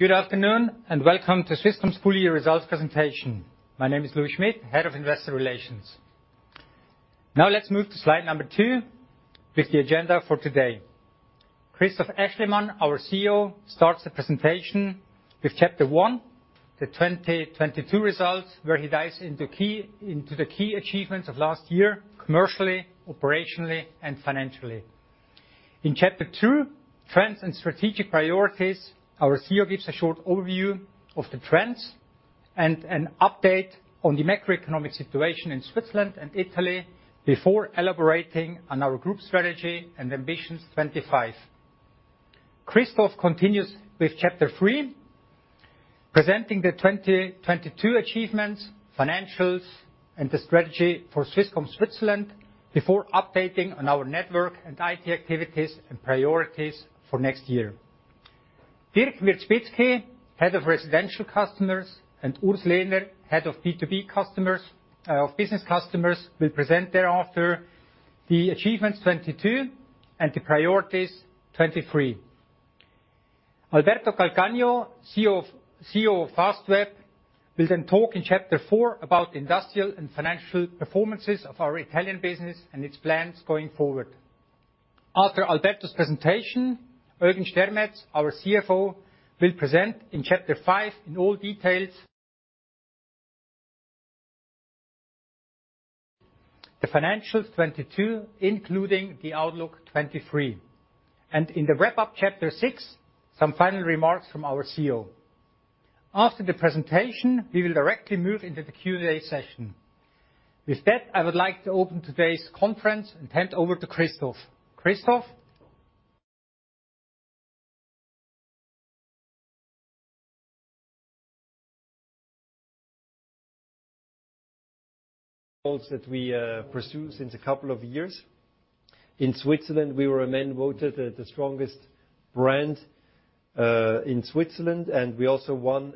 Good afternoon, welcome to Swisscom's full year results presentation. My name is Louis Schmid, head of investor relations. Let's move to slide number two with the agenda for today. Christoph Aeschlimann, our CEO, starts the presentation with chapter one, the 2022 results, where he dives into the key achievements of last year, commercially, operationally, and financially. In chapter two, trends and strategic priorities, our CEO gives a short overview of the trends and an update on the macroeconomic situation in Switzerland and Italy before elaborating on our group strategy and ambitions 25. Christoph continues with chapter three, presenting the 2022 achievements, financials, and the strategy for Swisscom Switzerland before updating on our network and IT activities and priorities for next year. Dirk Wierzbitzki, head of residential customers, and Urs Lehner, head of B2B customers, of business customers, will present thereafter the achievements 22 and the priorities 23. Alberto Calcagno, CEO of Fastweb, will then talk in chapter four about the industrial and financial performances of our Italian business and its plans going forward. After Alberto's presentation, Eugen Stermetz, our CFO, will present in chapter five in all details the financials 22, including the outlook 23. In the wrap-up, chapter six, some final remarks from our CEO. After the presentation, we will directly move into the Q&A session. With that, I would like to open today's conference and hand over to Christoph. Christoph? Goals that we pursue since a couple of years. In Switzerland, we were again voted the strongest brand in Switzerland and we also won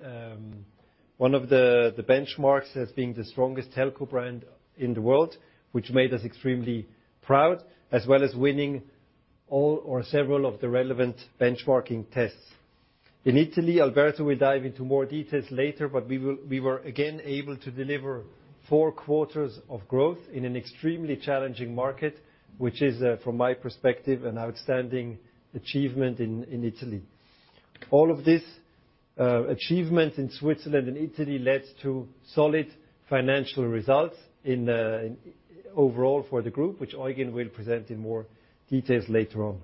one of the benchmarks as being the strongest telco brand in the world, which made us extremely proud, as well as winning all or several of the relevant benchmarking tests. In Italy, Alberto will dive into more details later, but we were again able to deliver four quarters of growth in an extremely challenging market, which is from my perspective, an outstanding achievement in Italy. All of these achievements in Switzerland and Italy led to solid financial results overall for the group, which Eugen will present in more details later on.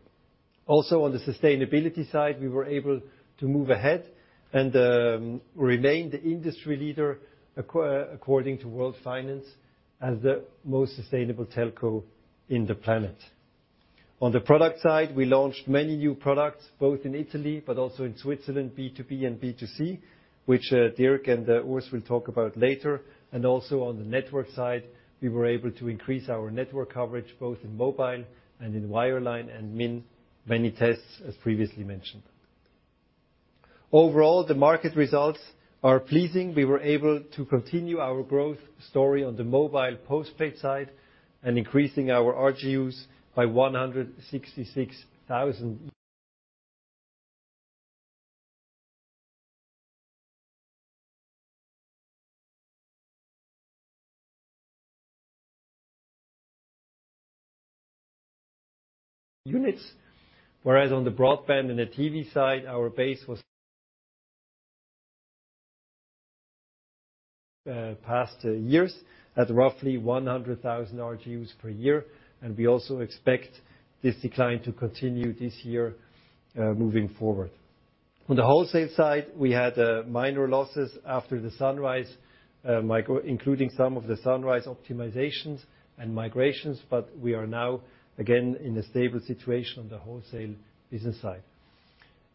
On the sustainability side, we were able to move ahead and remain the industry leader according to World Finance as the most sustainable telco in the planet. On the product side, we launched many new products, both in Italy but also in Switzerland, B2B and B2C, which Dirk and Urs will talk about later. Also on the network side, we were able to increase our network coverage both in mobile and in wireline and win many tests, as previously mentioned. Overall, the market results are pleasing. We were able to continue our growth story on the mobile postpaid side and increasing our RGUs by 166,000 units. Whereas on the broadband and the TV side, our base was past years at roughly 100,000 RGUs per year, and we also expect this decline to continue this year, moving forward. On the wholesale side, we had minor losses after the Sunrise including some of the Sunrise optimizations and migrations, but we are now again in a stable situation on the wholesale business side.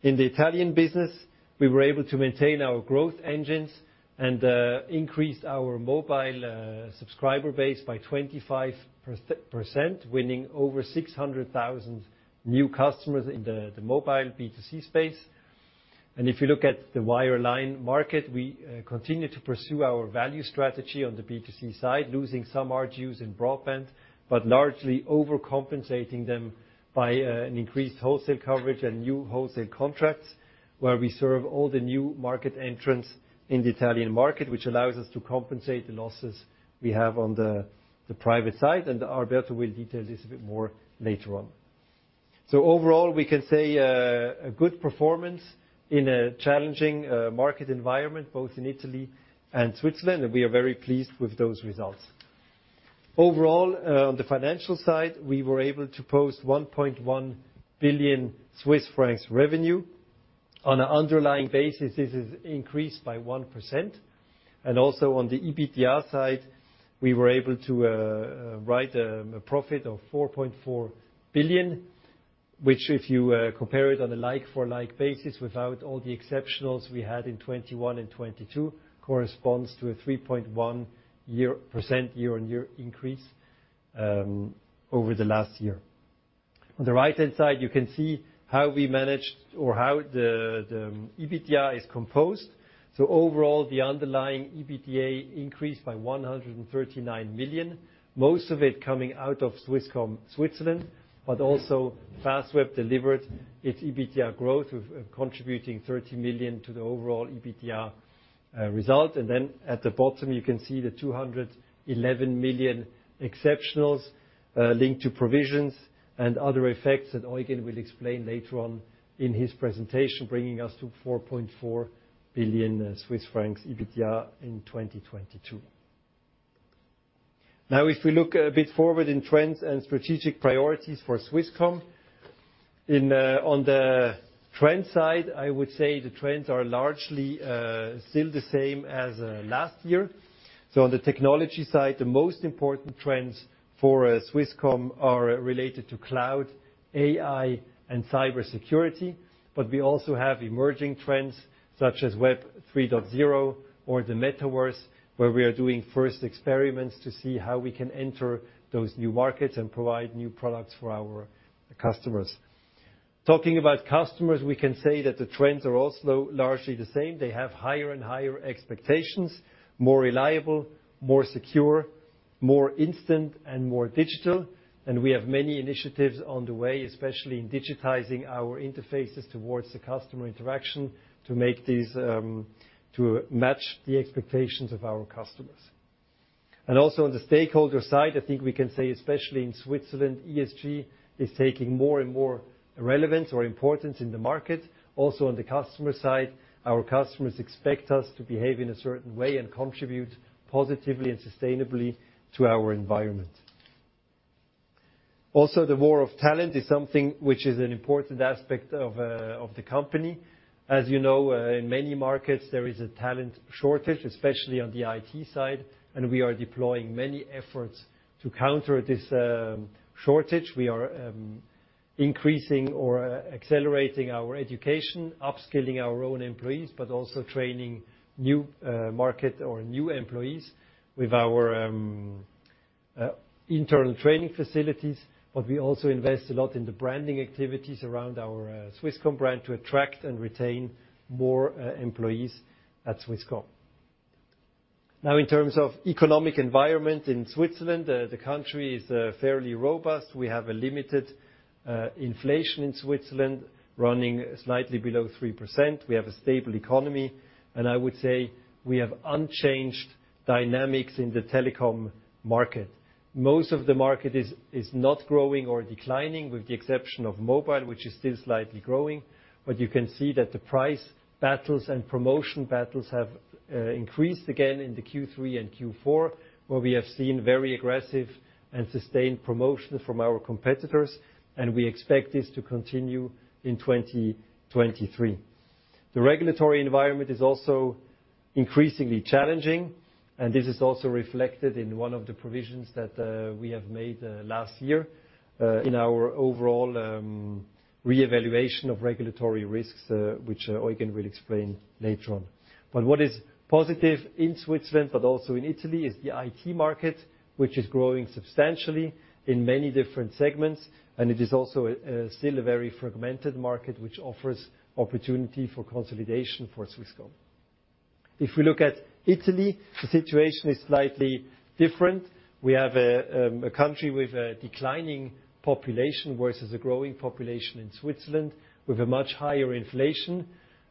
In the Italian business, we were able to maintain our growth engines and increase our mobile subscriber base by 25%, winning over 600,000 new customers in the mobile B2C space. If you look at the wireline market, we continue to pursue our value strategy on the B2C side, losing some RGUs in broadband, but largely overcompensating them by an increased wholesale coverage and new wholesale contracts, where we serve all the new market entrants in the Italian market, which allows us to compensate the losses we have on the private side. Alberto will detail this a bit more later on. Overall, we can say, a good performance in a challenging market environment, both in Italy and Switzerland, and we are very pleased with those results. Overall, on the financial side, we were able to post 1.1 billion Swiss francs revenue. On an underlying basis, this is increased by 1%. Also on the EBITDA side, we were able to write a profit of 4.4 billion, which if you compare it on a like-for-like basis, without all the exceptionals we had in 2021 and 2022, corresponds to a 3.1% year-on-year increase over the last year. On the right-hand side, you can see how we managed or how the EBITDA is composed. Overall, the underlying EBITDA increased by 139 million, most of it coming out of Swisscom Switzerland. Also, Fastweb delivered its EBITDA growth with contributing 30 million to the overall EBITDA result. At the bottom, you can see the 211 million exceptionals linked to provisions and other effects that Eugen will explain later on in his presentation, bringing us to 4.4 billion Swiss francs EBITDA in 2022. If we look a bit forward in trends and strategic priorities for Swisscom. On the trends side, I would say the trends are largely still the same as last year. On the technology side, the most important trends for Swisscom are related to cloud, AI, and cybersecurity. We also have emerging trends such as Web 3.0 or the metaverse, where we are doing first experiments to see how we can enter those new markets and provide new products for our customers. Talking about customers, we can say that the trends are also largely the same. They have higher and higher expectations, more reliable, more secure, more instant, and more digital. We have many initiatives on the way, especially in digitizing our interfaces towards the customer interaction to make these to match the expectations of our customers. On the stakeholder side, I think we can say especially in Switzerland, ESG is taking more and more relevance or importance in the market. On the customer side, our customers expect us to behave in a certain way and contribute positively and sustainably to our environment. The war of talent is something which is an important aspect of the company. As you know, in many markets, there is a talent shortage, especially on the IT side, and we are deploying many efforts to counter this shortage. We are increasing or accelerating our education, upskilling our own employees, but also training new market or new employees with our internal training facilities. We also invest a lot in the branding activities around our Swisscom brand to attract and retain more employees at Swisscom. In terms of economic environment in Switzerland, the country is fairly robust. We have a limited inflation in Switzerland running slightly below 3%. We have a stable economy, and I would say we have unchanged dynamics in the telecom market. Most of the market is not growing or declining with the exception of mobile, which is still slightly growing. You can see that the price battles and promotion battles have increased again into Q3 and Q4, where we have seen very aggressive and sustained promotion from our competitors, and we expect this to continue in 2023. The regulatory environment is also increasingly challenging, this is also reflected in one of the provisions that we have made last year in our overall reevaluation of regulatory risks, which Eugen will explain later on. What is positive in Switzerland, but also in Italy, is the IT market, which is growing substantially in many different segments, and it is also a still a very fragmented market which offers opportunity for consolidation for Swisscom. If we look at Italy, the situation is slightly different. We have a country with a declining population versus a growing population in Switzerland with a much higher inflation.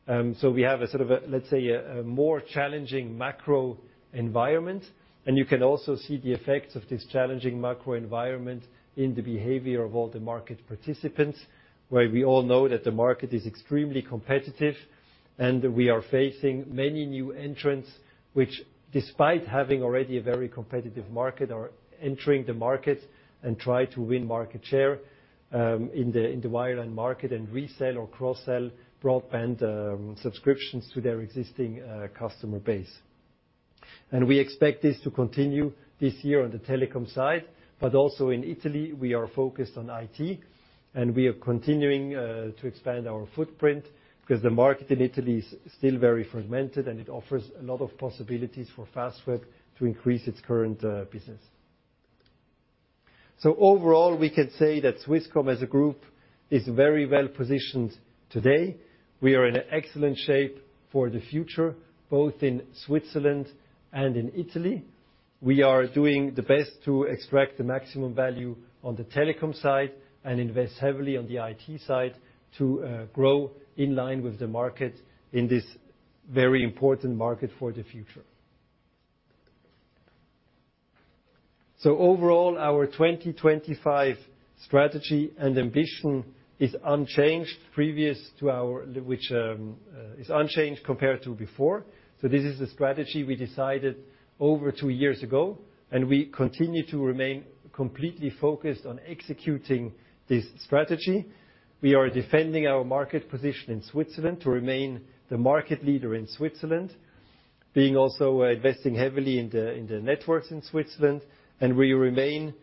We have a sort of a, let's say a more challenging macro environment. You can also see the effects of this challenging macro environment in the behavior of all the market participants. Where we all know that the market is extremely competitive, and we are facing many new entrants, which despite having already a very competitive market, are entering the market and try to win market share in the wireline market and resell or cross-sell broadband subscriptions to their existing customer base. We expect this to continue this year on the telecom side. Also in Italy, we are focused on IT, and we are continuing to expand our footprint because the market in Italy is still very fragmented, and it offers a lot of possibilities for Fastweb to increase its current business. Overall, we can say that Swisscom as a group is very well positioned today. We are in a excellent shape for the future, both in Switzerland and in Italy. We are doing the best to extract the maximum value on the telecom side and invest heavily on the IT side to grow in line with the market in this very important market for the future. Overall, our 2025 strategy and ambition is unchanged which is unchanged compared to before. This is a strategy we decided over two years ago, and we continue to remain completely focused on executing this strategy. We are defending our market position in Switzerland to remain the market leader in Switzerland. Being also investing heavily in the, in the networks in Switzerland. We remain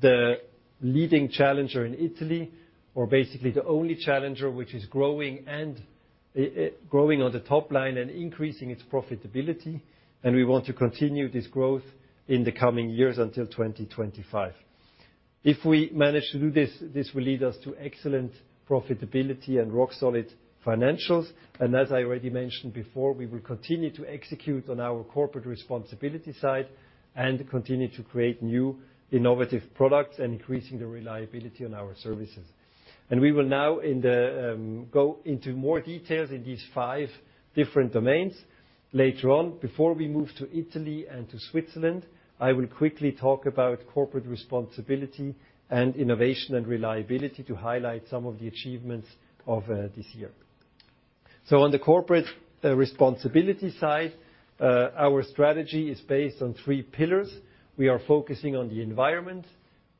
the leading challenger in Italy or basically the only challenger which is growing and growing on the top line and increasing its profitability. We want to continue this growth in the coming years until 2025. If we manage to do this will lead us to excellent profitability and rock-solid financials. As I already mentioned before, we will continue to execute on our corporate responsibility side and continue to create new innovative products and increasing the reliability on our services. We will now in the go into more details in these five different domains later on. Before we move to Italy and to Switzerland, I will quickly talk about corporate responsibility and innovation and reliability to highlight some of the achievements of this year. On the corporate responsibility side, our strategy is based on three pillars. We are focusing on the environment,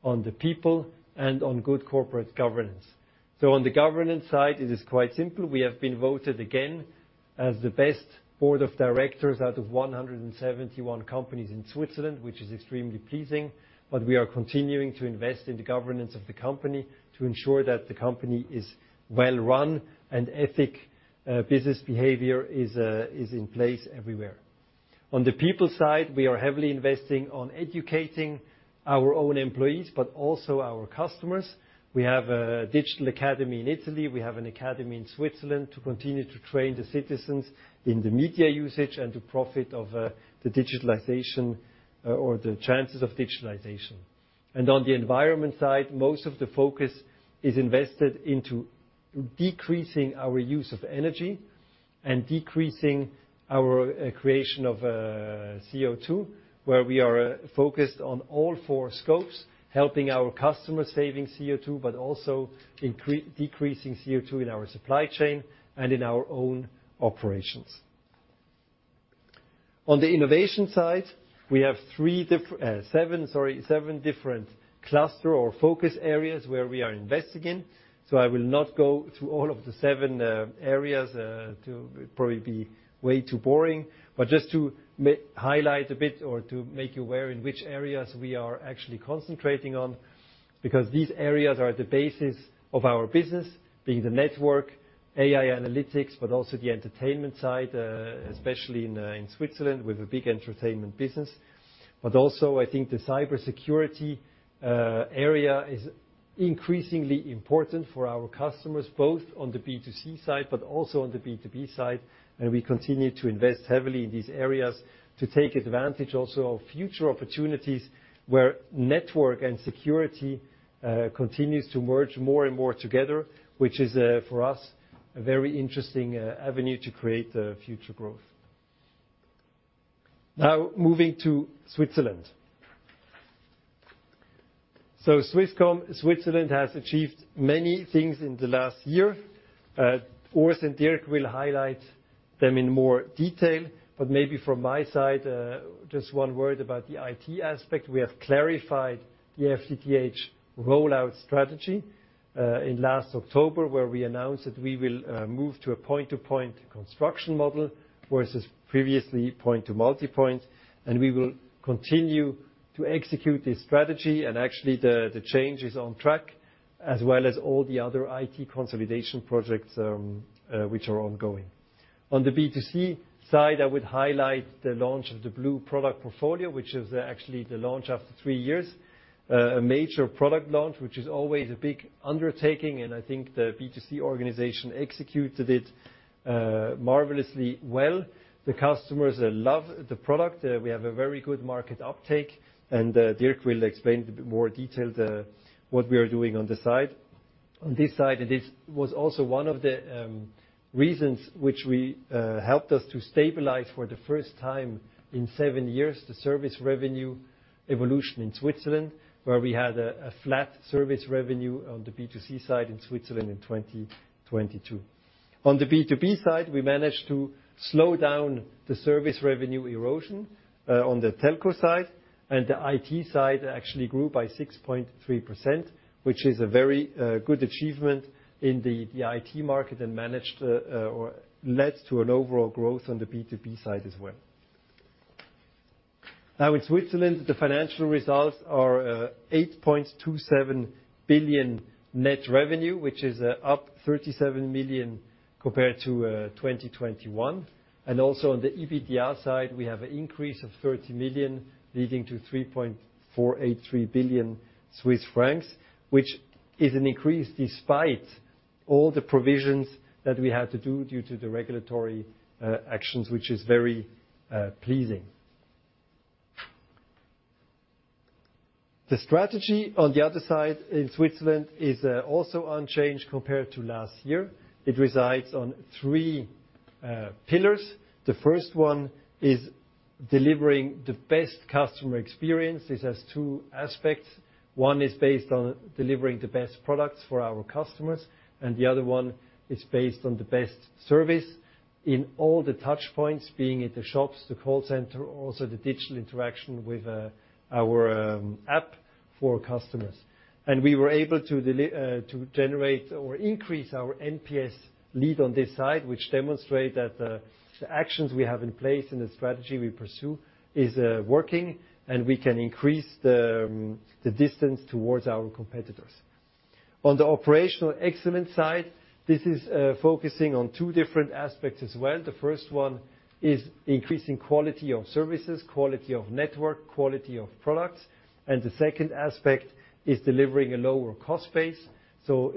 on the people, and on good corporate governance. On the governance side, it is quite simple. We have been voted again as the best board of directors out of 171 companies in Switzerland, which is extremely pleasing. We are continuing to invest in the governance of the company to ensure that the company is well run and ethic business behavior is in place everywhere. On the people side, we are heavily investing on educating our own employees, but also our customers. We have a digital academy in Italy. We have an academy in Switzerland to continue to train the citizens in the media usage and to profit of the digitalization, or the chances of digitalization. On the environment side, most of the focus is invested into decreasing our use of energy and decreasing our creation of CO2, where we are focused on all four scopes, helping our customers saving CO2, but also decreasing CO2 in our supply chain and in our own operations. On the innovation side, we have seven, sorry, seven different cluster or focus areas where we are investing in. I will not go through all of the seven areas to probably be way too boring, but just to highlight a bit or to make you aware in which areas we are actually concentrating on, because these areas are the basis of our business, being the network, AI analytics, but also the entertainment side, especially in Switzerland with a big entertainment business. Also I think the cybersecurity area is increasingly important for our customers, both on the B2C side, but also on the B2B side. We continue to invest heavily in these areas to take advantage also of future opportunities where network and security continues to merge more and more together, which is for us, a very interesting avenue to create future growth. Moving to Switzerland. Swisscom Switzerland has achieved many things in the last year. Urs and Dirk will highlight them in more detail, but maybe from my side, just one word about the IT aspect. We have clarified the FTTH rollout strategy in last October, where we announced that we will move to a point-to-point construction model versus previously point-to-multipoint. We will continue to execute this strategy and actually the change is on track as well as all the other IT consolidation projects which are ongoing. On the B2C side, I would highlight the launch of the Blue product portfolio, which is actually the launch after three years. A major product launch, which is always a big undertaking, and I think the B2C organization executed it marvelously well. The customers love the product. We have a very good market uptake, and Dirk will explain in a bit more detail the what we are doing on this side. On this side, it was also one of the reasons which helped us to stabilize for the first time in seven years the service revenue evolution in Switzerland, where we had a flat service revenue on the B2C side in Switzerland in 2022. On the B2B side, we managed to slow down the service revenue erosion on the telco side, and the IT side actually grew by 6.3%, which is a very good achievement in the IT market and managed or led to an overall growth on the B2B side as well. In Switzerland, the financial results are 8.27 billion net revenue, which is up 37 million compared to 2021. Also on the EBITDA side, we have an increase of 30 million leading to 3.483 billion Swiss francs, which is an increase despite all the provisions that we had to do due to the regulatory actions, which is very pleasing. The strategy on the other side in Switzerland is also unchanged compared to last year. It resides on three pillars. The first one is delivering the best customer experience. This has two aspects. One is based on delivering the best products for our customers. The other one is based on the best service in all the touch points, being at the shops, the call center, also the digital interaction with our app for customers. We were able to generate or increase our NPS lead on this side, which demonstrate that the actions we have in place and the strategy we pursue is working, and we can increase the distance towards our competitors. On the operational excellence side, this is focusing on two different aspects as well. The first one is increasing quality of services, quality of network, quality of products. The second aspect is delivering a lower cost base, so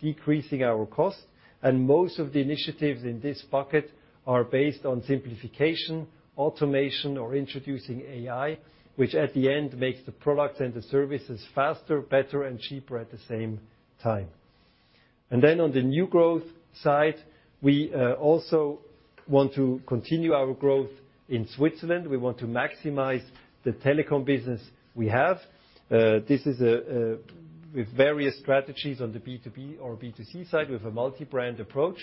decreasing our cost. Most of the initiatives in this bucket are based on simplification, automation, or introducing AI, which at the end makes the products and the services faster, better, and cheaper at the same time. On the new growth side, we also want to continue our growth in Switzerland. We want to maximize the telecom business we have. This is a with various strategies on the B2B or B2C side with a multi-brand approach.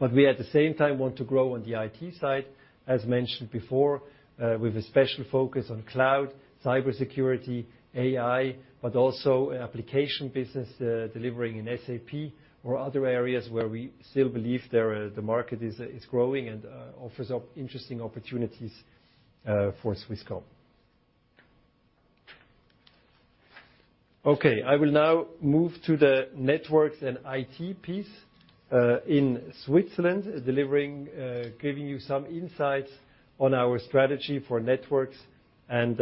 We at the same time want to grow on the IT side, as mentioned before, with a special focus on cloud, cybersecurity, AI, but also application business, delivering in SAP or other areas where we still believe there, the market is growing and offers up interesting opportunities for Swisscom. I will now move to the networks and IT piece in Switzerland, giving you some insights on our strategy for networks and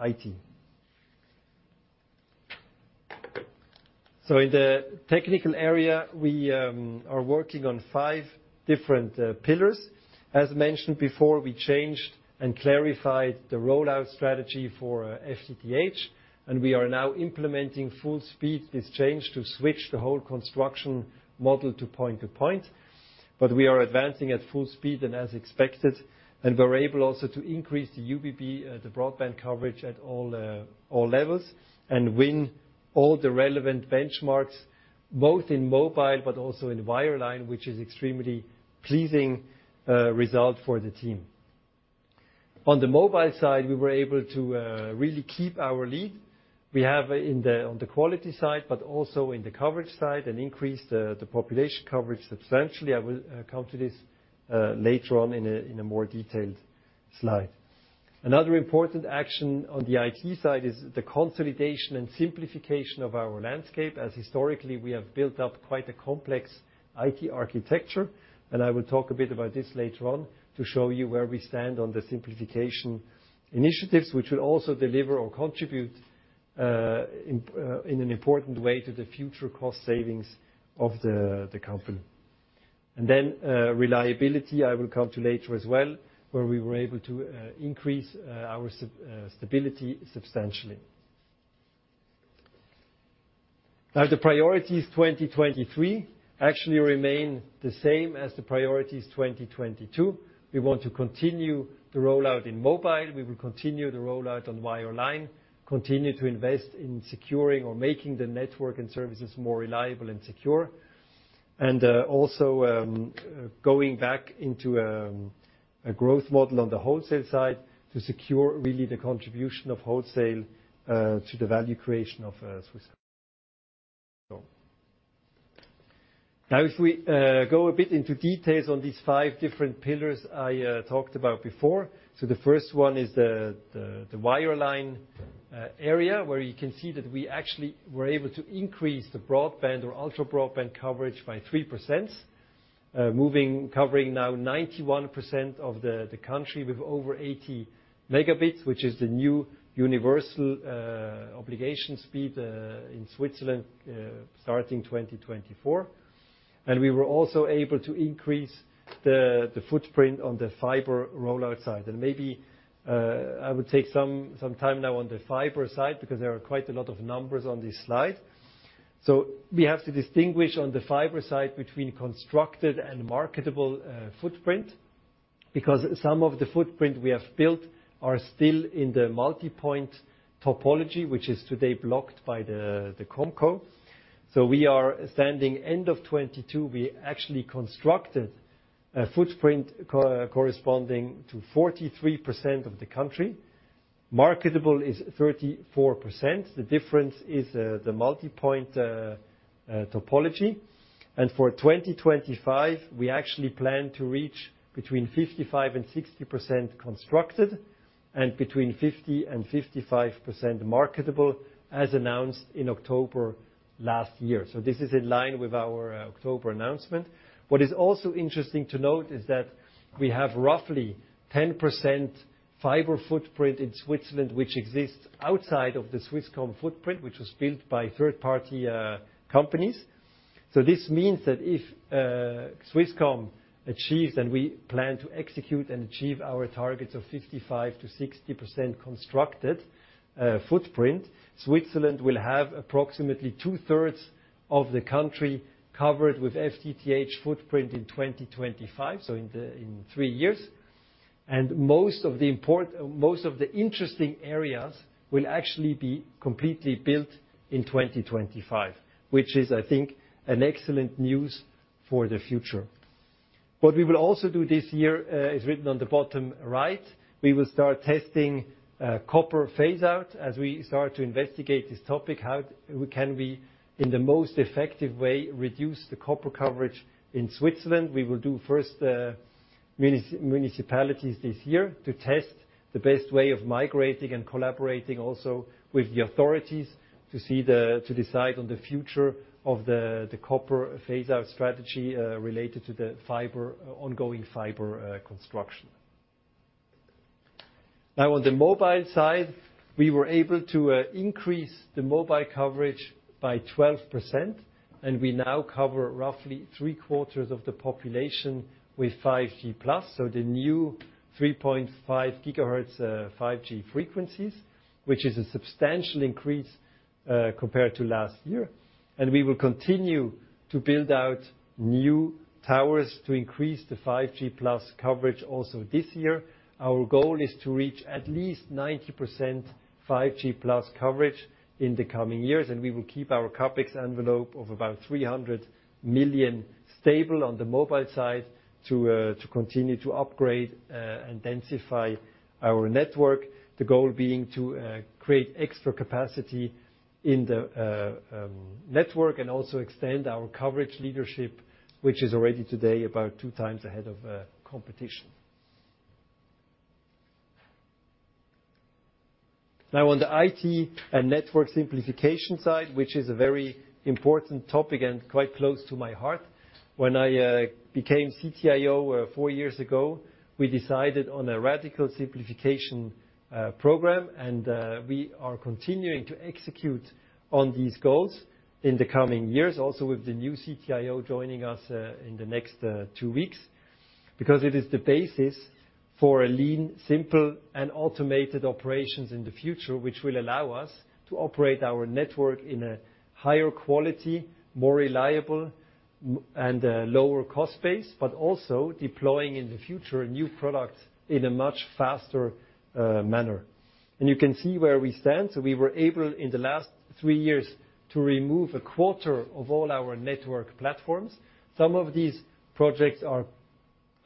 IT. In the technical area, we are working on five different pillars. As mentioned before, we changed and clarified the rollout strategy for FTTH, and we are now implementing full speed this change to switch the whole construction model to point to point. We are advancing at full speed and as expected, and we're able also to increase the UBB, the broadband coverage at all levels, and win all the relevant benchmarks, both in mobile but also in wireline, which is extremely pleasing result for the team. On the mobile side, we were able to really keep our lead. We have on the quality side, but also in the coverage side and increase the population coverage substantially. I will come to this later on in a more detailed slide. Another important action on the IT side is the consolidation and simplification of our landscape, as historically, we have built up quite a complex IT architecture. I will talk a bit about this later on to show you where we stand on the simplification initiatives, which will also deliver or contribute in an important way to the future cost savings of the company. Reliability, I will come to later as well, where we were able to increase our stability substantially. The priorities 2023 actually remain the same as the priorities 2022. We want to continue the rollout in mobile. We will continue the rollout on wireline, continue to invest in securing or making the network and services more reliable and secure. Also going back into a growth model on the wholesale side to secure really the contribution of wholesale to the value creation of Swisscom. If we go a bit into details on these five different pillars I talked about before. The first one is the wireline area, where you can see that we actually were able to increase the broadband or ultra-broadband coverage by 3%, moving, covering now 91% of the country with over 80 Mb, which is the new universal obligation speed in Switzerland, starting 2024. We were also able to increase the footprint on the fiber rollout side. Maybe I would take some time now on the fiber side because there are quite a lot of numbers on this slide. We have to distinguish on the fiber side between constructed and marketable footprint because some of the footprint we have built are still in the multipoint topology, which is today blocked by the Comco. We are standing end of 2022, we actually constructed a footprint corresponding to 43% of the country. Marketable is 34%. The difference is the multipoint topology. For 2025, we actually plan to reach between 55%-60% constructed and between 50%-55% marketable as announced in October last year. This is in line with our October announcement. What is also interesting to note is that we have roughly 10% fiber footprint in Switzerland which exists outside of the Swisscom footprint, which was built by third-party companies. This means that if Swisscom achieves, and we plan to execute and achieve our targets of 55%-60% constructed footprint, Switzerland will have approximately two-thirds of the country covered with FTTH footprint in 2025, so in three years. Most of the interesting areas will actually be completely built in 2025, which is, I think, an excellent news for the future. What we will also do this year is written on the bottom right. We will start testing copper phase out as we start to investigate this topic, how we can, in the most effective way, reduce the copper coverage in Switzerland. We will do first the Municipalities this year to test the best way of migrating and collaborating also with the authorities to decide on the future of the copper phase-out strategy related to the ongoing fiber construction. On the mobile side, we were able to increase the mobile coverage by 12%, and we now cover roughly three-quarters of the population with 5G+, so the new 3.5 gigahertz 5G frequencies, which is a substantial increase compared to last year. We will continue to build out new towers to increase the 5G Plus coverage also this year. Our goal is to reach at least 90% 5G+ coverage in the coming years. We will keep our CapEx envelope of about 300 million stable on the mobile side to continue to upgrade and densify our network. The goal being to create extra capacity in the network and also extend our coverage leadership, which is already today about two times ahead of competition. On the IT and network simplification side, which is a very important topic and quite close to my heart. When I became CTIO four years ago, we decided on a radical simplification program. We are continuing to execute on these goals in the coming years, also with the new CTIO joining us in the next two weeks. It is the basis for a lean, simple, and automated operations in the future, which will allow us to operate our network in a higher quality, more reliable, and lower cost base. Also deploying in the future new products in a much faster manner. You can see where we stand. We were able, in the last three years, to remove a quarter of all our network platforms. Some of these projects are,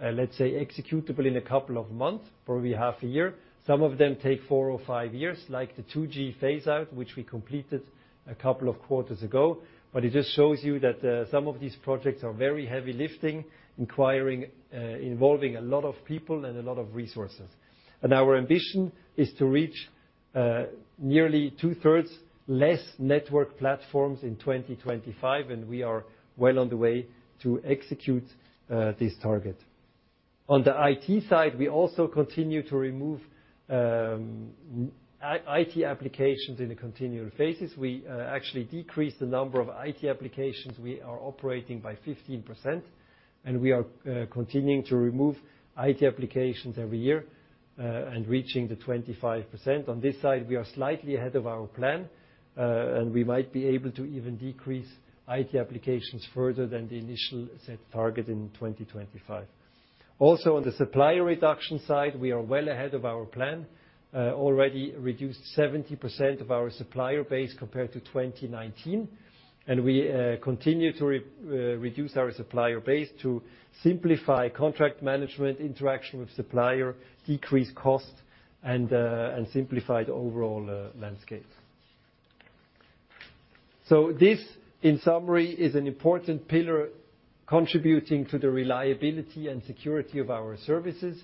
let's say, executable in a couple of months, probably half a year. Some of them take four or five years, like the 2G phase-out, which we completed a couple of quarters ago. It just shows you that some of these projects are very heavy lifting, involving a lot of people and a lot of resources. Our ambition is to reach nearly two-thirds less network platforms in 2025, and we are well on the way to execute this target. On the IT side, we also continue to remove IT applications in a continual phases. We actually decreased the number of IT applications we are operating by 15%, and we are continuing to remove IT applications every year and reaching the 25%. On this side, we are slightly ahead of our plan. We might be able to even decrease IT applications further than the initial set target in 2025. On the supplier reduction side, we are well ahead of our plan. Already reduced 70% of our supplier base compared to 2019. We continue to reduce our supplier base to simplify contract management, interaction with supplier, decrease cost, and simplify the overall landscape. This, in summary, is an important pillar contributing to the reliability and security of our services.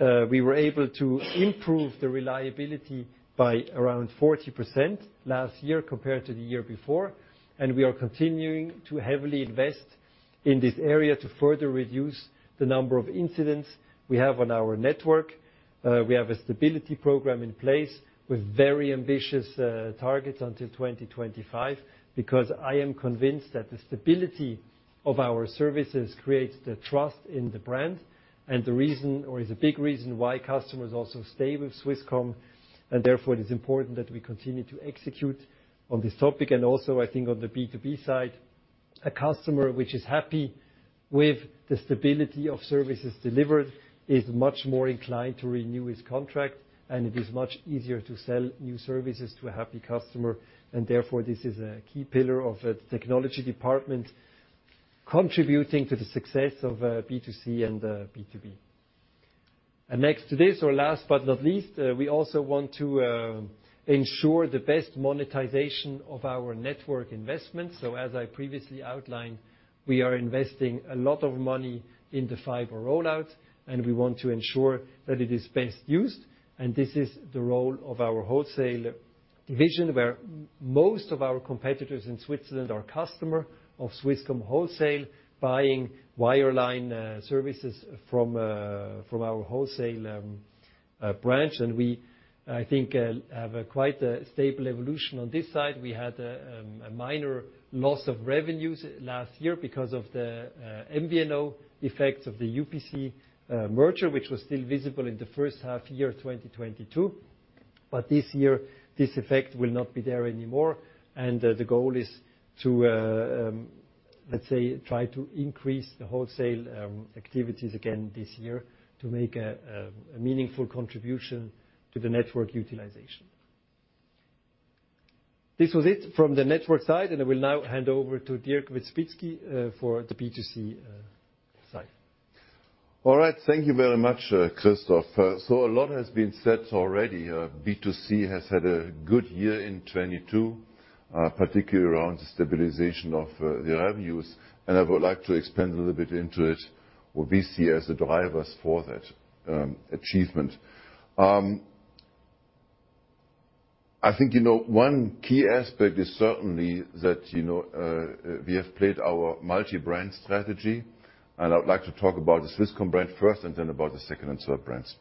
We were able to improve the reliability by around 40% last year compared to the year before, and we are continuing to heavily invest in this area to further reduce the number of incidents we have on our network. We have a stability program in place with very ambitious targets until 2025 because I am convinced that the stability of our services creates the trust in the brand and the reason, or is a big reason why customers also stay with Swisscom. Therefore, it is important that we continue to execute on this topic. I think on the B2B side, a customer which is happy with the stability of services delivered is much more inclined to renew his contract, and it is much easier to sell new services to a happy customer. This is a key pillar of the technology department contributing to the success of B2C and B2B. Last but not least, we also want to ensure the best monetization of our network investments. As I previously outlined, we are investing a lot of money in the fiber roll-outs, and we want to ensure that it is best used. This is the role of our wholesale division, where most of our competitors in Switzerland are customer of Swisscom Wholesale, buying wireline services from from our wholesale branch. We, I think, have a quite a stable evolution on this side. We had a minor loss of revenues last year because of the MVNO effects of the UPC merger, which was still visible in the first half year, 2022. This year, this effect will not be there anymore. The goal is to, let's say, try to increase the wholesale activities again this year to make a meaningful contribution to the network utilization. This was it from the network side, and I will now hand over to Dirk Wierzbitzki for the B2C side. All right. Thank you very much, Christoph. A lot has been said already. B2C has had a good year in 2022, particularly around the stabilization of the revenues. I would like to expand a little bit into it. We'll be see as the drivers for that achievement. I think, you know, one key aspect is certainly that, you know, we have played our multi-brand strategy, I would like to talk about the Swisscom brand first and then about the second and third brands.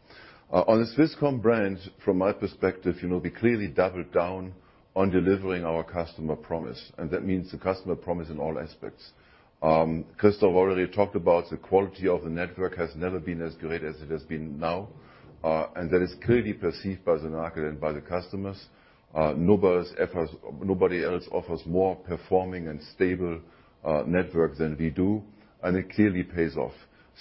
On the Swisscom brand, from my perspective, you know, we clearly doubled down on delivering our customer promise, and that means the customer promise in all aspects. Christoph already talked about the quality of the network has never been as great as it has been now, and that is clearly perceived by the market and by the customers. Nobody else offers more performing and stable network than we do, and it clearly pays off.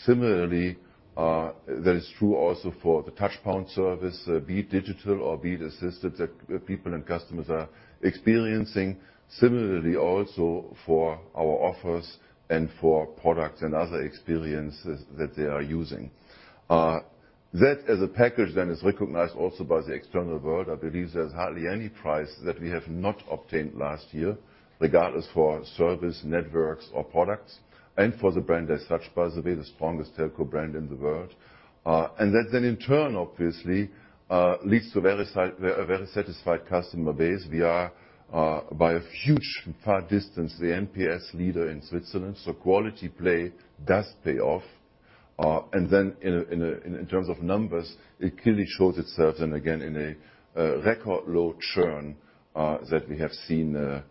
Similarly, that is true also for the touchpoint service, be it digital or be it assisted, that people and customers are experiencing. Similarly also for our offers and for products and other experiences that they are using. That as a package then is recognized also by the external world. I believe there's hardly any price that we have not obtained last year, regardless for service, networks or products, and for the brand as such, by the way, the strongest telco brand in the world. That then in turn, obviously, leads to a very satisfied customer base. We are, by a huge and far distance, the NPS leader in Switzerland. Quality play does pay off. Then in terms of numbers, it clearly shows itself and again, in a record low churn that we have seen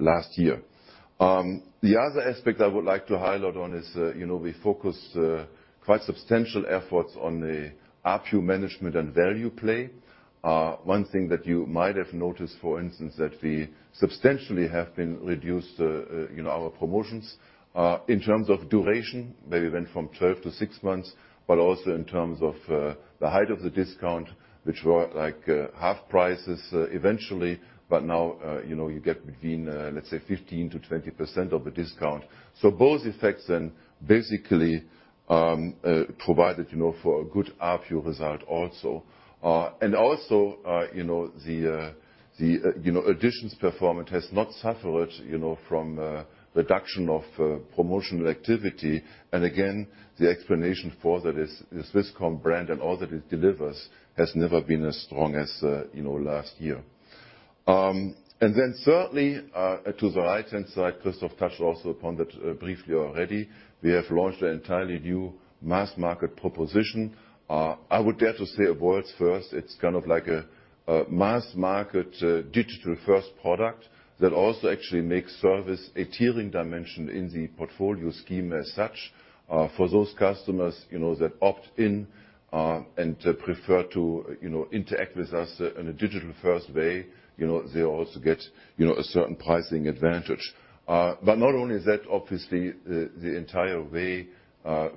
last year. The other aspect I would like to highlight on is, you know, we focus quite substantial efforts on the ARPU management and value play. One thing that you might have noticed, for instance, that we substantially have been reduced, you know, our promotions in terms of duration. We went from 12 to six months, but also in terms of the height of the discount, which were like half prices eventually. Now, you know, you get between, let's say 15%-20% of a discount. Both effects then basically provided, you know, for a good ARPU result also. Also, you know, the additions performance has not suffered, you know, from reduction of promotional activity. Again, the explanation for that is the Swisscom brand and all that it delivers has never been as strong as, you know, last year. Then certainly, to the right-hand side, Christoph touched also upon that briefly already. We have launched an entirely new mass market proposition. I would dare to say a world's first. It's kind of like a mass market digital-first product that also actually makes service a tiering dimension in the portfolio scheme as such. For those customers, you know, that opt in and prefer to, you know, interact with us in a digital-first way, you know, they also get, you know, a certain pricing advantage. Not only is that obviously the entire way,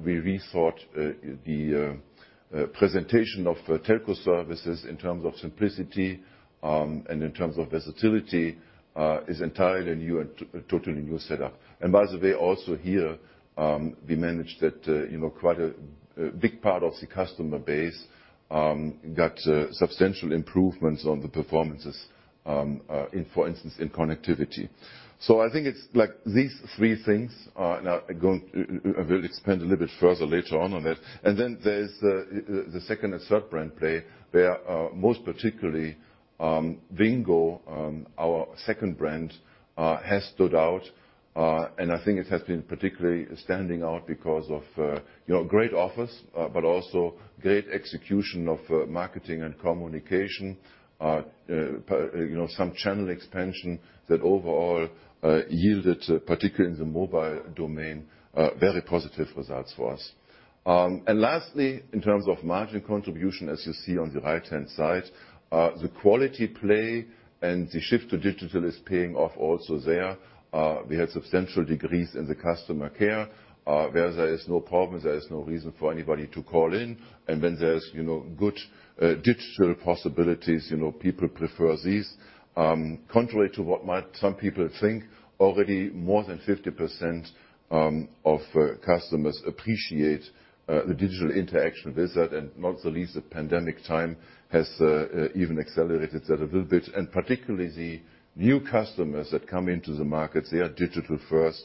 we rethought the presentation of telco services in terms of simplicity, and in terms of versatility, is entirely new and totally new setup. By the way, also here, we managed that, you know, quite a big part of the customer base, got substantial improvements on the performances in, for instance, in connectivity. I think it's like these three things, I will expand a little bit further later on on that. There's the second and third brand play, where most particularly, Wingo, our second brand, has stood out. I think it has been particularly standing out because of, you know, great offers, but also great execution of marketing and communication. You know, some channel expansion that overall yielded, particularly in the mobile domain, very positive results for us. Lastly, in terms of margin contribution, as you see on the right-hand side, the quality play and the shift to digital is paying off also there. We had substantial decrease in the customer care. Where there is no problem, there is no reason for anybody to call in. When there's, you know, good digital possibilities, you know, people prefer these. Contrary to what might some people think, already more than 50% of customers appreciate the digital interaction with that. Not the least, the pandemic time has even accelerated that a little bit. Particularly the new customers that come into the market, they are digital first,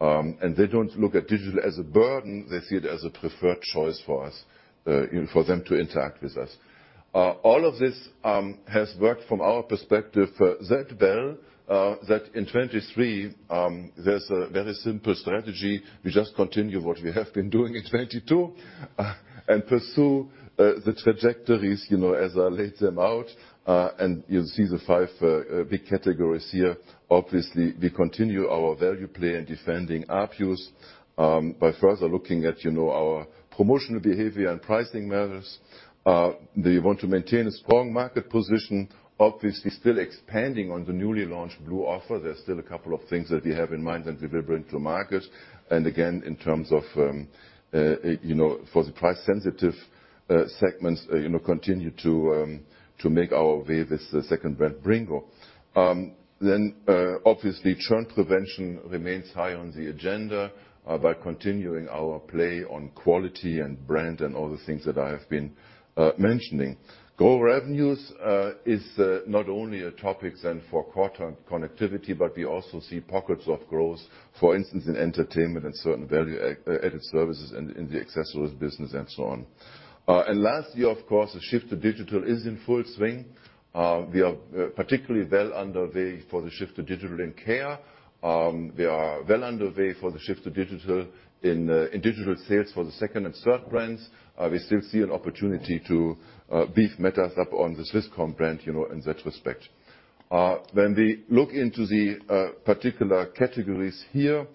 and they don't look at digital as a burden. They see it as a preferred choice for us, for them to interact with us. All of this has worked from our perspective that well, that in 2023, there's a very simple strategy. We just continue what we have been doing in 2022 and pursue the trajectories, you know, as I laid them out. You'll see the five big categories here. Obviously, we continue our value play in defending ARPUs, by further looking at, you know, our promotional behavior and pricing matters. We want to maintain a strong market position, obviously still expanding on the newly launched Blue offer. There's still a couple of things that we have in mind that we will bring to market. Again, in terms of, you know, for the price sensitive segments, you know, continue to make our way with the second brand Wingo. Obviously, churn prevention remains high on the agenda, by continuing our play on quality and brand and all the things that I have been mentioning. Grow revenues is not only a topic then for core connectivity, but we also see pockets of growth, for instance, in entertainment and certain value added services and in the accessories business and so on. Lastly, of course, the shift to digital is in full swing. We are particularly well underway for the shift to digital in care. We are well underway for the shift to digital in digital sales for the second and third brands. We still see an opportunity to beef matters up on the Swisscom brand, you know, in that respect. When we look into the particular categories here,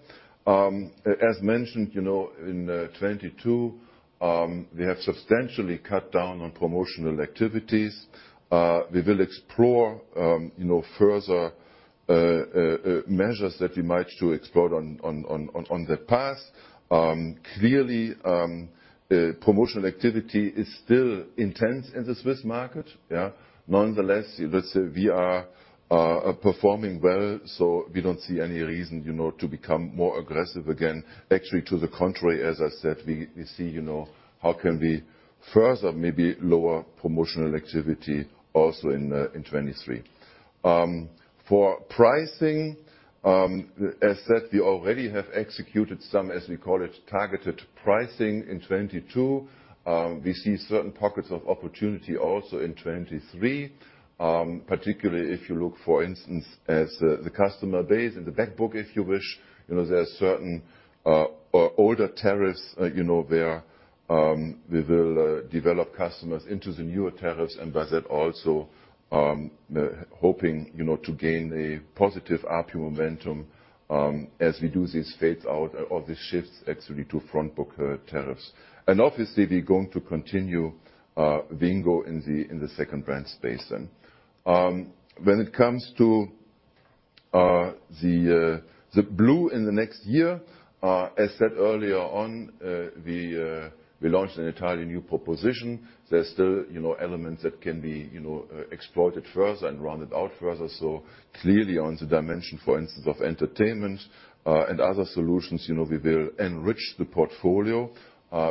as mentioned, you know, in 2022, we have substantially cut down on promotional activities. We will explore, you know, further measures that we might to explore on that path. Clearly, promotional activity is still intense in the Swiss market, yeah. Nonetheless, let's say we are performing well, so we don't see any reason, you know, to become more aggressive again. Actually, to the contrary, as I said, we see, you know, how can we further maybe lower promotional activity also in 2023. For pricing, as said, we already have executed some, as we call it, targeted pricing in 2022. We see certain pockets of opportunity also in 2023, particularly if you look, for instance, as the customer base in the back book, if you wish. You know, there are certain older tariffs, you know, where we will develop customers into the newer tariffs, and by that also hoping, you know, to gain a positive ARPU momentum, as we do this phase out of the shifts actually to front book tariffs. Obviously, we're going to continue Wingo in the second brand space then. When it comes to the Blue in the next year, as said earlier on, we launched an entirely new proposition. There's still, you know, elements that can be, you know, exploited further and rounded out further. Clearly on the dimension, for instance, of entertainment, and other solutions, you know, we will enrich the portfolio.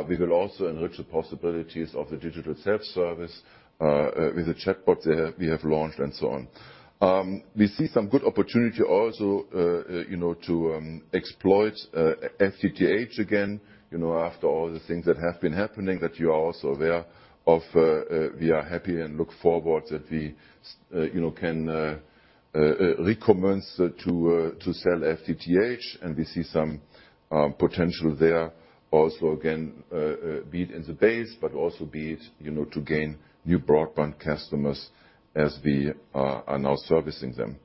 We will also enrich the possibilities of the digital self-service with the chatbot that we have launched and so on. We see some good opportunity also, you know, to exploit FTTH again. You know, after all the things that have been happening that you are also aware of, we are happy and look forward that we, you know, can recommence to sell FTTH. We see some potential there also again, be it in the base, but also be it, you know, to gain new broadband customers as we are now servicing them.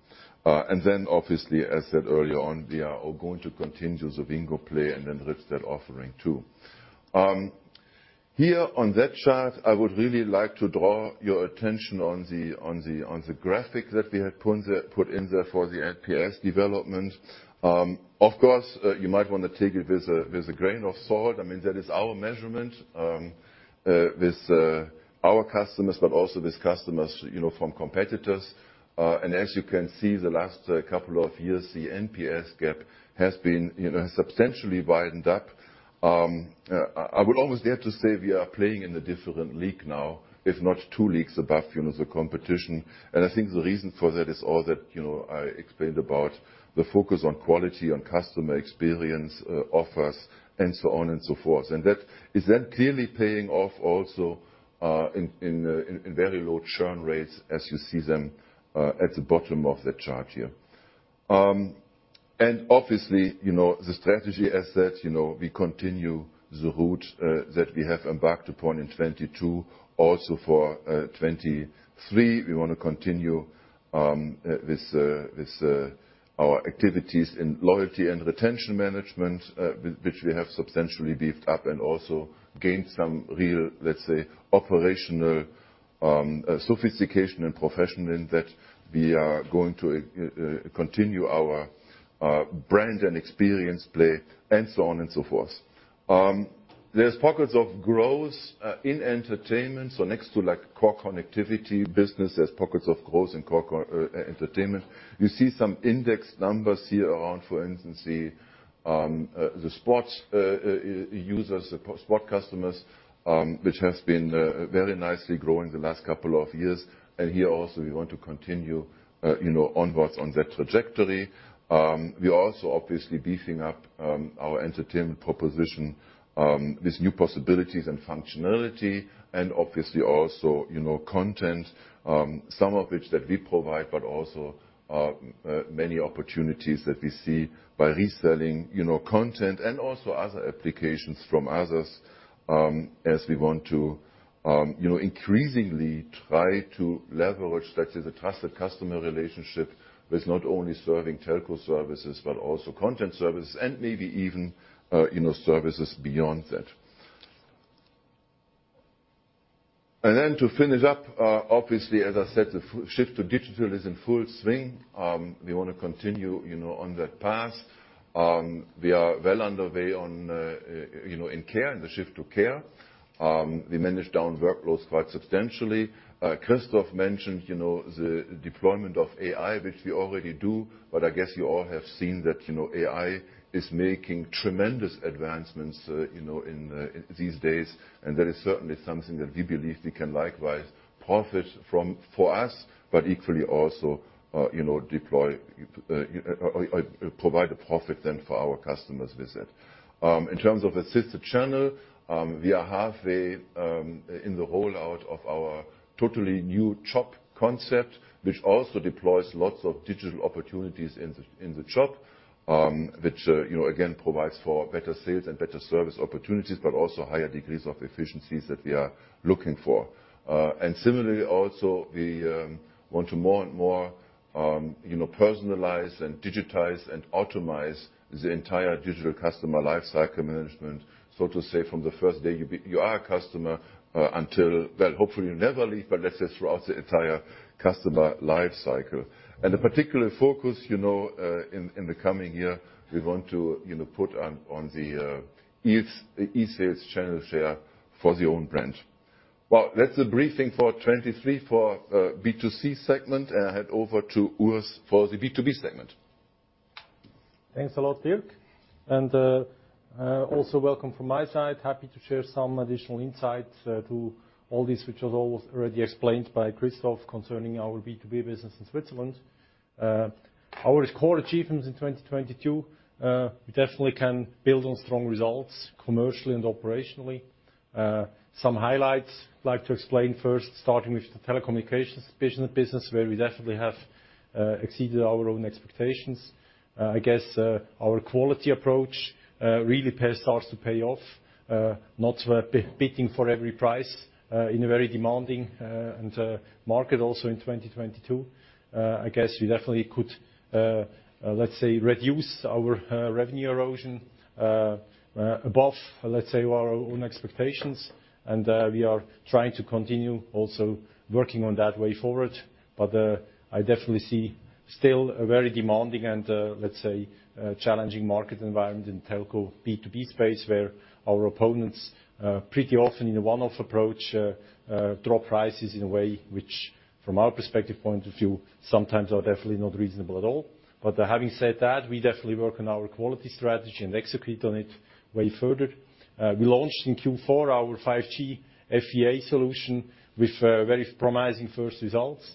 Then obviously, as said earlier on, we are all going to continue the Wingo play and enrich that offering too. Here on that chart, I would really like to draw your attention on the graphic that we have put in there for the NPS development. Of course, you might wanna take it with a grain of salt. I mean, that is our measurement with our customers, but also with customers, you know, from competitors. As you can see, the last couple of years, the NPS gap has been, you know, substantially widened up. I will almost dare to say we are playing in a different league now, if not two leagues above, you know, the competition. I think the reason for that is all that, you know, I explained about the focus on quality, on customer experience, offers, and so on and so forth. That is then clearly paying off also in very low churn rates as you see them at the bottom of the chart here. Obviously, you know, the strategy as said, you know, we continue the route that we have embarked upon in 2022. Also for 2023, we wanna continue with our activities in loyalty and retention management, which we have substantially beefed up and also gained some real, let's say, operational sophistication and professionalism that we are going to continue our brand and experience play, and so on and so forth. There's pockets of growth in entertainment. So next to, like, core connectivity business, there's pockets of growth in core entertainment. You see some index numbers here around, for instance, the sports, users, the sport customers, which has been very nicely growing the last couple of years. Here also we want to continue, you know, onwards on that trajectory. We are also obviously beefing up our entertainment proposition with new possibilities and functionality and obviously also, you know, content, some of which that we provide, but also many opportunities that we see by reselling, you know, content and also other applications from others, as we want to, you know, increasingly try to leverage, let's say, the trusted customer relationship with not only serving telco services but also content services and maybe even, you know, services beyond that. To finish up, obviously, as I said, the shift to digital is in full swing. We wanna continue, you know, on that path. We are well underway on, you know, in care, in the shift to care. We managed down workloads quite substantially. Christoph mentioned, you know, the deployment of AI, which we already do. I guess you all have seen that, you know, AI is making tremendous advancements, you know, in these days. That is certainly something that we believe we can likewise profit from for us, but equally also, you know, deploy or provide a profit then for our customers with it. In terms of assisted channel, we are halfway in the rollout of our totally new shop concept, which also deploys lots of digital opportunities in the shop, which, you know, again, provides for better sales and better service opportunities, but also higher degrees of efficiencies that we are looking for. Similarly, also, we want to more and more, you know, personalize and digitize and automate the entire digital customer life cycle management, so to say, from the first day you are a customer, until. Well, hopefully you never leave, but let's just throughout the entire customer life cycle. The particular focus, you know, in the coming year, we want to, you know, put on the e-sales channel share for the own branch. Well, that's the briefing for 2023 for B2C segment. I hand over to Urs for the B2B segment. Thanks a lot, Dirk. Also welcome from my side. Happy to share some additional insights to all this which was already explained by Christoph concerning our B2B business in Switzerland. Our core achievements in 2022, we definitely can build on strong results commercially and operationally. Some highlights I'd like to explain first, starting with the telecommunications business where we definitely have exceeded our own expectations. I guess our quality approach really starts to pay off. Not bidding for every price in a very demanding and market also in 2022. I guess we definitely could, let's say reduce our revenue erosion above, let's say our own expectations. We are trying to continue also working on that way forward. I definitely see still a very demanding and, let's say, a challenging market environment in telco B2B space where our opponents, pretty often in a one-off approach, drop prices in a way which from our perspective point of view sometimes are definitely not reasonable at all. Having said that, we definitely work on our quality strategy and execute on it way further. We launched in Q4 our 5G FWA solution with, very promising first results.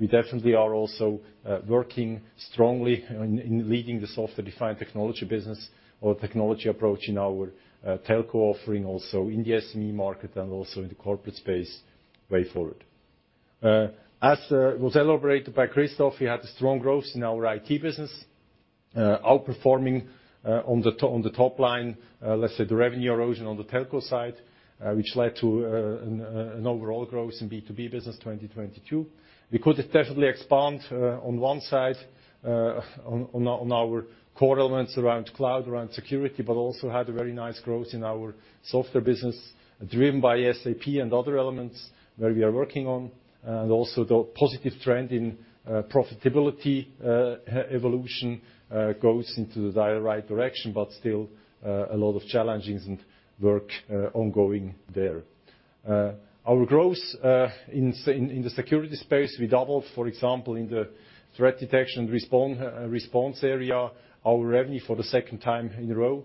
We definitely are also, working strongly in leading the software-defined technology business or technology approach in our, telco offering also in the SME market and also in the corporate space way forward. As was elaborated by Christoph, we had a strong growth in our IT business outperforming on the top line let's say the revenue erosion on the telco side which led to an overall growth in B2B business 2022. We could definitely expand on one side on our core elements around cloud, around security, but also had a very nice growth in our software business driven by SAP and other elements where we are working on. And also the positive trend in profitability evolution goes into the right direction, but still a lot of challenges and work ongoing there. Our growth in the security space, we doubled, for example, in the threat detection response area, our revenue for the second time in a row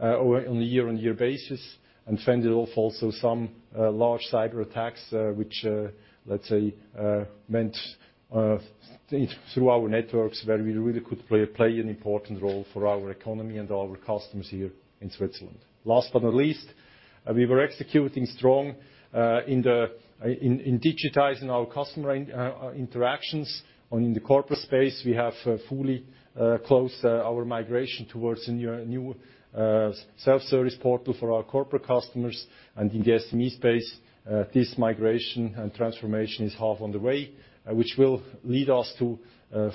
on a year-on-year basis, and fended off also some large cyberattacks which, let's say, went through our networks where we really could play an important role for our economy and our customers here in Switzerland. Last but not least, we were executing strong in digitizing our customer interactions. On the corporate space, we have fully closed our migration towards a new self-service portal for our corporate customers. In the SME space, this migration and transformation is half on the way, which will lead us to,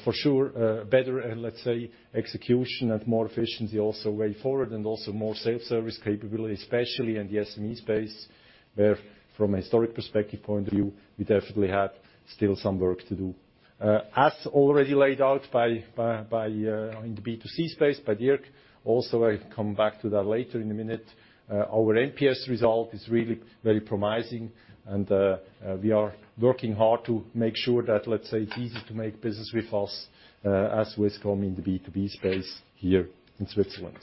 for sure, a better, let's say, execution and more efficiency also way forward and also more self-service capability, especially in the SME space, where from a historic perspective point of view, we definitely have still some work to do. As already laid out by Dirk in the B2C space, also I come back to that later in a minute. Our NPS result is really very promising and we are working hard to make sure that, let's say, it's easy to make business with us, as Swisscom the B2B space here in Switzerland.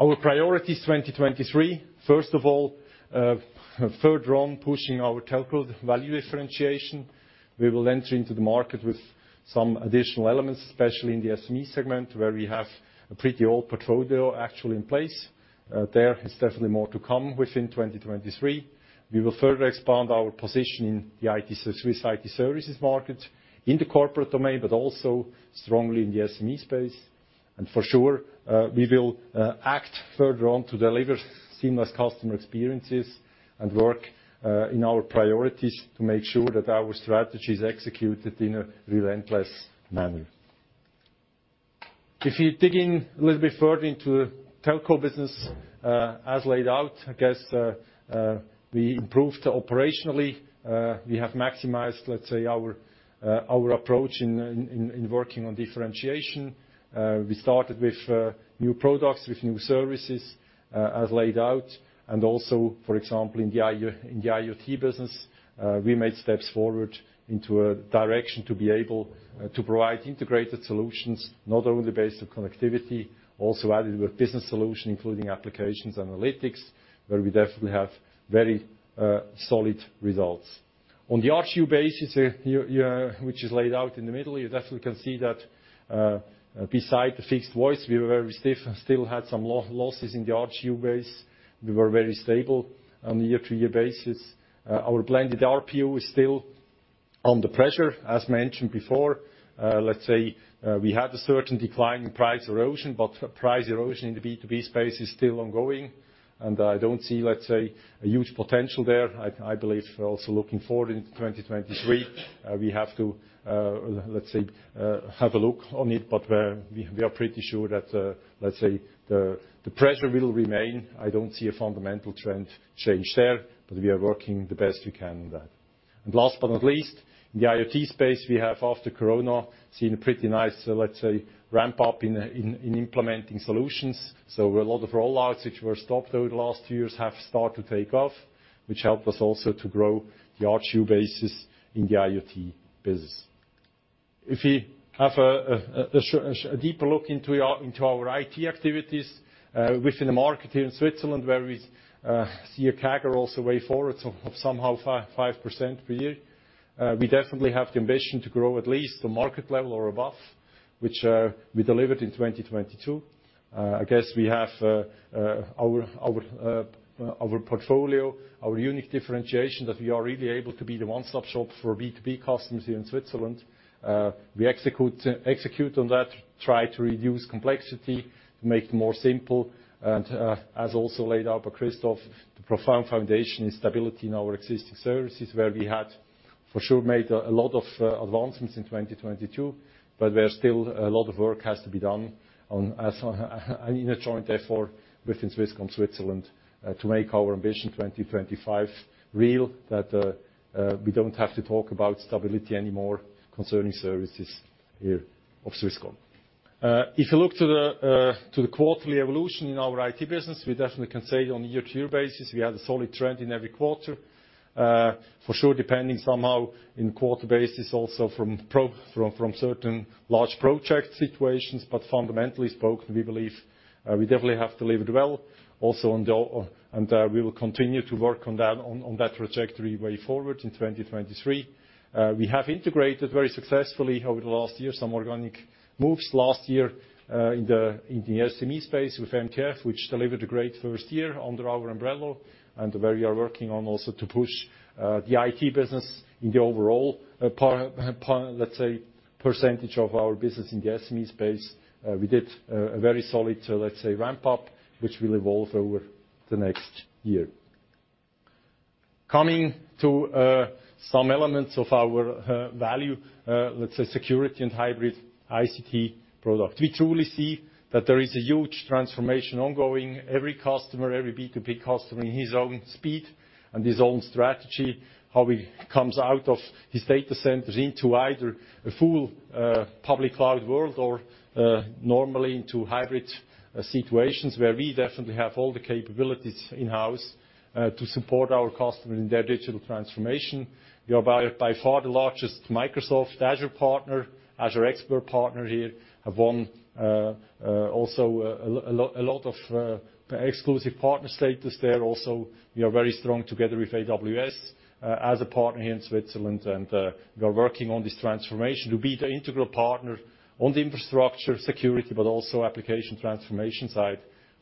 Our priorities 2023. First of all, further on pushing our telco value differentiation. We will enter into the market with some additional elements, especially in the SME segment where we have a pretty old portfolio actually in place. There is definitely more to come within 2023. We will further expand our position in the Swiss IT services market in the corporate domain, but also strongly in the SME space. For sure, we will act further on to deliver seamless customer experiences and work in our priorities to make sure that our strategy is executed in a relentless manner. If you're digging a little bit further into telco business, as laid out, I guess, we improved operationally. We have maximized, let's say, our approach in working on differentiation. We started with new products, with new services, as laid out. For example, in the IoT business, we made steps forward into a direction to be able to provide integrated solutions, not only based on connectivity, also added with business solution, including applications analytics, where we definitely have very solid results. On the ARPU basis, year, which is laid out in the middle, you definitely can see that beside the fixed voice, we were very stiff and still had some losses in the ARPU base. We were very stable on the year-to-year basis. Our blended ARPU is still under pressure, as mentioned before. Let's say, we had a certain decline in price erosion, but price erosion in the B2B space is still ongoing. I don't see, let's say, a huge potential there. I believe we're also looking forward into 2023. We have to, let's say, have a look on it, but we are pretty sure that, let's say the pressure will remain. I don't see a fundamental trend change there, but we are working the best we can on that. Last but not least, in the IoT space, we have after Corona, seen a pretty nice, let's say, ramp-up in implementing solutions. A lot of rollouts which were stopped over the last two years have started to take off, which helped us also to grow the ARPU basis in the IoT business. If we have a deeper look into our IT activities within the market here in Switzerland, where we see a CAGR also way forward of somehow 5% per year. We definitely have the ambition to grow at least the market level or above, which we delivered in 2022. I guess we have our portfolio, our unique differentiation, that we are really able to be the one-stop shop for B2B customers here in Switzerland. We execute on that, try to reduce complexity, make it more simple. As also laid out by Christoph, the profound foundation and stability in our existing services, where we had for sure made a lot of advancements in 2022, but there are still a lot of work has to be done on as in a joint effort within Swisscom Switzerland to make our ambition 2025 real, that we don't have to talk about stability anymore concerning services here of Swisscom. If you look to the quarterly evolution in our IT business, we definitely can say on a year-over-year basis, we had a solid trend in every quarter. For sure, depending somehow in quarter basis also from certain large project situations, but fundamentally spoken, we believe we definitely have to leave it well also on the... We will continue to work on that trajectory way forward in 2023. We have integrated very successfully over the last year, some organic moves last year, in the SME space with MTF, which delivered a great first year under our umbrella. Where we are working on also to push the IT business in the overall percentage of our business in the SME space. We did a very solid, let's say, ramp-up, which will evolve over the next year. Coming to some elements of our value, let's say, security and hybrid ICT product. We truly see that there is a huge transformation ongoing. Every customer, every B2B customer in his own speed and his own strategy, how he comes out of his data centers into either a full public cloud world or normally into hybrid situations where we definitely have all the capabilities in-house to support our customer in their digital transformation. We are by far the largest Microsoft Azure partner, Azure Expert partner here. Have won also a lot of exclusive partner status there. We are very strong together with AWS as a partner here in Switzerland. We are working on this transformation to be the integral partner on the infrastructure security, but also application transformation side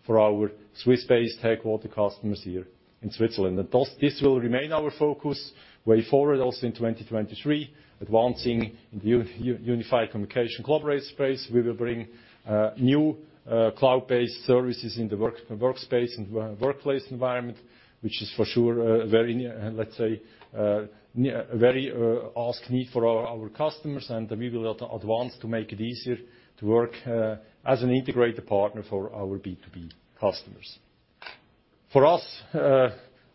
for our Swiss-based headquarter customers here in Switzerland. This will remain our focus way forward also in 2023. Advancing in the unified communication collaborate space, we will bring new cloud-based services in the workplace environment, which is for sure, very let's say, very asked need for our customers. We will advance to make it easier to work as an integrated partner for our B2B customers. For us,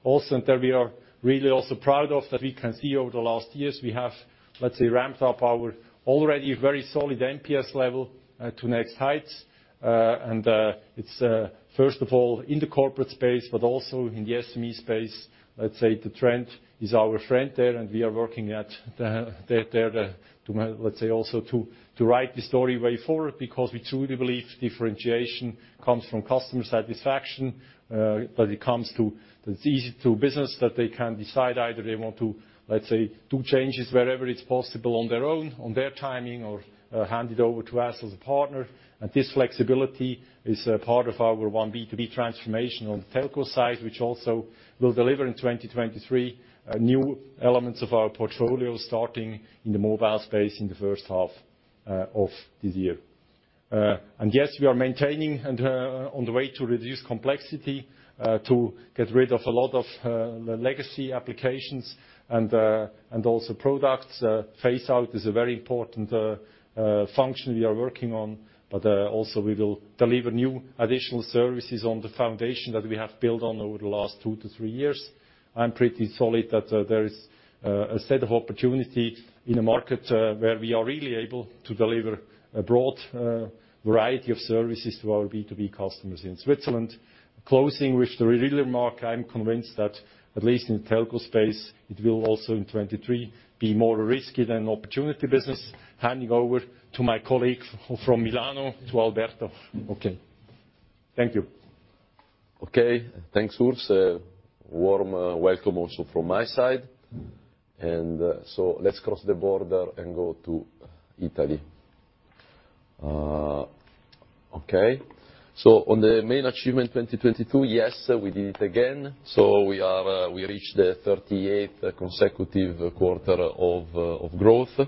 also, and that we are really also proud of, that we can see over the last years, we have, let's say ramped up our already very solid NPS level to next heights. It's, first of all, in the corporate space, but also in the SME space. Let's say the trend is our friend there, and we are working, let's say, also to write the story way forward because we truly believe differentiation comes from customer satisfaction. When it comes to the easy to business that they can decide either they want to, let's say, do changes wherever it's possible on their own, on their timing, or, hand it over to us as a partner. This flexibility is a part of our One B2B transformation on the telco side, which also will deliver in 2023 new elements of our portfolio, starting in the mobile space in the first half of this year. Yes, we are maintaining and on the way to reduce complexity to get rid of a lot of the legacy applications and also products. Phase out is a very important function we are working on, but also we will deliver new additional services on the foundation that we have built on over the last two to three years. I'm pretty solid that there is a set of opportunity in a market where we are really able to deliver a broad variety of services to our B2B customers in Switzerland. Closing with the remark, I'm convinced that at least in the telco space, it will also in 2023 be more risky than opportunity business. Handing over to my colleague from Milano, to Alberto. Okay. Thank you. Okay. Thanks, Urs. A warm welcome also from my side. Let's cross the border and go to Italy. Okay. On the main achievement 2022, yes, we did it again. We reached the 38th consecutive quarter of growth.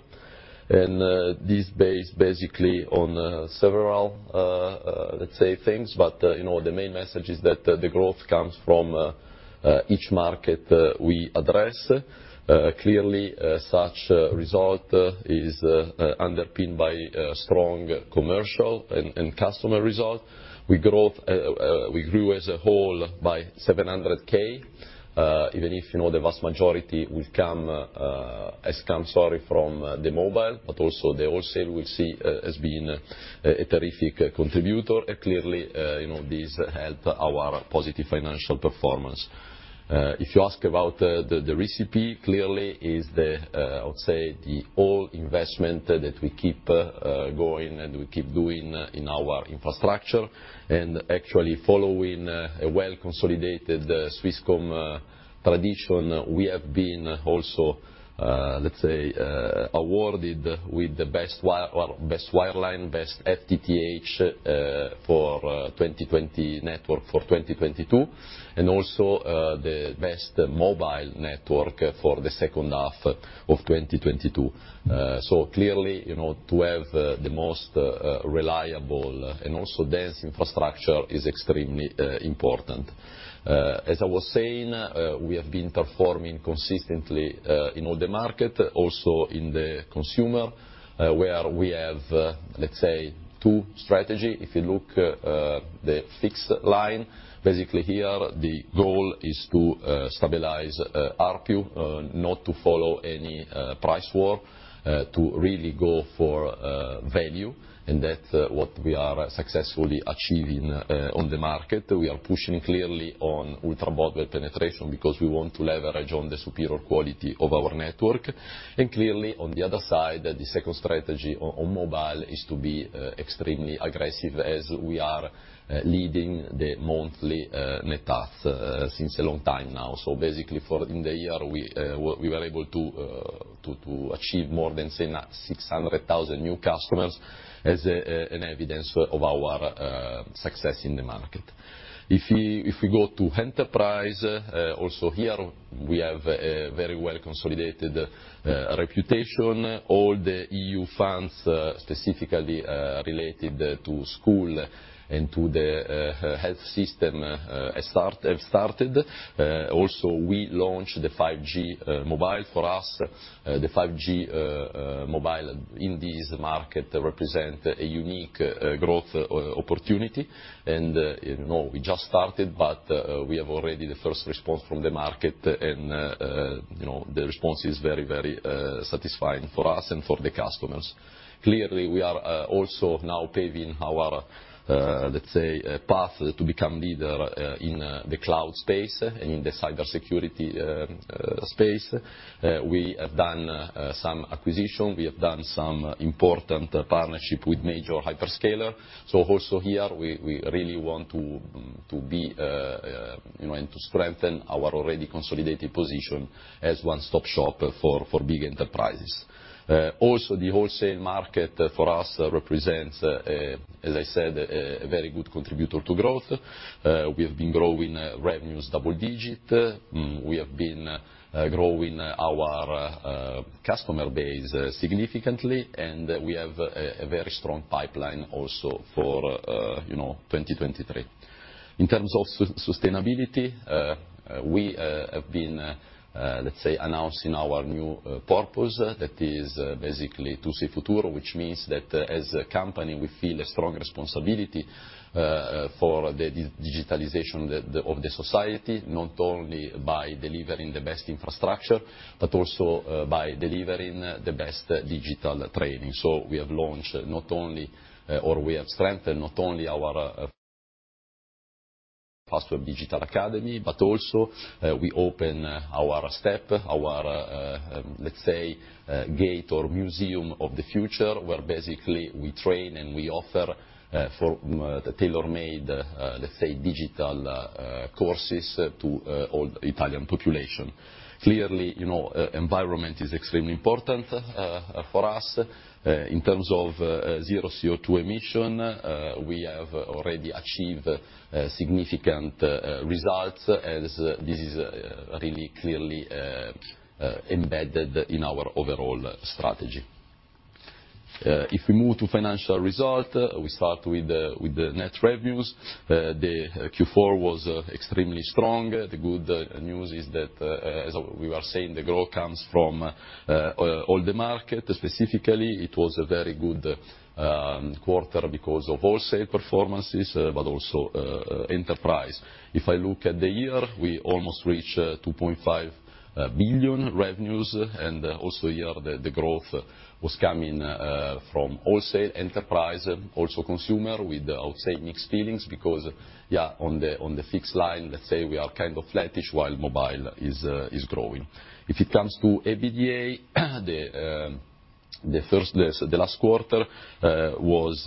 This based basically on several, let's say, things. You know, the main message is that the growth comes from each market we address. Clearly, such result is underpinned by a strong commercial and customer result. We grew as a whole by 700K, even if, you know, the vast majority will come as come, sorry, from the mobile, but also the wholesale we see as being a terrific contributor. Clearly, you know, this help our positive financial performance. If you ask about the recipe, clearly is the, I would say the all investment that we keep going and we keep doing in our infrastructure. Actually, following a well-consolidated Swisscom tradition, we have been also, let's say, awarded with the best wireline, best FTTH, for 2020 network for 2022, and also, the best mobile network for the second half of 2022. Clearly, you know, to have the most reliable and also dense infrastructure is extremely important. As I was saying, we have been performing consistently in all the market, also in the consumer, where we have, let's say, two strategy. If you look, the fixed line, basically here the goal is to stabilize ARPU, not to follow any price war, to really go for value, and that what we are successfully achieving on the market. We are pushing clearly on ultra mobile penetration because we want to leverage on the superior quality of our network. Clearly, on the other side, the second strategy on mobile is to be extremely aggressive as we are leading the monthly net adds since a long time now. Basically for in the year we were able to achieve more than say 600,000 new customers as an evidence of our success in the market. If we go to enterprise, also here we have a very well consolidated reputation. All the EU funds specifically related to school and to the health system have started. Also, we launched the 5G mobile. For us, the 5G mobile in this market represent a unique growth opportunity. You know, we just started, but we have already the first response from the market and, you know, the response is very, very satisfying for us and for the customers. Clearly, we are also now paving our, let's say, path to become leader in the cloud space and in the cybersecurity space. We have done some acquisition. We have done some important partnership with major hyperscaler. Also here we really want to be, you know, and to strengthen our already consolidated position as one stop shop for big enterprises. Also the wholesale market for us represents, as I said, a very good contributor to growth. We have been growing revenues double digit. We have been growing our customer base significantly, and we have a very strong pipeline also for, you know, 2023. In terms of sustainability, we have been announcing our new purpose that is basically Tu Si Futuro, which means that as a company, we feel a strong responsibility for the digitalization of the society, not only by delivering the best infrastructure, but also by delivering the best digital training. We have launched not only or we have strengthened not only our Fastweb Digital Academy, but also, we open our STEP, our, let's say, gate or museum of the future, where basically we train and we offer, for the tailor-made, let's say, digital, courses to, all Italian population. Clearly, you know, environment is extremely important, for us. In terms of, zero CO2 emission, we have already achieved, significant, results as this is, really clearly, embedded in our overall strategy. If we move to financial result, we start with the net revenues. The Q4 was extremely strong. The good news is that, as we were saying, the growth comes from, all the market. Specifically it was a very good, quarter because of wholesale performances, but also, enterprise. If I look at the year, we almost reach 2.5 billion revenues, also here the growth was coming from wholesale enterprise, also consumer with, I would say mixed feelings because, yeah, on the fixed-line, let's say we are kind of flattish while mobile is growing. If it comes to EBITDA, the last quarter was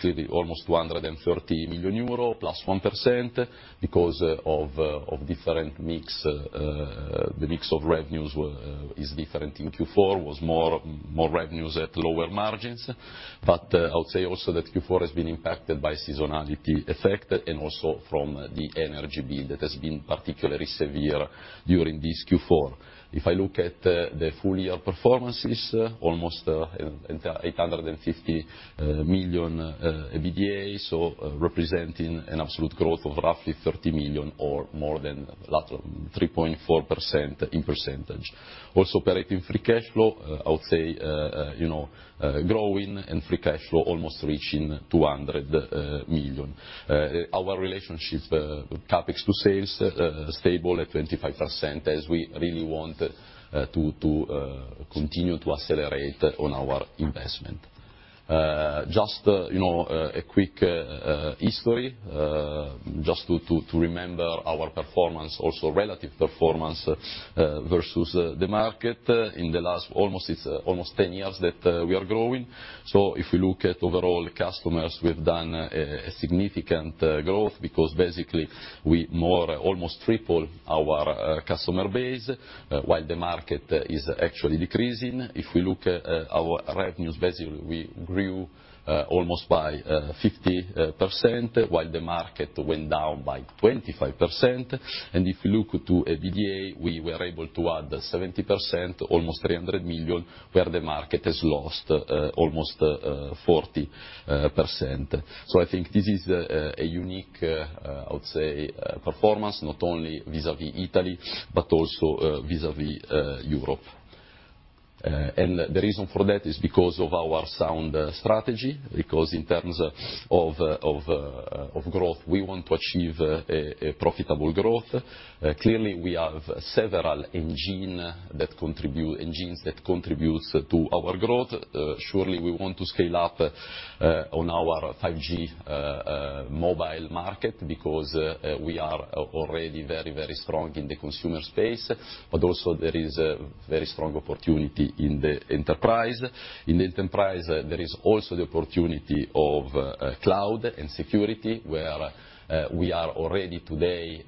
clearly almost 230 million euro, +1% because of different mix. The mix of revenues is different in Q4, was more revenues at lower margins. I would say also that Q4 has been impacted by seasonality effect and also from the energy bill that has been particularly severe during this Q4. If I look at the full year performances, almost 850 million EBITDA, so representing an absolute growth of roughly 30 million or more than, roughly, 3.4% in percentage. Operating free cash flow, I would say, you know, growing and free cash flow almost reaching 200 million. Our relationship, CapEx to sales, stable at 25% as we really want to continue to accelerate on our investment. Just, you know, a quick history to remember our performance, also relative performance versus the market in the last almost it's almost 10 years that we are growing. If you look at overall customers, we've done a significant growth because basically we more almost triple our customer base while the market is actually decreasing. If we look at our revenues, basically we grew almost by 50% while the market went down by 25%. If you look to EBITDA, we were able to add 70%, almost 300 million, where the market has lost almost 40%. I think this is a unique, I would say, performance, not only vis-à-vis Italy, but also vis-à-vis Europe. The reason for that is because of our sound strategy, because in terms of growth, we want to achieve a profitable growth. Clearly we have several engines that contributes to our growth. Surely we want to scale up on our 5G mobile market because we are already very strong in the consumer space. Also there is a very strong opportunity in the enterprise. In the enterprise, there is also the opportunity of cloud and security, where we are already today,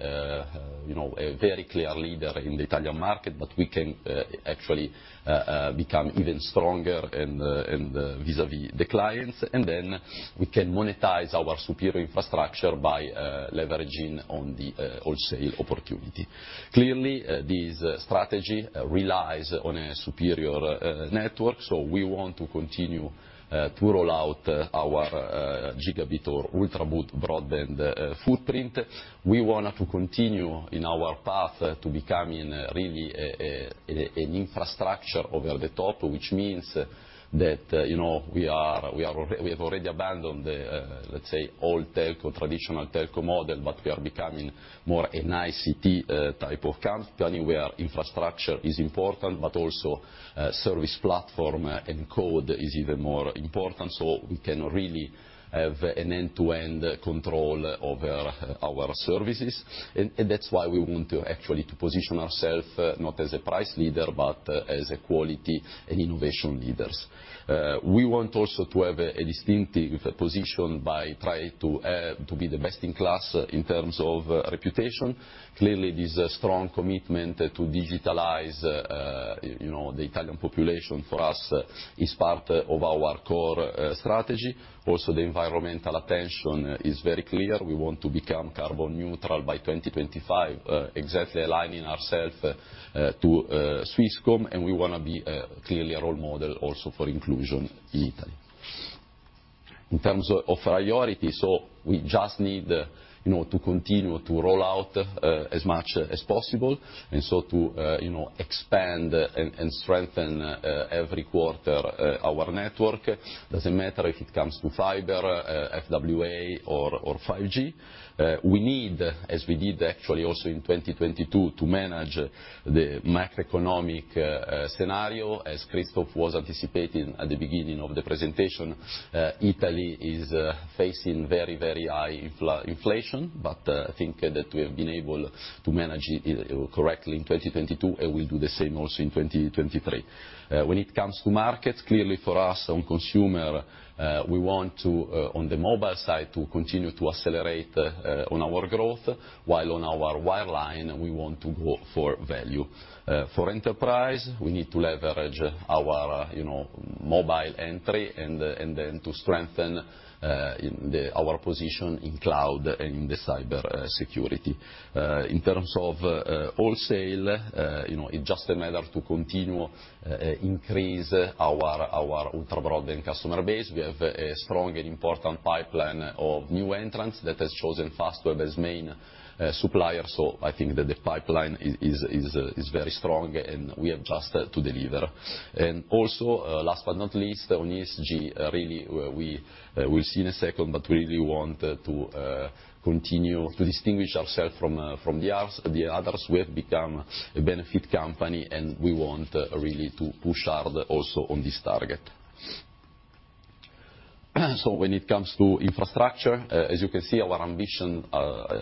you know, a very clear leader in the Italian market, but we can actually become even stronger in the, in the vis-à-vis the clients, and then we can monetize our superior infrastructure by leveraging on the wholesale opportunity. Clearly, this strategy relies on a superior network. We want to continue to roll out our gigabit or ultra broadband footprint. We want to continue in our path to becoming really an infrastructure over the top, which means that, you know, we have already abandoned the, let's say, old telco, traditional telco model, but we are becoming more an ICT type of company, where infrastructure is important, but also service platform and code is even more important. We can really have an end-to-end control over our services. That's why we want to actually to position ourselves not as a price leader, but as a quality and innovation leaders. We want also to have a distinctive position by trying to be the best in class in terms of reputation. Clearly, this strong commitment to digitalize, you know, the Italian population for us is part of our core strategy. The environmental attention is very clear. We want to become carbon neutral by 2025, exactly aligning ourselves to Swisscom, we want to be clearly a role model also for inclusion in Italy. In terms of priorities, we just need, you know, to continue to roll out as much as possible, to, you know, expand and strengthen every quarter, our network. Doesn't matter if it comes to fiber, FWA or 5G. We need, as we did actually also in 2022, to manage the macroeconomic scenario. As Christoph was anticipating at the beginning of the presentation, Italy is facing very, very high inflation, I think that we have been able to manage it correctly in 2022, we'll do the same also in 2023. When it comes to markets, clearly for us on consumer, we want to on the mobile side, to continue to accelerate on our growth, while on our wireline, we want to go for value. For enterprise, we need to leverage our, you know, mobile entry and then to strengthen our position in cloud and in the cybersecurity. In terms of wholesale, you know, it just a matter to continue increase our ultra broadband customer base. We have a strong and important pipeline of new entrants that has chosen Fastweb as main supplier. I think that the pipeline is very strong, and we have just to deliver. Last but not least, on ESG, we'll see in a second, but we really want to continue to distinguish ourself from the others. We have become a benefit company, and we want really to push hard also on this target. When it comes to infrastructure, as you can see, our ambition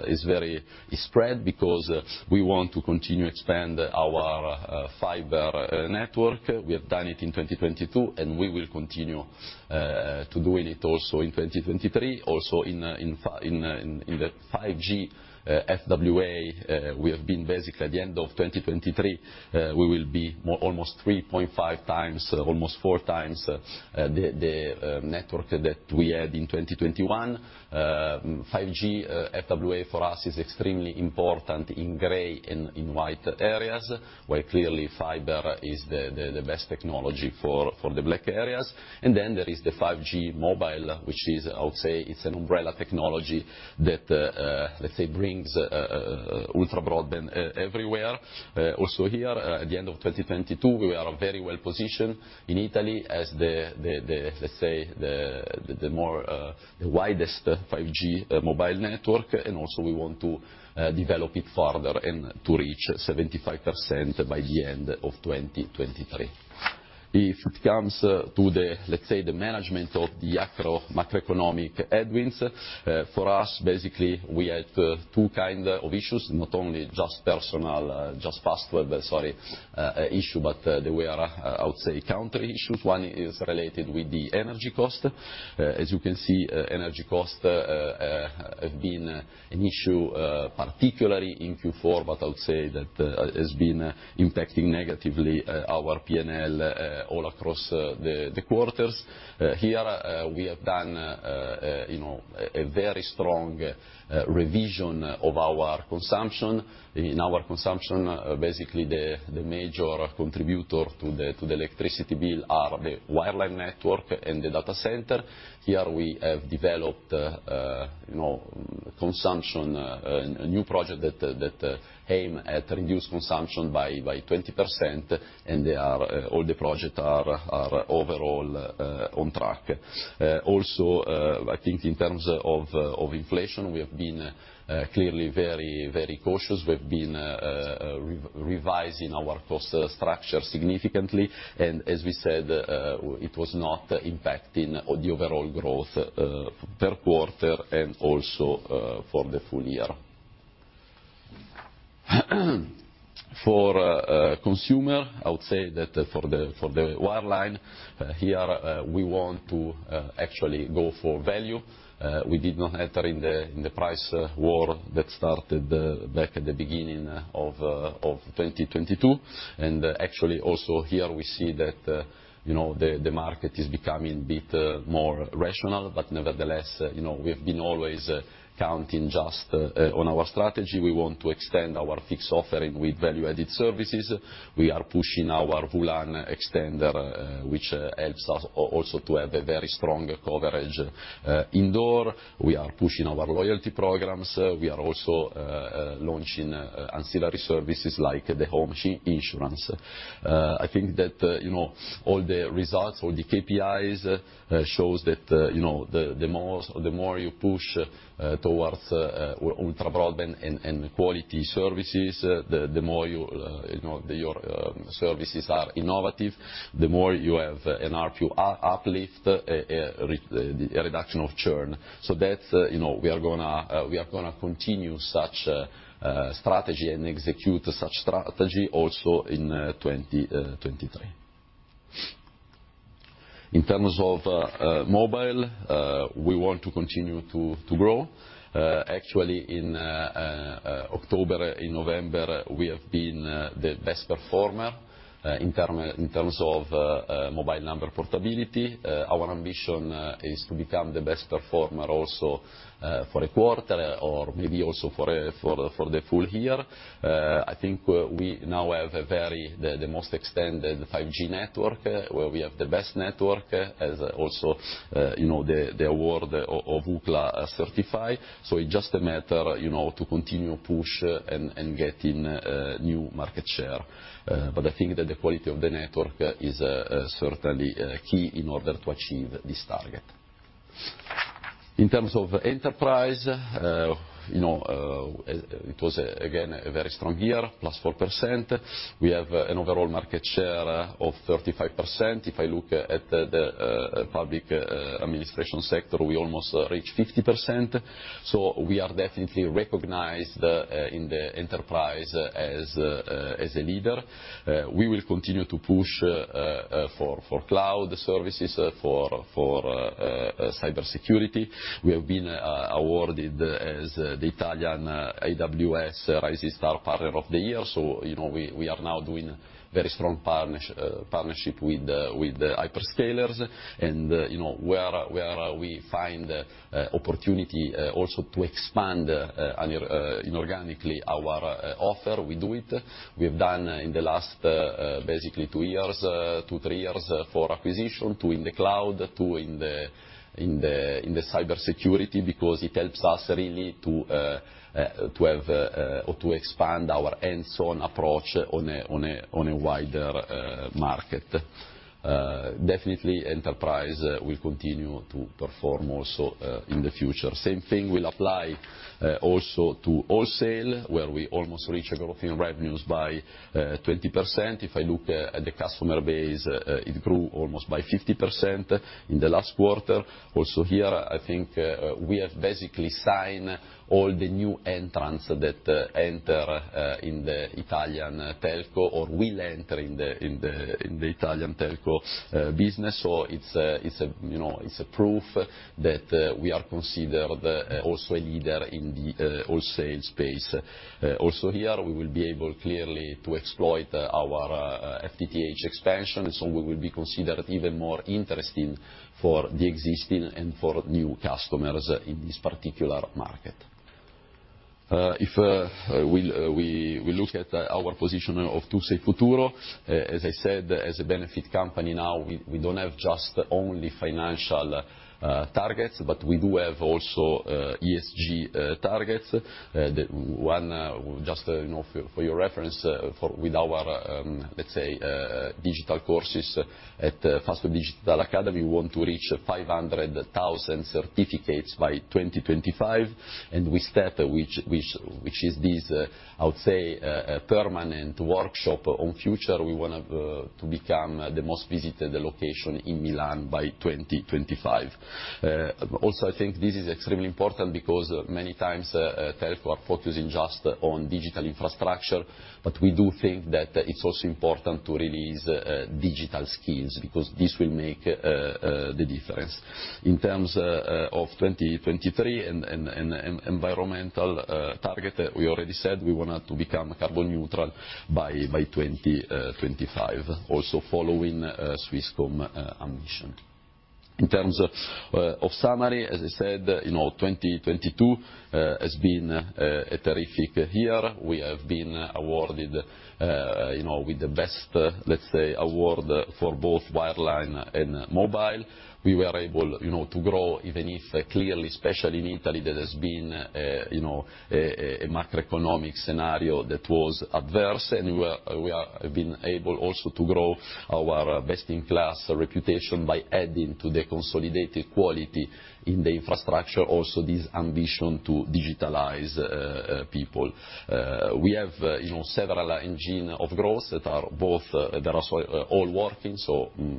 is very spread because we want to continue expand our fiber network. We have done it in 2022, and we will continue to doing it also in 2023. In the 5G FWA, we have been basically at the end of 2023, we will be almost 3.5x, almost 4x, the network that we had in 2021. 5G FWA for us is extremely important in gray and in white areas, where clearly fiber is the best technology for the black areas. There is the 5G mobile, which is, I would say, it's an umbrella technology that let's say brings ultra broadband everywhere. Also here at the end of 2022, we are very well positioned in Italy as the widest 5G mobile network, we want to develop it further and to reach 75% by the end of 2023. If it comes to the, let's say, the management of the macro, macroeconomic headwinds, for us, basically we had two kind of issues, not only just personal, just Fastweb, sorry, issue, but they were, I would say, counter issues. One is related with the energy cost. As you can see, energy cost have been an issue, particularly in Q4, but I would say that has been impacting negatively our PNL all across the quarters. Here, we have done, you know, a very strong revision of our consumption. In our consumption, basically the major contributor to the electricity bill are the wireline network and the data center. Here we have developed, you know, consumption, a new project that aim at reduce consumption by 20%, and all the project are overall on track. Also, I think in terms of inflation, we have been clearly very, very cautious. We've been revising our cost structure significantly, and as we said, it was not impacting the overall growth per quarter and also for the full year. For consumer, I would say that for the wireline, here, we want to actually go for value. We did not enter in the price war that started back at the beginning of 2022. Actually also here we see that, you know, the market is becoming a bit more rational, nevertheless, you know, we have been always counting just on our strategy. We want to extend our fixed offering with value-added services. We are pushing our WLAN extender, which helps us also to have a very strong coverage indoor. We are pushing our loyalty programs. We are also launching ancillary services like the home insurance. I think that, you know, all the results, all the KPIs shows that, you know, the more you push towards ultra broadband and quality services, the more you know, your services are innovative, the more you have an ARPU uplift, a reduction of churn. That's, you know, we are gonna continue such a strategy and execute such strategy also in 2023. In terms of mobile, we want to continue to grow. Actually, in October and November, we have been the best performer in terms of mobile number portability. Our ambition is to become the best performer also for a quarter or maybe also for the full year. I think we now have the most extended 5G network, where we have the best network as also, you know, the award of Ookla certify. It's just a matter, you know, to continue push and getting new market share. I think that the quality of the network is certainly key in order to achieve this target. In terms of enterprise, you know, it was again, a very strong year, +4%. We have an overall market share of 35%. If I look at the public administration sector, we almost reach 50%. We are definitely recognized in the enterprise as a leader. We will continue to push for cloud services, for cybersecurity. We have been awarded as the Italian AWS Rising Star Partner of the Year. You know, we are now doing very strong partnership with the hyperscalers. You know, where we find opportunity also to expand inorganically our offer, we do it. We've done in the last, basically two years, two, three years, four acquisition, two in the cloud, two in the cybersecurity, because it helps us really to have or to expand our end zone approach on a wider market. Definitely enterprise will continue to perform also in the future. Same thing will apply also to wholesale, where we almost reach a growth in revenues by 20%. If I look at the customer base, it grew almost by 50% in the last quarter. Also here, I think, we have basically signed all the new entrants that enter in the Italian telco or will enter in the Italian telco business. It's a, you know, it's a proof that we are considered also a leader in the wholesale space. Also here, we will be able clearly to exploit our FTTH expansion, so we will be considered even more interesting for the existing and for new customers in this particular market. If, we look at our position of Tu Sei Futuro, as I said, as a Benefit Company now, we don't have just only financial targets, but we do have also ESG targets. The one just, you know, for your reference, with our, let's say, digital courses at Fastweb Digital Academy, we want to reach 500,000 certificates by 2025. With STEP, which is this, I would say, permanent workshop on future, we wanna to become the most visited location in Milan by 2025. Also, I think this is extremely important because many times, telco are focusing just on digital infrastructure, but we do think that it's also important to release digital skills, because this will make the difference. In terms of 2023 and environmental target, we already said we wanted to become carbon neutral by 2025. Also, following Swisscom ambition. In terms of summary, as I said, you know, 2022 has been a terrific year. We have been awarded, you know, with the best, let's say, award for both wireline and mobile. We were able, you know, to grow, even if clearly, especially in Italy, there has been, you know, a macroeconomic scenario that was adverse. We have been able also to grow our best-in-class reputation by adding to the consolidated quality in the infrastructure, also this ambition to digitalize people. We have, you know, several engine of growth that are both, that are all working.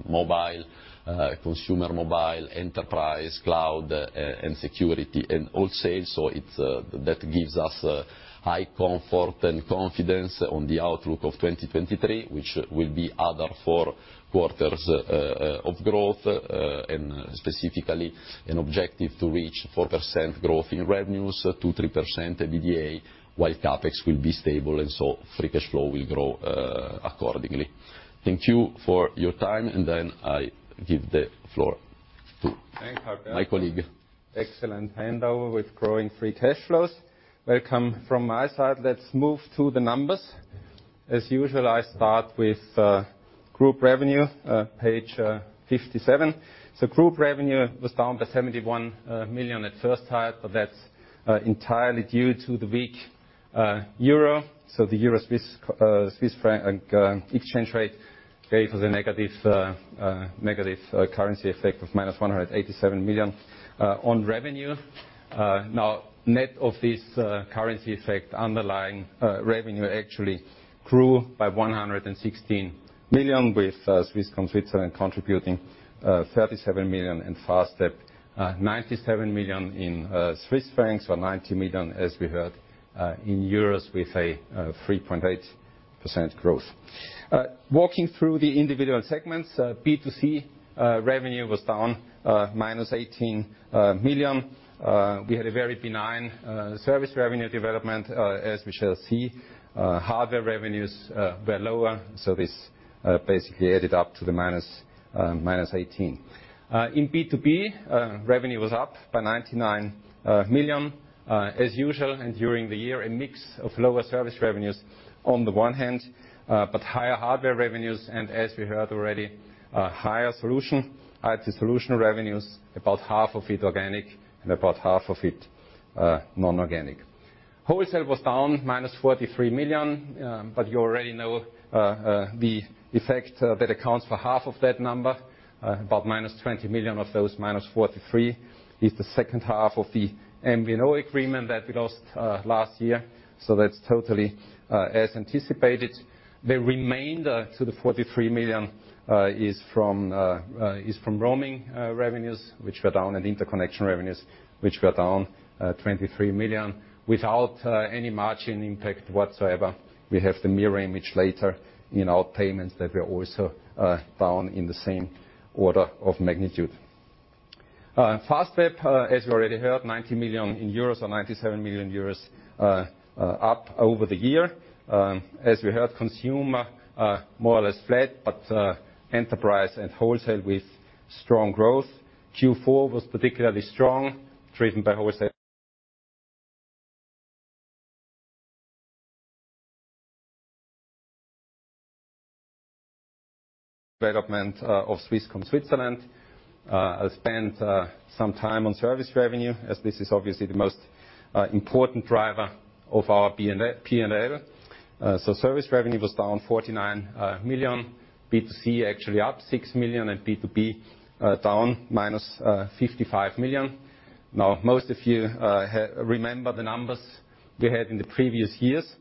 Mobile, consumer mobile, enterprise, cloud, and security and wholesale. It gives us high comfort and confidence on the outlook of 2023, which will be other four quarters of growth, and specifically an objective to reach 4% growth in revenues, 2%-3% EBITDA, while CapEx will be stable and so free cash flow will grow accordingly. Thank you for your time, and then I give the floor to- Thanks, Alberto. my colleague. Excellent handover with growing free cash flows. Welcome. From my side, let's move to the numbers. As usual, I start with group revenue, page 57. Group revenue was down by 71 million at first half, but that's entirely due to the weak euro. The Euro-Swiss franc exchange rate created a negative currency effect of minus 187 million on revenue. Now, net of this currency effect, underlying revenue actually grew by 116 million, with Swisscom Switzerland contributing 37 million, and Fastweb 97 million in Swiss francs or 90 million, as we heard, with a 3.8% growth. Walking through the individual segments, B2C revenue was down minus 18 million. We had a very benign service revenue development, as we shall see. Hardware revenues were lower, so this basically added up to -18. In B2B, revenue was up by 99 million, as usual, and during the year, a mix of lower service revenues on the one hand, but higher hardware revenues, and as we heard already, higher solution. The solution revenues, about half of it organic and about half of it non-organic. Wholesale was down -43 million, but you already know the effect that accounts for half of that number, about -20 million of those -43 is the second half of the MVNO agreement that we lost last year. That's totally as anticipated. The remainder to the 43 million is from roaming revenues, which were down, and interconnection revenues, which were down 23 million. Without any margin impact whatsoever, we have the mirror image later in our payments that were also down in the same order of magnitude. Fastweb, as you already heard, 90 million euros or 97 million euros up over the year. As we heard, consumer more or less flat, but enterprise and wholesale with strong growth. Q4 was particularly strong, driven by wholesale development of Swisscom Switzerland. I'll spend some time on service revenue, as this is obviously the most important driver of our P&L. So service revenue was down 49 million. B2C actually up 6 million, and B2B down -55 million. Most of you remember the numbers we had in the previous years.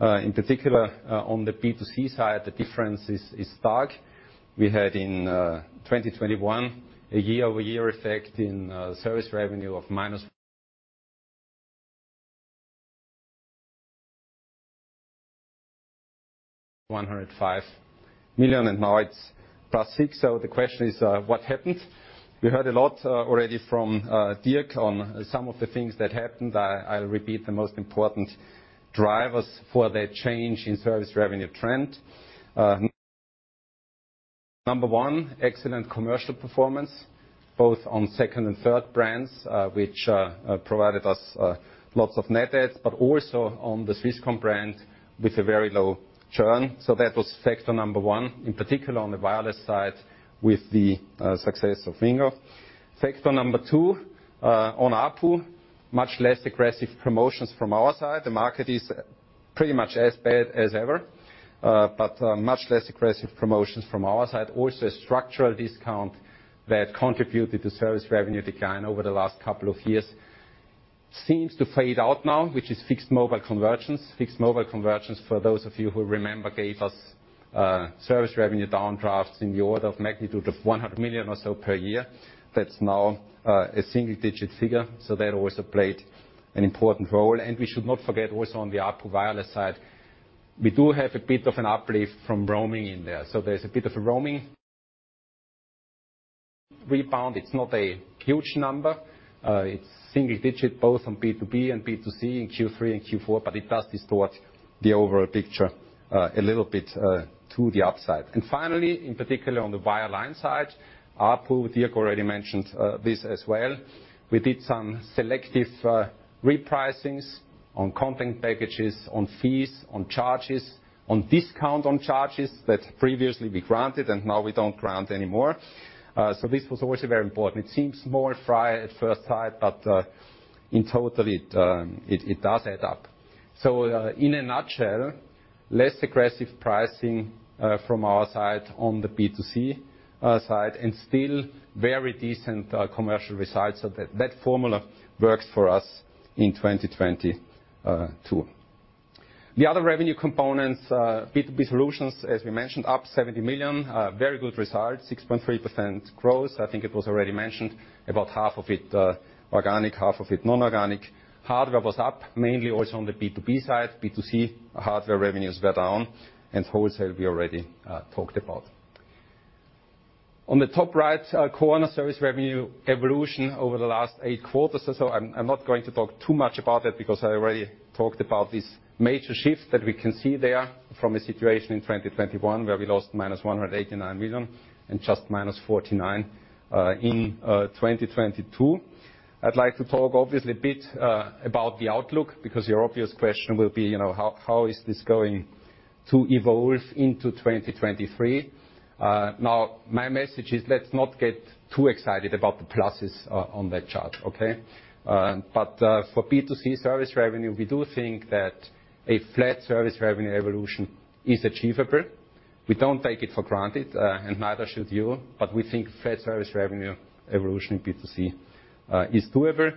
In particular, on the B2C side, the difference is stark. We had in 2021 a year-over-year effect in service revenue of -105 million, and now it's +6 million. The question is, what happened? We heard a lot already from Dirk Wierzbitzki on some of the things that happened. I'll repeat the most important drivers for that change in service revenue trend. Number one, excellent commercial performance, both on second and third brands, which provided us lots of net adds, but also on the Swisscom brand with a very low churn. That was factor number one, in particular on the wireless side with the success of Wingo. Factor number two, on ARPU, much less aggressive promotions from our side. The market is pretty much as bad as ever, but much less aggressive promotions from our side. Also a structural discount that contributed to service revenue decline over the last couple of years seems to fade out now, which is fixed mobile convergence. Fixed mobile convergence, for those of you who remember, gave us service revenue downdrafts in the order of magnitude of 100 million or so per year. That's now a single-digit figure, so that also played an important role. We should not forget also on the ARPU wireless side, we do have a bit of an uplift from roaming in there. There's a bit of a roaming rebound. It's not a huge number. It's single digit, both on B2B and B2C in Q3 and Q4, but it does distort the overall picture a little bit to the upside. Finally, in particular on the wireline side, ARPU, Dirk already mentioned this as well. We did some selective repricings on content packages, on fees, on charges, on discount on charges that previously we granted and now we don't grant anymore. This was also very important. It seems small fry at first sight, but in total, it does add up. In a nutshell, less aggressive pricing from our side on the B2C side, and still very decent commercial results. That formula works for us in 2022. The other revenue components, B2B solutions, as we mentioned, up 70 million. Very good results, 6.3% growth. I think it was already mentioned, about half of it organic, half of it non-organic. Hardware was up, mainly also on the B2B side. B2C, hardware revenues were down. Wholesale, we already talked about. On the top right corner, service revenue evolution over the last eight quarters or so. I'm not going to talk too much about that because I already talked about this major shift that we can see there from a situation in 2021 where we lost -189 million and just -49 million in 2022. I'd like to talk obviously a bit about the outlook because your obvious question will be, you know, how is this going to evolve into 2023? Now, my message is let's not get too excited about the pluses on that chart, okay? For B2C service revenue, we do think that a flat service revenue evolution is achievable. We don't take it for granted, and neither should you, but we think flat service revenue evolution in B2C is doable.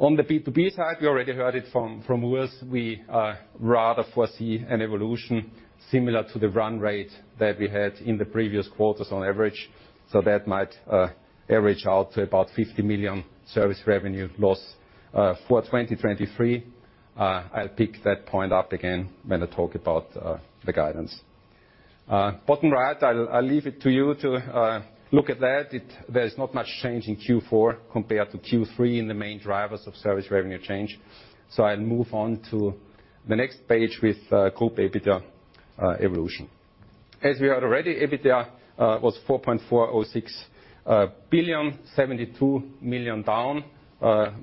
On the B2B side, we already heard it from Urs. We rather foresee an evolution similar to the run rate that we had in the previous quarters on average. That might average out to about 50 million service revenue loss for 2023. I'll pick that point up again when I talk about the guidance. Bottom right, I'll leave it to you to look at that. There is not much change in Q4 compared to Q3 in the main drivers of service revenue change. I'll move on to the next page with group EBITDA evolution. As we heard already, EBITDA was 4.406 billion, 72 million down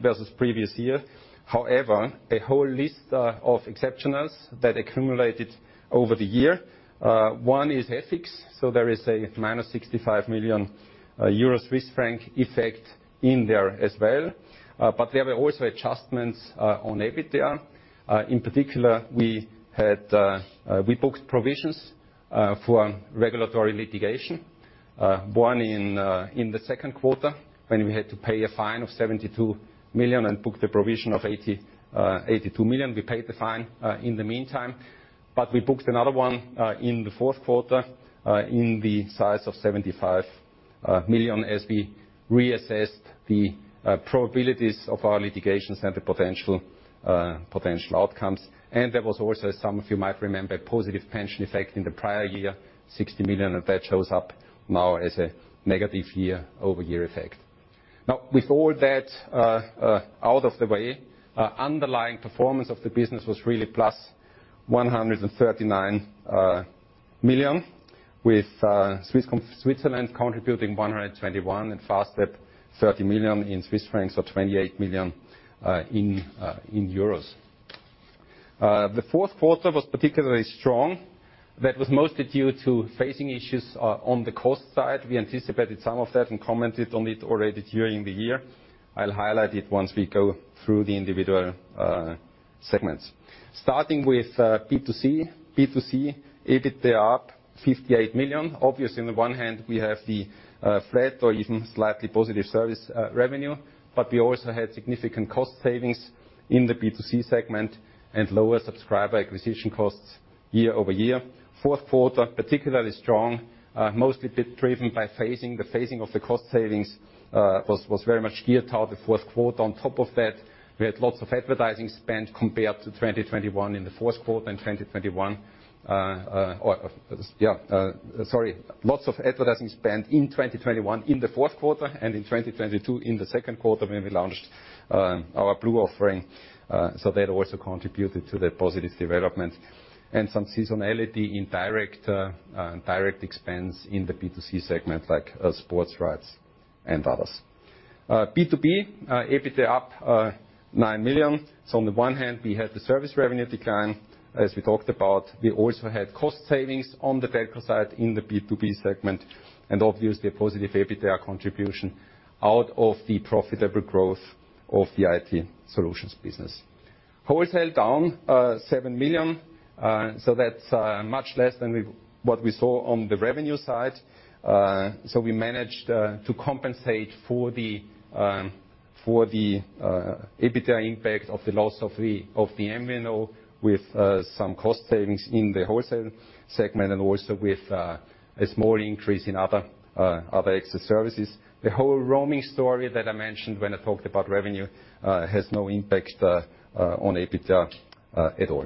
versus previous year. However, a whole list of exceptionals that accumulated over the year. One is FX. There is a -65 million euro Swiss franc effect in there as well. There were also adjustments on EBITDA. In particular, we had, we booked provisions for regulatory litigation. One in the second quarter when we had to pay a fine of 72 million and book the provision of 82 million. We paid the fine in the meantime. We booked another one, in the fourth quarter, in the size of 75 million as we reassessed the probabilities of our litigations and the potential potential outcomes. There was also, some of you might remember, positive pension effect in the prior year, 60 million, and that shows up now as a negative year-over-year effect. With all that out of the way, underlying performance of the business was really +139 million, with Swisscom Switzerland contributing 121 million and Fastweb 30 million or EUR 28 million. The fourth quarter was particularly strong. That was mostly due to phasing issues on the cost side. We anticipated some of that and commented on it already during the year. I'll highlight it once we go through the individual segments. Starting with B2C. B2C EBITDA up 58 million. Obviously, on the one hand, we have the flat or even slightly positive service revenue, but we also had significant cost savings in the B2C segment and lower subscriber acquisition costs year-over-year. Fourth quarter, particularly strong, mostly bit driven by phasing. The phasing of the cost savings was very much geared toward the fourth quarter. On top of that, lots of advertising spend in 2021 in the fourth quarter and in 2022 in the second quarter when we launched our Blue offering. That also contributed to the positive development. Some seasonality in direct direct expense in the B2C segment, like sports rights. And others. B2B EBITDA up 9 million. On the one hand, we had the service revenue decline. As we talked about, we also had cost savings on the telco side in the B2B segment, and obviously, a positive EBITDA contribution out of the profitable growth of the IT solutions business. Wholesale, down 7 million. That's much less than what we saw on the revenue side. We managed to compensate for the for the EBITDA impact of the loss of the of the MNO with some cost savings in the wholesale segment and also with a small increase in other other extra services. The whole roaming story that I mentioned when I talked about revenue has no impact on EBITDA at all.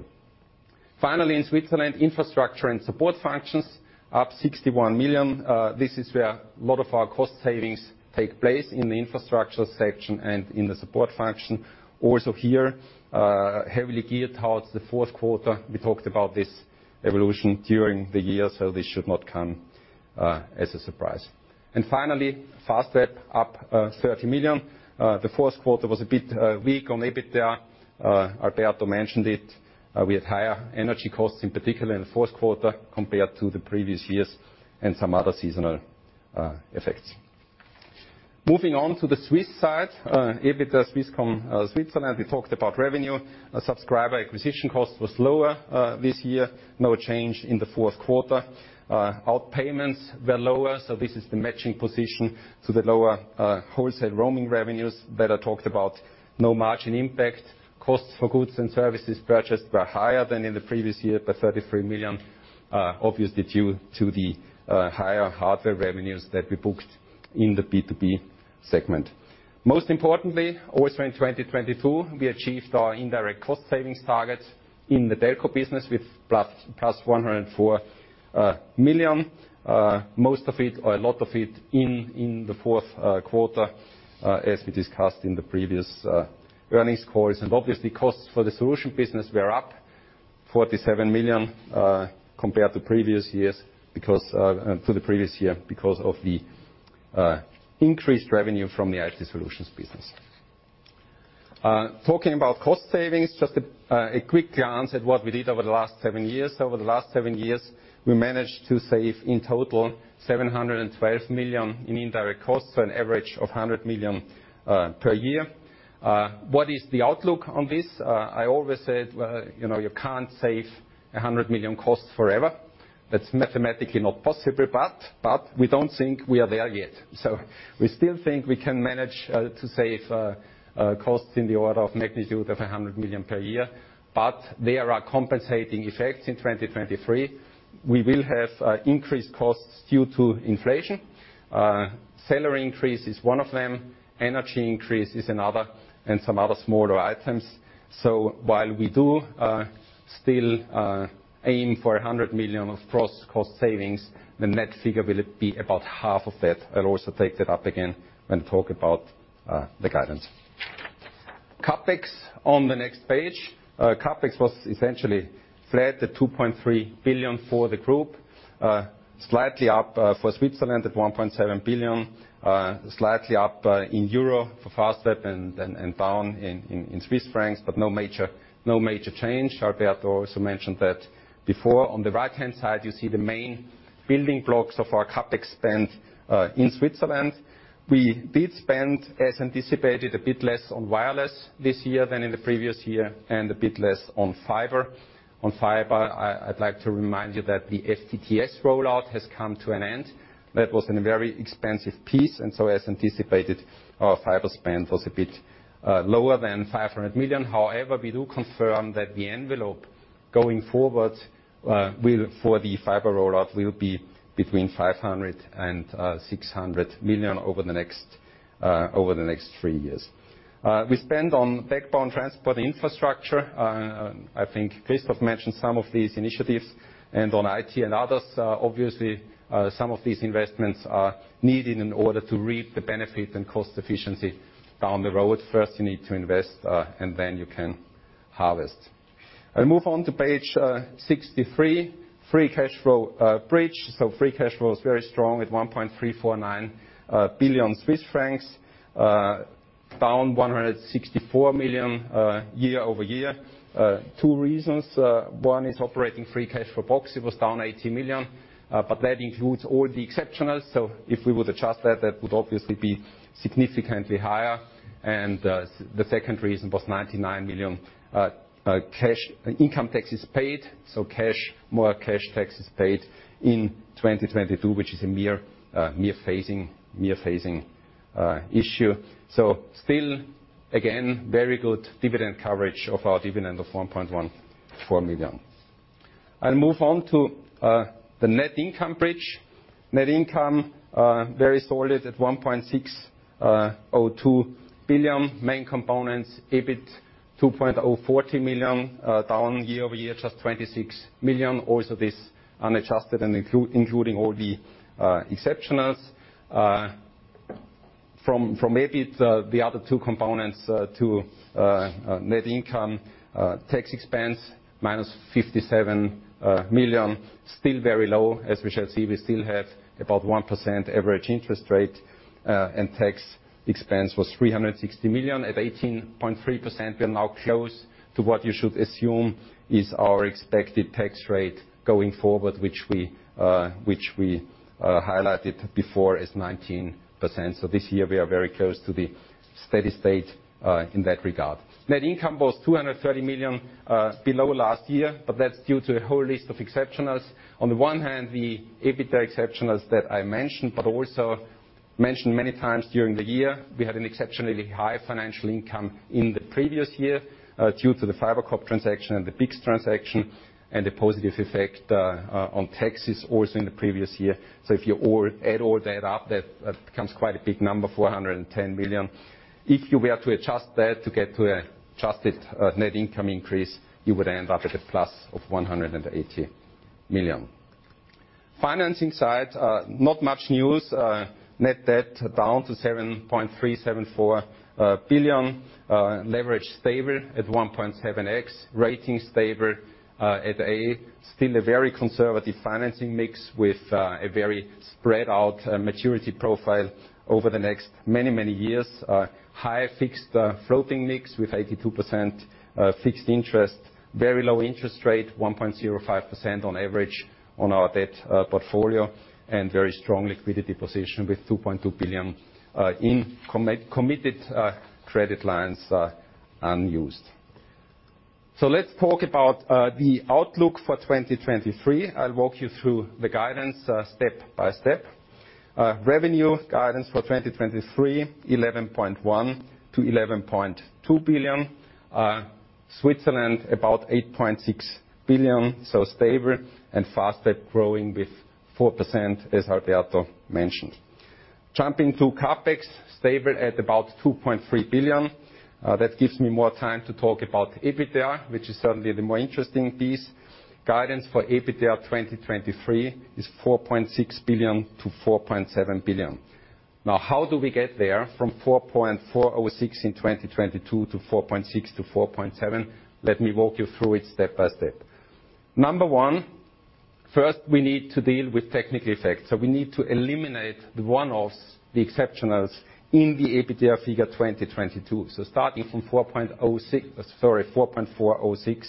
Finally, in Switzerland, infrastructure and support functions up 61 million. This is where a lot of our cost savings take place in the infrastructure section and in the support function. Also here, heavily geared towards the fourth quarter. We talked about this evolution during the year, so this should not come as a surprise. Finally, Fastweb up 30 million. The fourth quarter was a bit weak on EBITDA. Alberto mentioned it. We had higher energy costs, in particular in the fourth quarter compared to the previous years and some other seasonal effects. Moving on to the Swiss side, EBITDA Swisscom Switzerland, we talked about revenue. Subscriber acquisition cost was lower this year, no change in the fourth quarter. Out-payments were lower, so this is the matching position to the lower wholesale roaming revenues that I talked about. No margin impact. Costs for goods and services purchased were higher than in the previous year by 33 million, obviously due to the higher hardware revenues that we booked in the B2B segment. Most importantly, also in 2022, we achieved our indirect cost savings targets in the telco business with plus 104 million. Most of it or a lot of it in the fourth quarter, as we discussed in the previous earnings calls. Obviously, costs for the solution business were up 47 million compared to the previous year because of the increased revenue from the IT solutions business. Talking about cost savings, just a quick glance at what we did over the last seven years. Over the last seven years, we managed to save in total 712 million in indirect costs, so an average of 100 million per year. What is the outlook on this? You know, you can't save 100 million costs forever. That's mathematically not possible, but we don't think we are there yet. We still think we can manage to save costs in the order of magnitude of 100 million per year, but there are compensating effects in 2023. We will have increased costs due to inflation. Salary increase is one of them, energy increase is another, and some other smaller items. While we do still aim for 100 million of cross cost savings, the net figure will be about half of that. I'll also take that up again when talk about the guidance. CapEx on the next page. CapEx was essentially flat at 2.3 billion for the group. Slightly up for Switzerland at 1.7 billion. Slightly up in euro for Fastweb and down in Swiss francs, but no major change. Alberto also mentioned that before. On the right-hand side, you see the main building blocks of our CapEx spend in Switzerland. We did spend, as anticipated, a bit less on wireless this year than in the previous year, and a bit less on fiber. On fiber, I'd like to remind you that the FTTS rollout has come to an end. As anticipated, our fiber spend was a bit lower than 500 million. However, we do confirm that the envelope going forward, for the fiber rollout will be between 500 million and 600 million over the next over the next three years. We spend on backbone transport infrastructure, I think Christoph mentioned some of these initiatives, and on IT and others. Obviously, some of these investments are needed in order to reap the benefit and cost efficiency down the road. First, you need to invest, and then you can harvest. I'll move on to page 63, free cash flow bridge. Free cash flow is very strong at 1.349 billion Swiss francs. Down 164 million year-over-year. Two reasons. One is operating free cash flow box, it was down 80 million, but that includes all the exceptionals. If we would adjust that would obviously be significantly higher. The second reason was 99 million cash income taxes paid. More cash taxes paid in 2022, which is a mere phasing issue. Still, again, very good dividend coverage of our dividend of 1.14 million. I'll move on to the net income bridge. Net income very solid at 1.602 billion. Main components, EBIT 2.04 billion, down year-over-year, just 26 million. Also this unadjusted and including all the exceptionals. From maybe the other two components to net income, tax expense -57 million, still very low. As we shall see, we still have about 1% average interest rate, and tax expense was 360 million. At 18.3%, we are now close to what you should assume is our expected tax rate going forward, which we highlighted before as 19%. This year we are very close to the steady state in that regard. Net income was 230 million below last year, but that's due to a whole list of exceptionals. On the one hand, the EBITDA exceptionals that I mentioned, but also mentioned many times during the year. We had an exceptionally high financial income in the previous year, due to the Fibercop transaction and the BICS transaction and the positive effect on taxes also in the previous year. If you add all that up, that becomes quite a big number, 410 million. If you were to adjust that to get to a trusted net income increase, you would end up at a plus of 180 million. Financing side, not much news. Net debt down to 7.374 billion. Leverage stable at 1.7x. Ratings stable at A. Still a very conservative financing mix with a very spread out maturity profile over the next many, many years. High fixed floating mix with 82% fixed interest. Very low interest rate, 1.05% on average on our debt portfolio. Very strong liquidity position with 2.2 billion in committed credit lines unused. Let's talk about the outlook for 2023. I'll walk you through the guidance step by step. Revenue guidance for 2023, 11.1 billion-11.2 billion. Switzerland about 8.6 billion, so stable and fast growing with 4%, as Alberto mentioned. Jumping to CapEx, stable at about 2.3 billion. That gives me more time to talk about EBITDA, which is certainly the more interesting piece. Guidance for EBITDA 2023 is 4.6 billion-4.7 billion. How do we get there from 4.406 billion in 2022 to 4.6 billion-4.7 billion? Let me walk you through it step by step. Number one, first we need to deal with technical effects. We need to eliminate the one-offs, the exceptionals in the EBITDA figure 2022. Starting from 4.406 billion,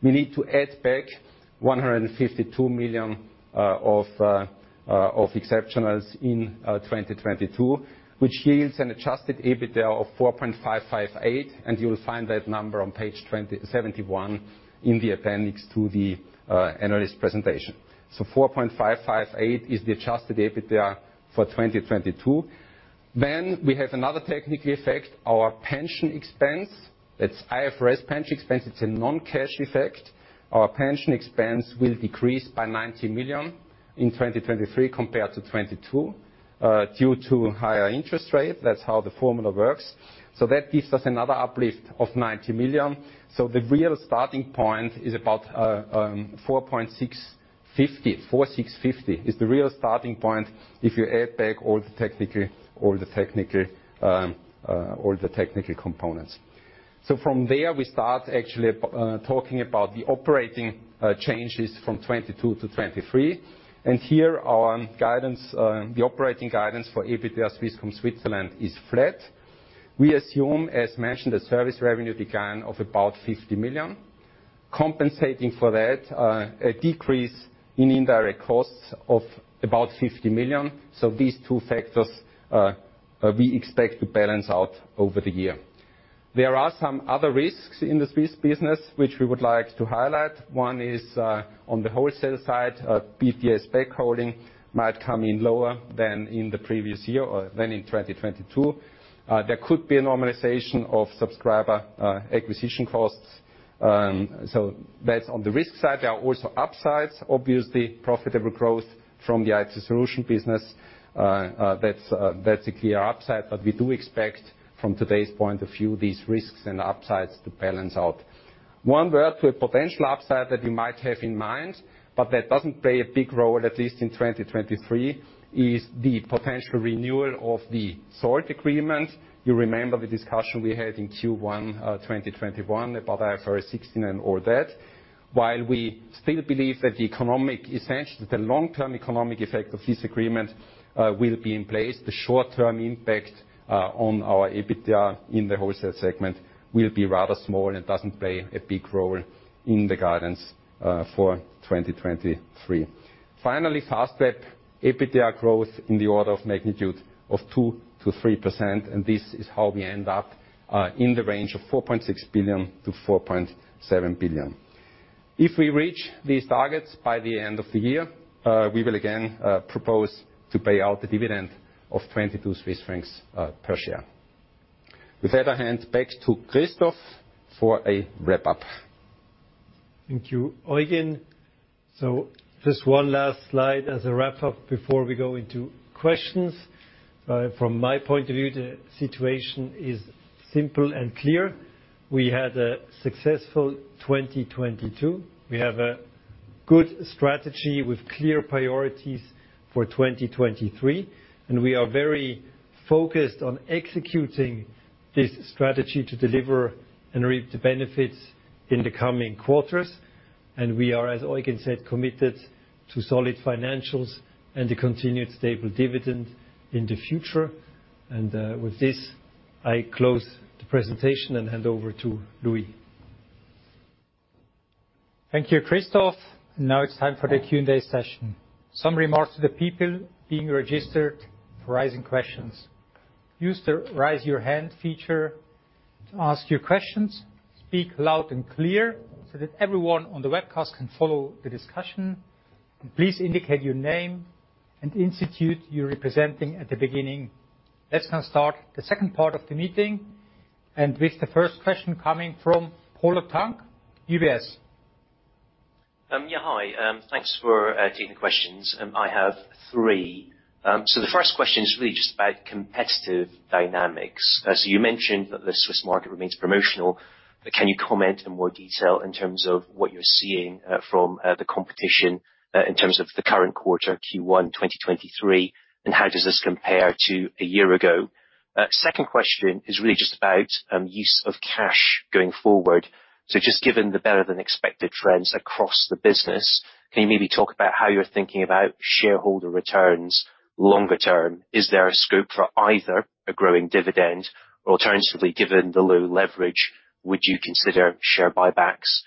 we need to add back 152 million of exceptionals in 2022, which yields an adjusted EBITDA of 4.558 billion. You will find that number on page 71 in the appendix to the analyst presentation. 4.558 billion is the adjusted EBITDA for 2022. We have another technical effect. Our pension expense, that's IFRS pension expense, it's a non-cash effect. Our pension expense will decrease by 90 million in 2023 compared to 2022, due to higher interest rate. That's how the formula works. That gives us another uplift of 90 million. The real starting point is about 4,650 million. 4,650 million is the real starting point if you add back all the technical, all the technical, all the technical components. From there, we start actually talking about the operating changes from 2022-2023. Here our guidance, the operating guidance for EBITDA Swisscom Switzerland is flat. We assume, as mentioned, a service revenue decline of about 50 million. Compensating for that, a decrease in indirect costs of about 50 million. These two factors, we expect to balance out over the year. There are some other risks in the Swiss business which we would like to highlight. One is, on the wholesale side, BTS backhauling might come in lower than in the previous year or than in 2022. There could be a normalization of subscriber acquisition costs. That's on the risk side. There are also upsides. Obviously, profitable growth from the IT solution business. That's a clear upside. We do expect from today's point of view, these risks and upsides to balance out. One word to a potential upside that you might have in mind, but that doesn't play a big role, at least in 2023, is the potential renewal of the Salt agreement. You remember the discussion we had in Q1 2021 about IFRS 16 and all that. While we still believe that the economic, essentially the long-term economic effect of this agreement, will be in place, the short-term impact, on our EBITDA in the wholesale segment will be rather small and doesn't play a big role in the guidance, for 2023. Finally, Fastweb. EBITDA growth in the order of magnitude of 2%-3%, and this is how we end up, in the range of 4.6 billion-4.7 billion. If we reach these targets by the end of the year, we will again, propose to pay out the dividend of 22 Swiss francs per share. With that, I hand back to Christoph for a wrap-up. Thank you, Eugen. Just one last slide as a wrap-up before we go into questions. From my point of view, the situation is simple and clear. We had a successful 2022. We have a good strategy with clear priorities for 2023. We are very focused on executing this strategy to deliver and reap the benefits in the coming quarters. We are, as Eugen said, committed to solid financials and a continued stable dividend in the future. With this, I close the presentation and hand over to Louis. Thank you, Christoph. Now it's time for the Q&A session. Some remarks to the people being registered for rising questions. Use the Raise Your Hand feature to ask your questions, speak loud and clear so that everyone on the webcast can follow the discussion. Please indicate your name and institute you're representing at the beginning. Let's now start the second part of the meeting. With the first question coming from Polo Tang, UBS. Yeah, hi. Thanks for taking the questions. I have three. The first question is really just about competitive dynamics. As you mentioned that the Swiss market remains promotional, can you comment in more detail in terms of what you're seeing from the competition in terms of the current quarter, Q1 2023, and how does this compare to a year ago? Second question is really just about use of cash going forward. Just given the better-than-expected trends across the business, can you maybe talk about how you're thinking about shareholder returns longer term? Is there a scope for either a growing dividend or alternatively, given the low leverage, would you consider share buybacks?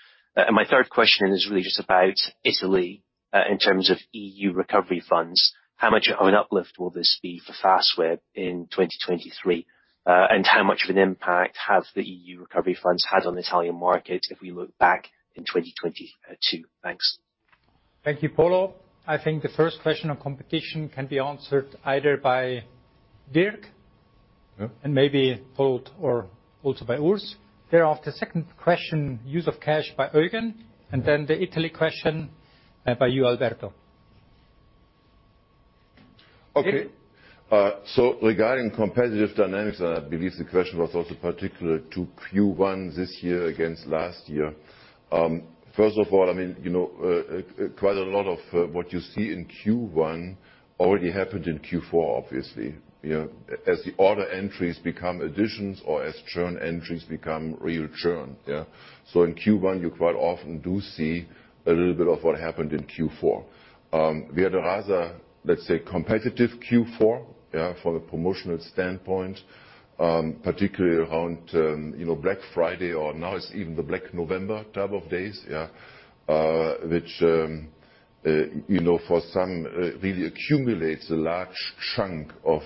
My third question is really just about Italy in terms of EU recovery funds. How much of an uplift will this be for Fastweb in 2023, and how much of an impact have the EU recovery funds had on the Italian market if we look back in 2022? Thanks. Thank you, Polo. I think the first question on competition can be answered either by Dirk. Yeah. Maybe followed or also by Urs. Thereafter, second question, use of cash by Eugen. Mm-hmm. The Italy question, by you, Alberto. Okay. Regarding competitive dynamics, I believe the question was also particular to Q1 this year against last year. First of all, I mean, you know, quite a lot of what you see in Q1 already happened in Q4, obviously. You know, as the order entries become additions or as churn entries become real churn. In Q1, you quite often do see a little bit of what happened in Q4. We had a rather, let's say, competitive Q4 from a promotional standpoint, particularly around, you know, Black Friday or now it's even the Black November type of days. Which, you know, for some, really accumulates a large chunk of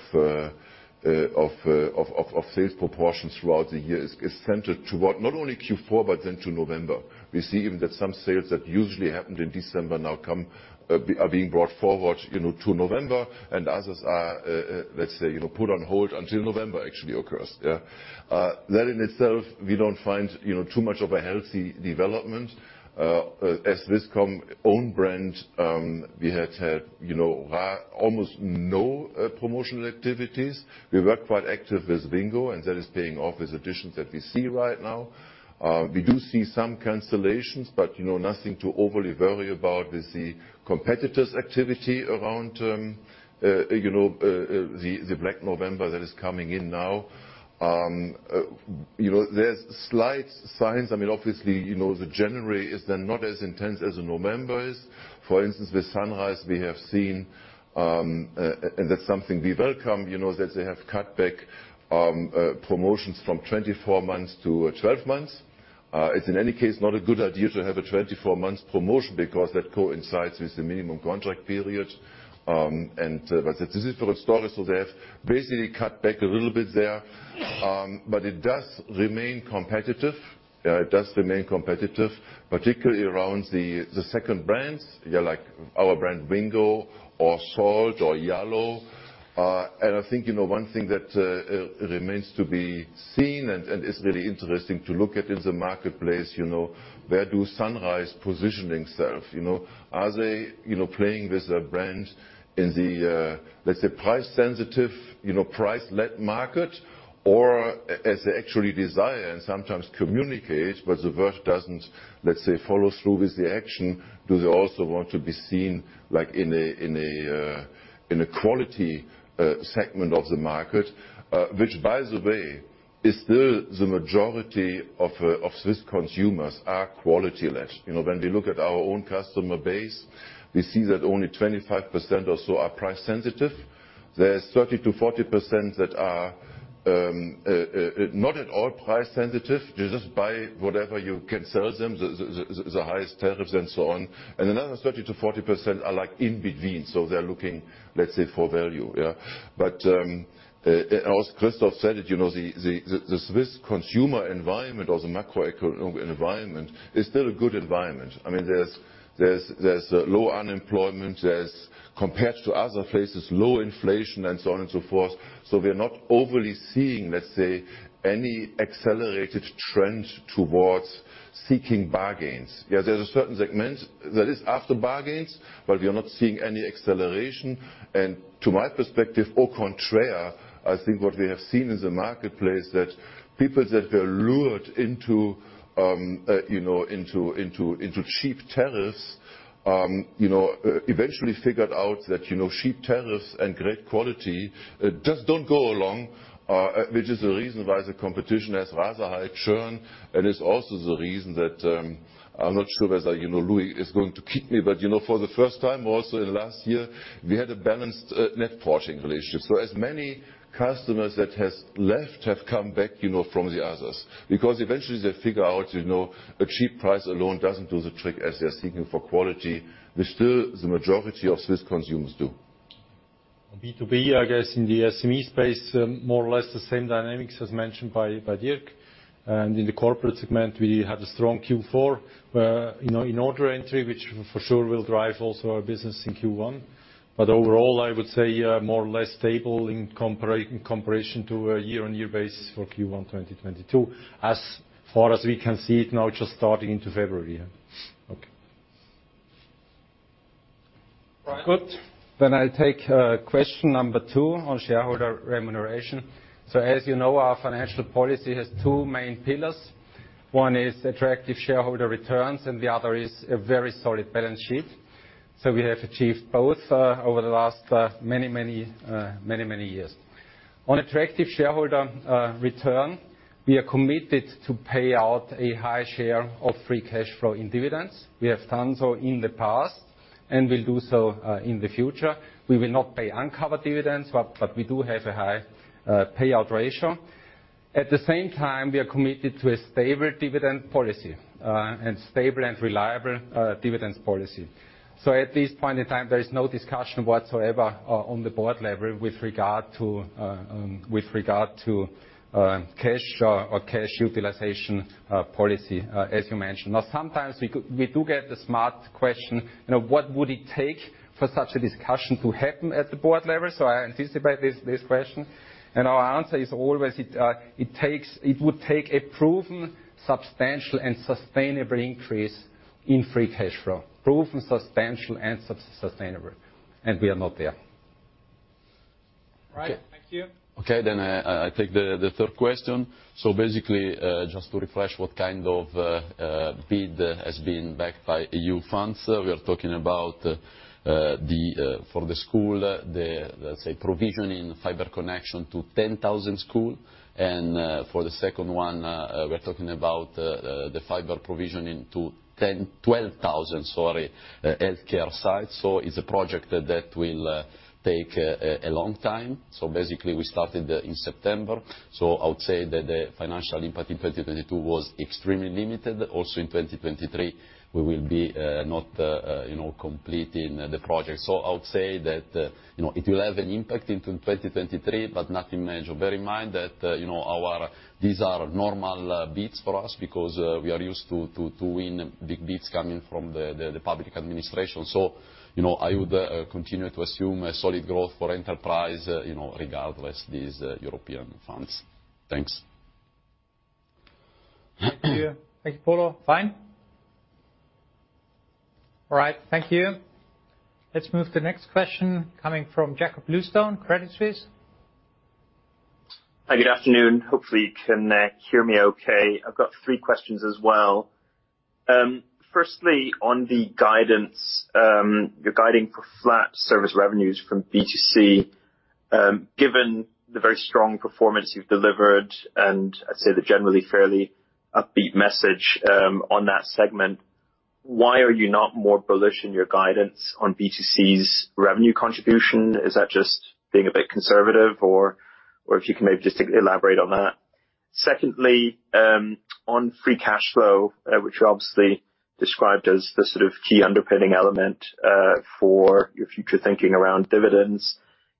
sales proportions throughout the year is centered toward not only Q4, but then to November. We see even that some sales that usually happened in December now come, are being brought forward, you know, to November and others are, let's say, you know, put on hold until November actually occurs. That in itself we don't find, you know, too much of a healthy development. As Swisscom own brand, we had, you know, almost no promotional activities. We work quite active as Wingo. That is paying off as additions that we see right now. We do see some cancellations. Nothing, you know, to overly worry about. We see competitors' activity around, you know, the Black November that is coming in now. You know, there's slight signs. I mean, obviously, you know, the January is then not as intense as the November is. For instance, with Sunrise we have seen, and that's something we welcome, you know, that they have cut back promotions from 24 months to 12 months. It's in any case not a good idea to have a 24-month promotion because that coincides with the minimum contract period. That is a different story. They have basically cut back a little bit there, but it does remain competitive. It does remain competitive, particularly around the second brands, yeah, like our brand Wingo or Salt or Yallo. I think, you know, one thing that remains to be seen and is really interesting to look at in the marketplace, you know, where do Sunrise positioning self? You know, are they, you know, playing with a brand in the, let's say price sensitive, you know, price-led market or as they actually desire and sometimes communicate but the word doesn't, let's say, follow through with the action. Do they also want to be seen like in a, in a, in a quality, segment of the market? Which by the way is still the majority of Swiss consumers are quality-led. You know, when we look at our own customer base, we see that only 25% or so are price sensitive. There's 30%-40% that are not at all price sensitive. They just buy whatever you can sell them, the, the highest tariffs and so on. Another 30%-40% are like in between. They're looking, let's say, for value. Yeah. As Christoph said it, you know, the Swiss consumer environment or the macroeconomic environment is still a good environment. I mean, there's low unemployment. There's compared to other places, low inflation and so on and so forth. We are not overly seeing, let's say, any accelerated trend towards seeking bargains. Yeah, there's a certain segment that is after bargains, but we are not seeing any acceleration. To my perspective, au contraire, I think what we have seen in the marketplace, that people that were lured into, you know, cheap tariffs, eventually figured out that, you know, cheap tariffs and great quality just don't go along. Which is the reason why the competition has rather high churn and is also the reason that, I'm not sure whether, you know Louis is going to keep me, but you know, for the first time also in last year we had a balanced, net porting relationship. As many customers that has left have come back, you know, from the others because eventually they figure out, you know, a cheap price alone doesn't do the trick as they're seeking for quality, which still the majority of Swiss consumers do. On B2B, I guess in the SME space, more or less the same dynamics as mentioned by Dirk. In the corporate segment, we had a strong Q4, you know, in order entry, which for sure will drive also our business in Q1. Overall, I would say, more or less stable in comparison to a year-on-year basis for Q1, 2022. As far as we can see it now, just starting into February. Yeah. Okay. Right. Good. I'll take question number two on shareholder remuneration. As you know, our financial policy has 2 main pillars. One is attractive shareholder returns, and the other is a very solid balance sheet. We have achieved both over the last many, many years. On attractive shareholder return, we are committed to pay out a high share of free cash flow in dividends. We have done so in the past, and we'll do so in the future. We will not pay uncovered dividends, but we do have a high payout ratio. At the same time, we are committed to a stable dividend policy, and stable and reliable dividends policy. At this point in time, there is no discussion whatsoever on the board level with regard to, with regard to cash or cash utilization policy, as you mentioned. Now, sometimes we do get the smart question, you know, what would it take for such a discussion to happen at the board level? I anticipate this question. Our answer is always it would take a proven, substantial, and sustainable increase in free cash flow. Proven, substantial, and sustainable. We are not there. Right. Thank you. Okay. I take the third question. Basically, just to refresh what kind of bid has been backed by EU funds. We are talking about the for the school, the, let's say, provisioning fiber connection to 10,000 school. For the second one, we're talking about the fiber provisioning to 12,000, sorry, healthcare sites. It's a project that will take a long time. Basically, we started in September. I would say that the financial impact in 2022 was extremely limited. Also in 2023, we will be not, you know, completing the project. I would say that, you know, it will have an impact into 2023, but nothing major. Bear in mind that, you know, these are normal bids for us because we are used to win big bids coming from the public administration. You know, I would continue to assume a solid growth for enterprise, you know, regardless these European funds. Thanks. Thank you. Thank you, Polo. Fine. All right. Thank you. Let's move to next question coming from Jakob Bluestone, Credit Suisse. Hi, good afternoon. Hopefully, you can hear me okay. I've got three questions as well. Firstly, on the guidance, you're guiding for flat service revenues from B2C. Given the very strong performance you've delivered, and I'd say the generally fairly upbeat message on that segment, why are you not more bullish in your guidance on B2C's revenue contribution? Is that just being a bit conservative or if you can maybe just elaborate on that. Secondly, on free cash flow, which you obviously described as the sort of key underpinning element for your future thinking around dividends.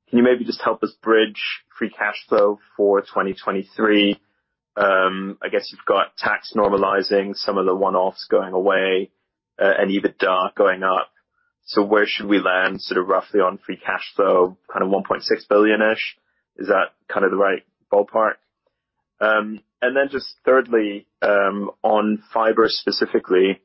Can you maybe just help us bridge free cash flow for 2023? I guess you've got tax normalizing some of the one-offs going away, EBITDA going up. Where should we land, sort of roughly on free cash flow, kind of 1.6 billion-ish? Is that kind of the right ballpark? Just thirdly, on fiber specifically,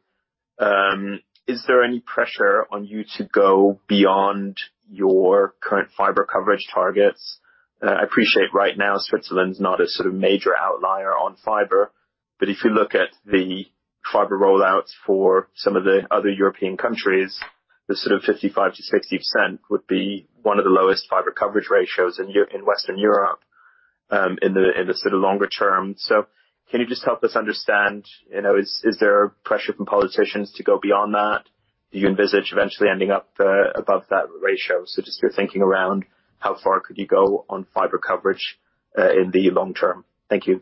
is there any pressure on you to go beyond your current fiber coverage targets? I appreciate right now, Switzerland's not a sort of major outlier on fiber, but if you look at the fiber rollouts for some of the other European countries, the sort of 55%-60% would be one of the lowest fiber coverage ratios in Western Europe, in the sort of longer term. Can you just help us understand, you know, is there pressure from politicians to go beyond that? Do you envisage eventually ending up above that ratio? Just your thinking around how far could you go on fiber coverage in the long term? Thank you.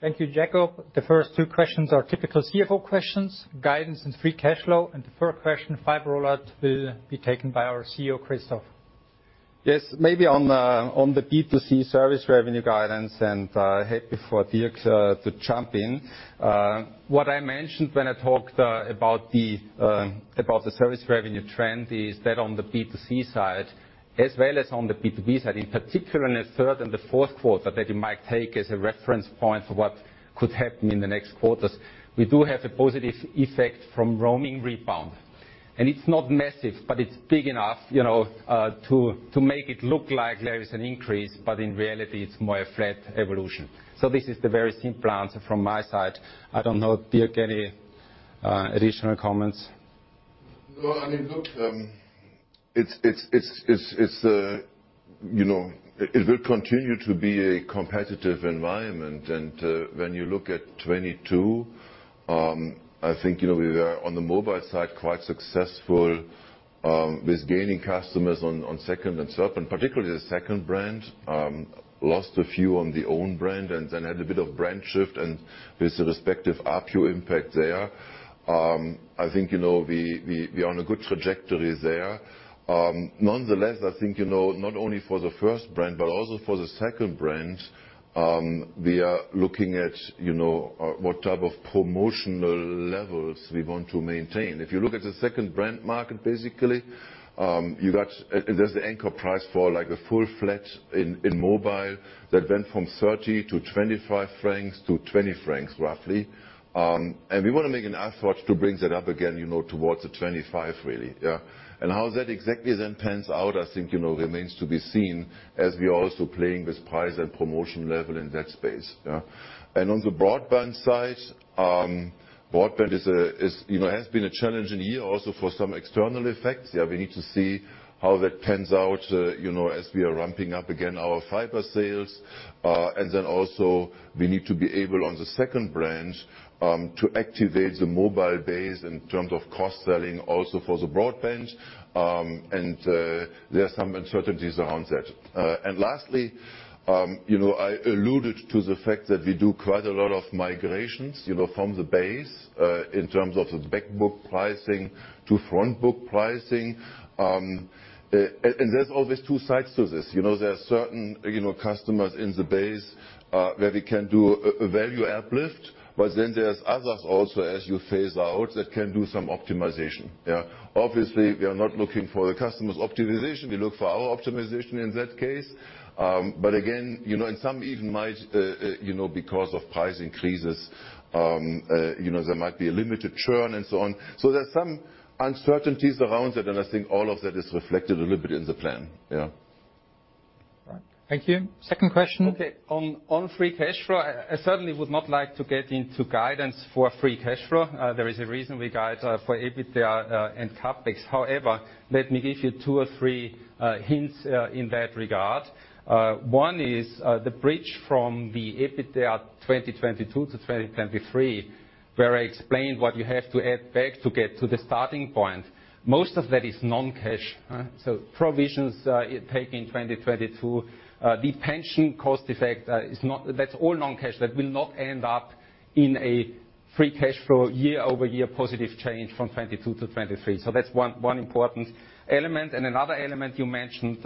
Thank you, Jakob. The first two questions are typical CFO questions, guidance and free cash flow. The third question, fiber rollout, will be taken by our CEO, Christoph. Yes. Maybe on the B2C service revenue guidance and happy for Dirk to jump in. What I mentioned when I talked about the service revenue trend is that on the B2C side, as well as on the B2B side, in particular in the third and the fourth quarter, that you might take as a reference point for what could happen in the next quarters. We do have a positive effect from roaming rebound. It's not massive, but it's big enough, you know, to make it look like there is an increase, but in reality, it's more a flat evolution. This is the very simple answer from my side. I don't know, Dirk, any additional comments? No, I mean, look, it's, you know, it will continue to be a competitive environment. When you look at 22, I think, you know, we were on the mobile side, quite successful. With gaining customers on second and third, and particularly the second brand, lost a few on the own brand and then had a bit of brand shift and with the respective ARPU impact there. I think, you know, we're on a good trajectory there. Nonetheless, I think, you know, not only for the first brand but also for the second brand, we are looking at, you know, what type of promotional levels we want to maintain. If you look at the second brand market, basically, there's the anchor price for, like, a full flat in mobile that went from 30-25 francs-CHF 20, roughly. We wanna make an effort to bring that up again, you know, towards the 25 really, yeah. How that exactly then pans out, I think, you know, remains to be seen as we are also playing with price and promotion level in that space, yeah. Yeah, on the broadband side, broadband is a, is, you know, has been a challenging year also for some external effects. Yeah, we need to see how that pans out, you know, as we are ramping up again our fiber sales. Then also we need to be able on the second brand to activate the mobile base in terms of cross-selling also for the broadband. There are some uncertainties around that. Lastly, you know, I alluded to the fact that we do quite a lot of migrations, you know, from the base in terms of the back book pricing to front book pricing. There's always two sides to this. You know, there are certain, you know, customers in the base where we can do a value uplift, but then there's others also, as you phase out, that can do some optimization, yeah. Obviously, we are not looking for the customer's optimization. We look for our optimization in that case. Again, you know, and some even might, you know, because of price increases, you know, there might be a limited churn and so on. There are some uncertainties around it, and I think all of that is reflected a little bit in the plan. Yeah. Right. Thank you. Second question. Okay. On free cash flow, I certainly would not like to get into guidance for free cash flow. There is a reason we guide for EBITDA and CapEx. Let me give you two or three hints in that regard. One is the bridge from the EBITDA 2022-2023, where I explained what you have to add back to get to the starting point. Most of that is non-cash. Provisions taken in 2022. The pension cost effect. That's all non-cash. That will not end up in a free cash flow year-over-year positive change from 2022-2023. That's one important element. Another element you mentioned,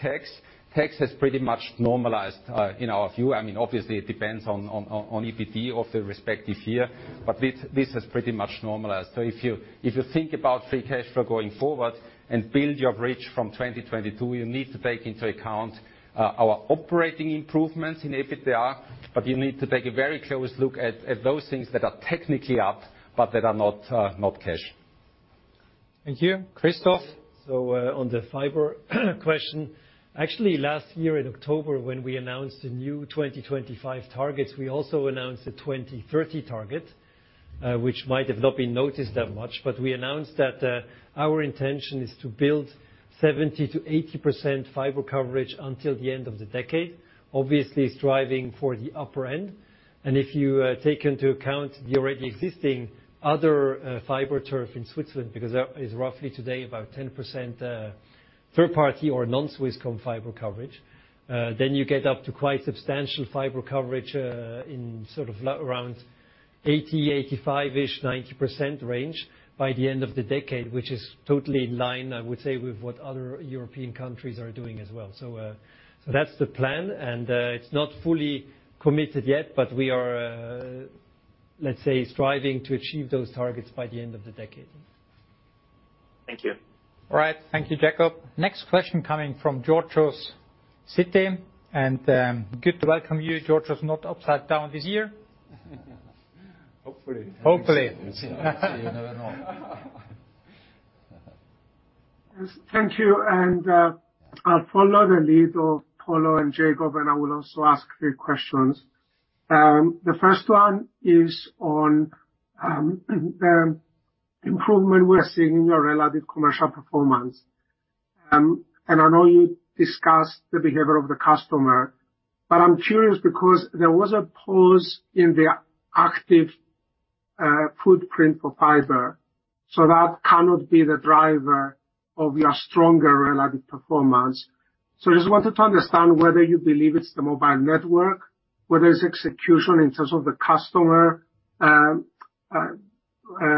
tax. Tax has pretty much normalized in our view. I mean, obviously, it depends on EBT of the respective year, but this has pretty much normalized. If you think about free cash flow going forward and build your bridge from 2022, you need to take into account our operating improvements in EBITDA, but you need to take a very close look at those things that are technically up but that are not cash. Thank you. Christoph? On the fiber question. Actually, last year in October, when we announced the new 2025 targets, we also announced the 2030 target, which might have not been noticed that much, but we announced that our intention is to build 70%-80% fiber coverage until the end of the decade, obviously striving for the upper end. If you take into account the already existing other fiber turf in Switzerland, because that is roughly today about 10% third party or non-Swisscom fiber coverage, then you get up to quite substantial fiber coverage in sort of around 80%, 85%-ish, 90% range by the end of the decade, which is totally in line, I would say, with what other European countries are doing as well. That's the plan, and it's not fully committed yet, but we are, let's say, striving to achieve those targets by the end of the decade. Thank you. All right. Thank you, Jakob. Next question coming from Georgios Ierodiaconou. Good to welcome you, Georgios. Not upside down this year. Hopefully. Hopefully. You never know. Thank you. I'll follow the lead of Polo and Jakob, and I will also ask three questions. The first one is on improvement we're seeing in your relative commercial performance. I know you discussed the behavior of the customer, but I'm curious because there was a pause in the active footprint for fiber, so that cannot be the driver of your stronger relative performance. I just wanted to understand whether you believe it's the mobile network, whether it's execution in terms of the customer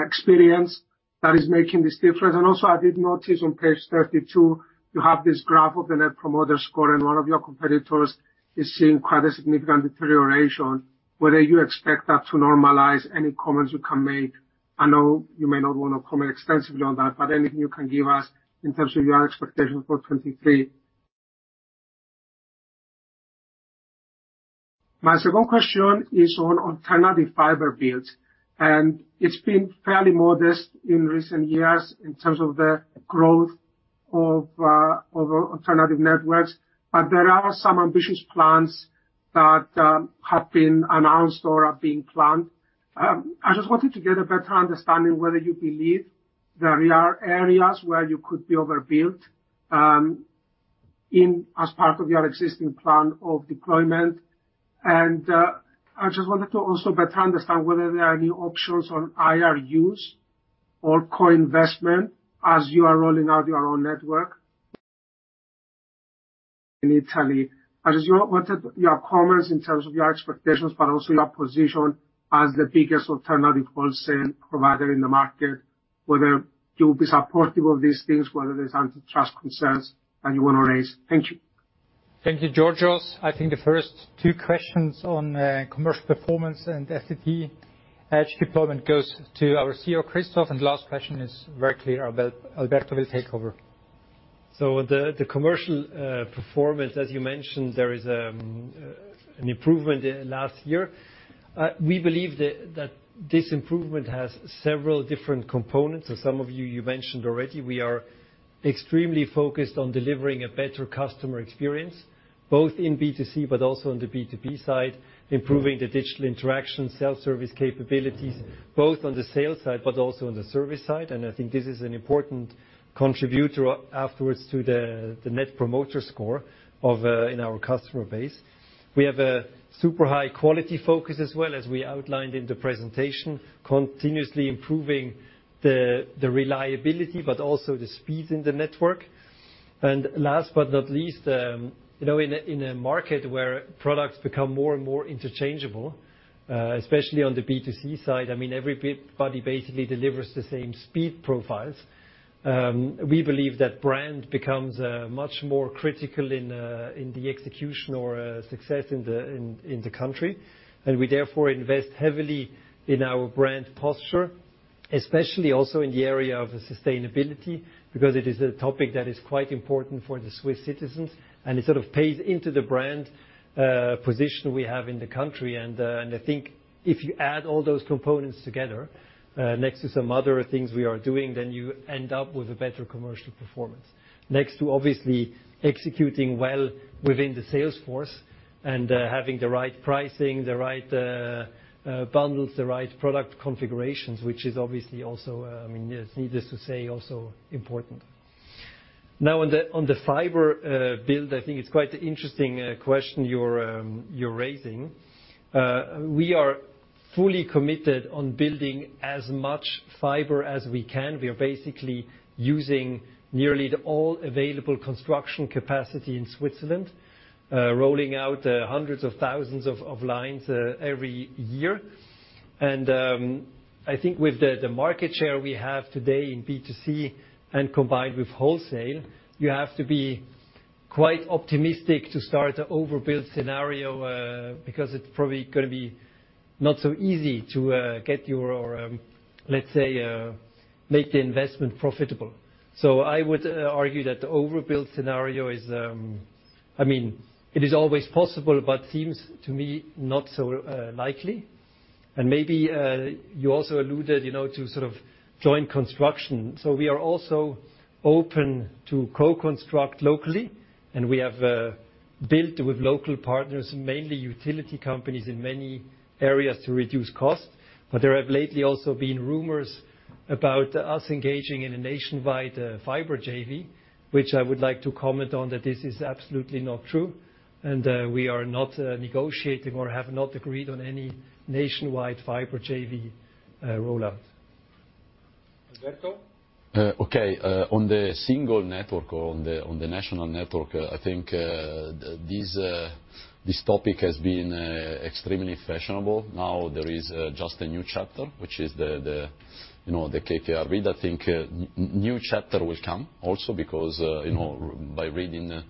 experience that is making this difference. Also, I did notice on page 32, you have this graph of the Net Promoter Score, and one of your competitors is seeing quite a significant deterioration. Whether you expect that to normalize, any comments you can make? I know you may not wanna comment extensively on that, but anything you can give us in terms of your expectation for 2023. My second question is on alternative fiber build. It's been fairly modest in recent years in terms of the growth of alternative networks. There are some ambitious plans that have been announced or are being planned. I just wanted to get a better understanding whether you believe there are areas where you could be overbuilt. In as part of your existing plan of deployment. I just wanted to also better understand whether there are any options on IRUs or co-investment as you are rolling out your own network in Italy. I just wanted your comments in terms of your expectations, but also your position as the biggest alternative wholesale provider in the market, whether you'll be supportive of these things, whether there's antitrust concerns that you wanna raise. Thank you. Thank you, Georgios. I think the first two questions on commercial performance and FTP edge deployment goes to our CEO, Christoph. Last question is very clear, Alberto will take over. The commercial performance, as you mentioned, there is an improvement in last year. We believe this improvement has several different components. As some of you mentioned already, we are extremely focused on delivering a better customer experience, both in B2C but also on the B2B side, improving the digital interaction, self-service capabilities, both on the sales side but also on the service side. I think this is an important contributor afterwards to the Net Promoter Score in our customer base. We have a super high quality focus as well as we outlined in the presentation, continuously improving the reliability, but also the speed in the network. Last but not least, you know, in a market where products become more and more interchangeable, especially on the B2C side, I mean, everybody basically delivers the same speed profiles. We believe that brand becomes much more critical in the execution or success in the country. We therefore invest heavily in our brand posture, especially also in the area of sustainability, because it is a topic that is quite important for the Swiss citizens, and it sort of pays into the brand position we have in the country. I think if you add all those components together, next to some other things we are doing, then you end up with a better commercial performance. Next to obviously executing well within the sales force and having the right pricing, the right bundles, the right product configurations, which is obviously also, I mean, it's needless to say, also important. Now on the fiber build, I think it's quite interesting question you're raising. We are fully committed on building as much fiber as we can. We are basically using nearly all available construction capacity in Switzerland, rolling out hundreds of thousands of lines every year. I think with the market share we have today in B2C and combined with wholesale, you have to be quite optimistic to start an overbuild scenario, because it's probably gonna be not so easy to get your, let's say, make the investment profitable. I would argue that the overbuild scenario is, I mean, it is always possible, but seems to me not so likely. Maybe, you also alluded, you know, to sort of joint construction. We are also open to co-construct locally, and we have built with local partners, mainly utility companies in many areas to reduce cost. There have lately also been rumors about us engaging in a nationwide fiber JV, which I would like to comment on that this is absolutely not true. We are not negotiating or have not agreed on any nationwide fiber JV rollout. Alberto? Okay. On the single network or on the national network, I think this topic has been extremely fashionable. There is just a new chapter, which is, you know, the KKR bid. I think a new chapter will come also because, you know, by reading the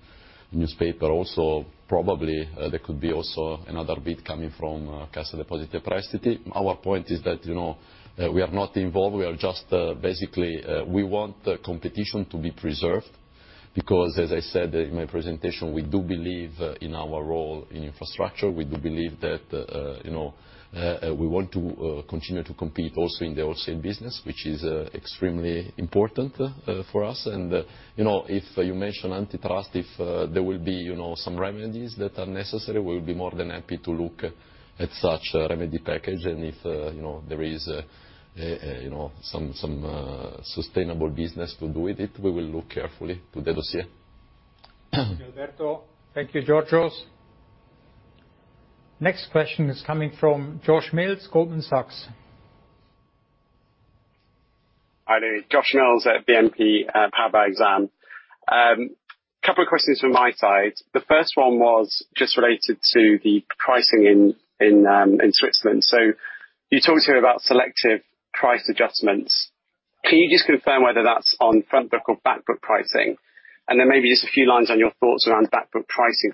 newspaper also, probably, there could be also another bid coming from Cassa Depositi e Prestiti. Our point is that, you know, we are not involved. We are just basically, we want the competition to be preserved because as I said in my presentation, we do believe in our role in infrastructure. We do believe that, you know, we want to continue to compete also in the wholesale business, which is extremely important for us. You know, if you mention antitrust, if there will be, you know, some remedies that are necessary, we'll be more than happy to look at such a remedy package. If, you know, there is, you know, some sustainable business to do with it, we will look carefully to the dossier. Thank you, Alberto. Thank you, Georgios. Next question is coming from Josh Mills, Goldman Sachs. Hi there. Josh Mills at BNP Paribas Exane. Couple of questions from my side. The first one was just related to the pricing in Switzerland. You talked here about selective price adjustments. Can you just confirm whether that's on front book or back book pricing? Maybe just a few lines on your thoughts around back book pricing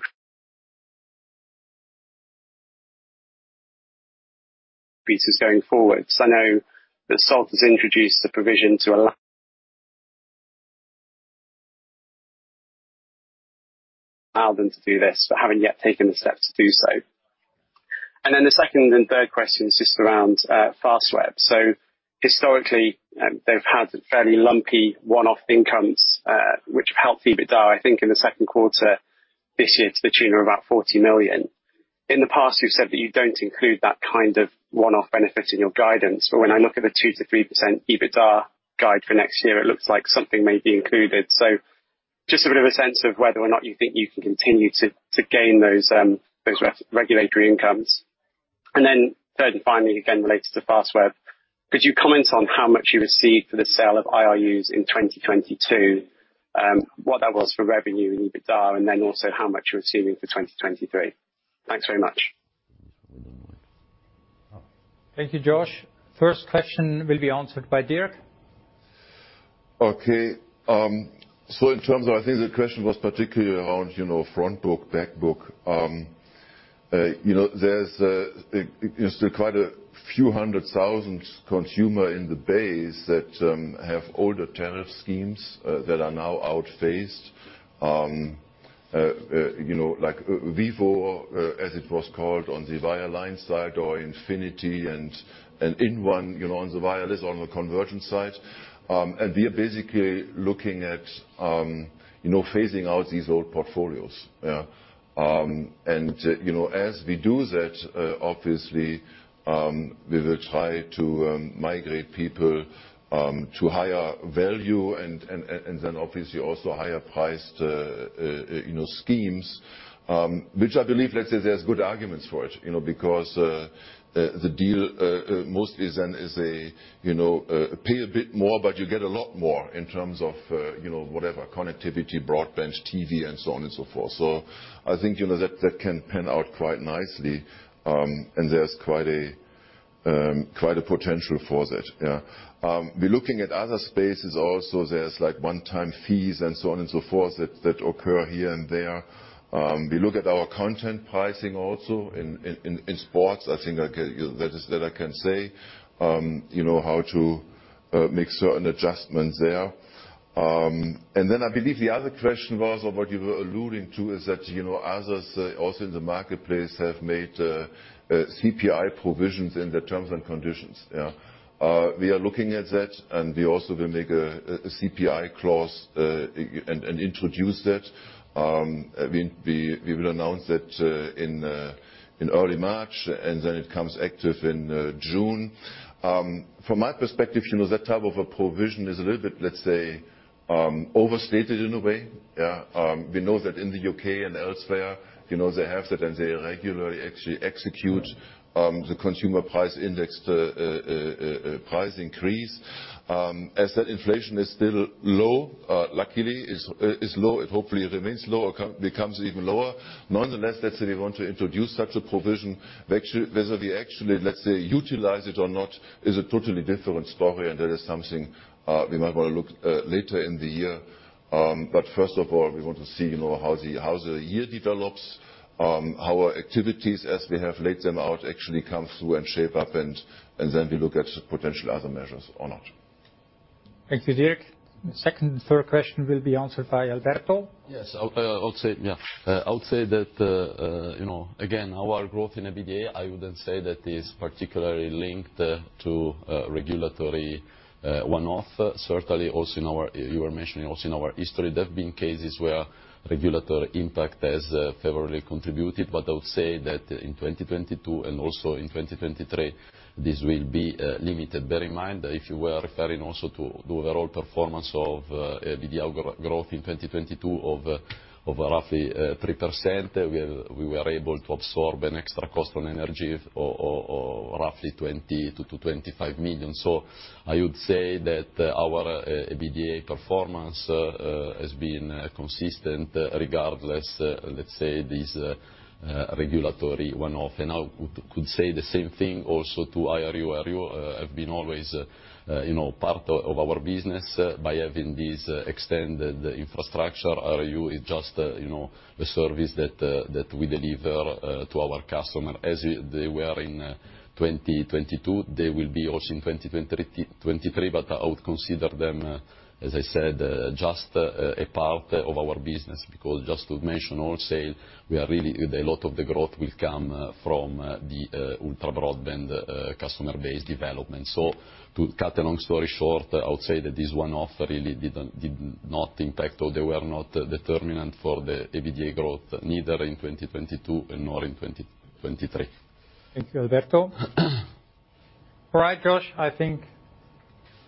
pieces going forward. I know that Salt has introduced a provision to allow them to do this, but haven't yet taken the step to do so. The second and third question is just around Fastweb. Historically, they've had fairly lumpy one-off incomes, which helped EBITDA, I think, in the second quarter. This year to the tune of about 40 million. In the past, you've said that you don't include that kind of one-off benefit in your guidance, but when I look at the 2%-3% EBITDA guide for next year, it looks like something may be included. Just a bit of a sense of whether or not you think you can continue to gain those re-regulatory incomes. Third and finally, again, related to Fastweb. Could you comment on how much you received for the sale of IRUs in 2022, what that was for revenue and EBITDA, and then also how much you're assuming for 2023? Thanks very much. Thank you, Josh. First question will be answered by Dirk. Okay, in terms of I think the question was particularly around front book, back book. There's still quite a few hundred thousand consumer in the base that have older tariff schemes that are now outphased. Like VIVO, as it was called on the Via line side, or Infinity and InOne on the Via is on the convergence side. We are basically looking at phasing out these old portfolios. You know, as we do that, obviously, we will try to migrate people to higher value and then obviously also higher priced, you know, schemes, which I believe, let's say there's good arguments for it, you know, because the deal, most is then is a, you know, pay a bit more, but you get a lot more in terms of, you know, whatever connectivity, broadband TV and so on and so forth. I think, you know, that can pan out quite nicely, and there's quite a, quite a potential for that. Yeah. We're looking at other spaces also. There's like one-time fees and so on and so forth that occur here and there. We look at our content pricing also in, in sports. I think that is... That I can say. you know, how to make certain adjustments there. Then I believe the other question was, or what you were alluding to is that, you know, others also in the marketplace have made CPI provisions in their terms and conditions. Yeah. We are looking at that, and we also will make a CPI clause and introduce it. We will announce it in early March, and then it comes active in June. From my perspective, you know, that type of a provision is a little bit, let's say, overstated in a way. Yeah. We know that in the U.K. and elsewhere, you know, they have that, and they regularly actually execute the consumer price index price increase. As that inflation is still low, luckily is low and hopefully remains low or becomes even lower. Nonetheless, let's say we want to introduce such a provision. Actually, whether we actually, let's say, utilize it or not is a totally different story, and that is something we might want to look later in the year. First of all, we want to see, you know, how the year develops, our activities as we have laid them out actually come through and shape up, and then we look at potential other measures or not. Thank you, Dirk. Second and third question will be answered by Alberto. Yes. I'll say that, you know, again, our growth in EBITDA, I wouldn't say that is particularly linked to regulatory one-off. Certainly also, you were mentioning also in our history, there have been cases where regulatory impact has favorably contributed. I would say that in 2022 and also in 2023, this will be limited. Bear in mind, if you were referring also to the overall performance of EBITDA growth in 2022 of roughly 3%, we were able to absorb an extra cost on energy of roughly 20 million-25 million. I would say that our EBITDA performance has been consistent regardless, let's say, this regulatory one-off. I could say the same thing also to IRU. IRU have been always, you know, part of our business by having this extended infrastructure. IRU is just, you know, a service that we deliver to our customer. As they were in 2022, they will be also in 2023, but I would consider them, as I said, just a part of our business. Just to mention, wholesale, we are really. A lot of the growth will come from the ultra broadband customer base development. To cut a long story short, I would say that this one-off really did not impact or they were not determinant for the EBITDA growth, neither in 2022 nor in 2023. Thank you, Alberto. Josh, I think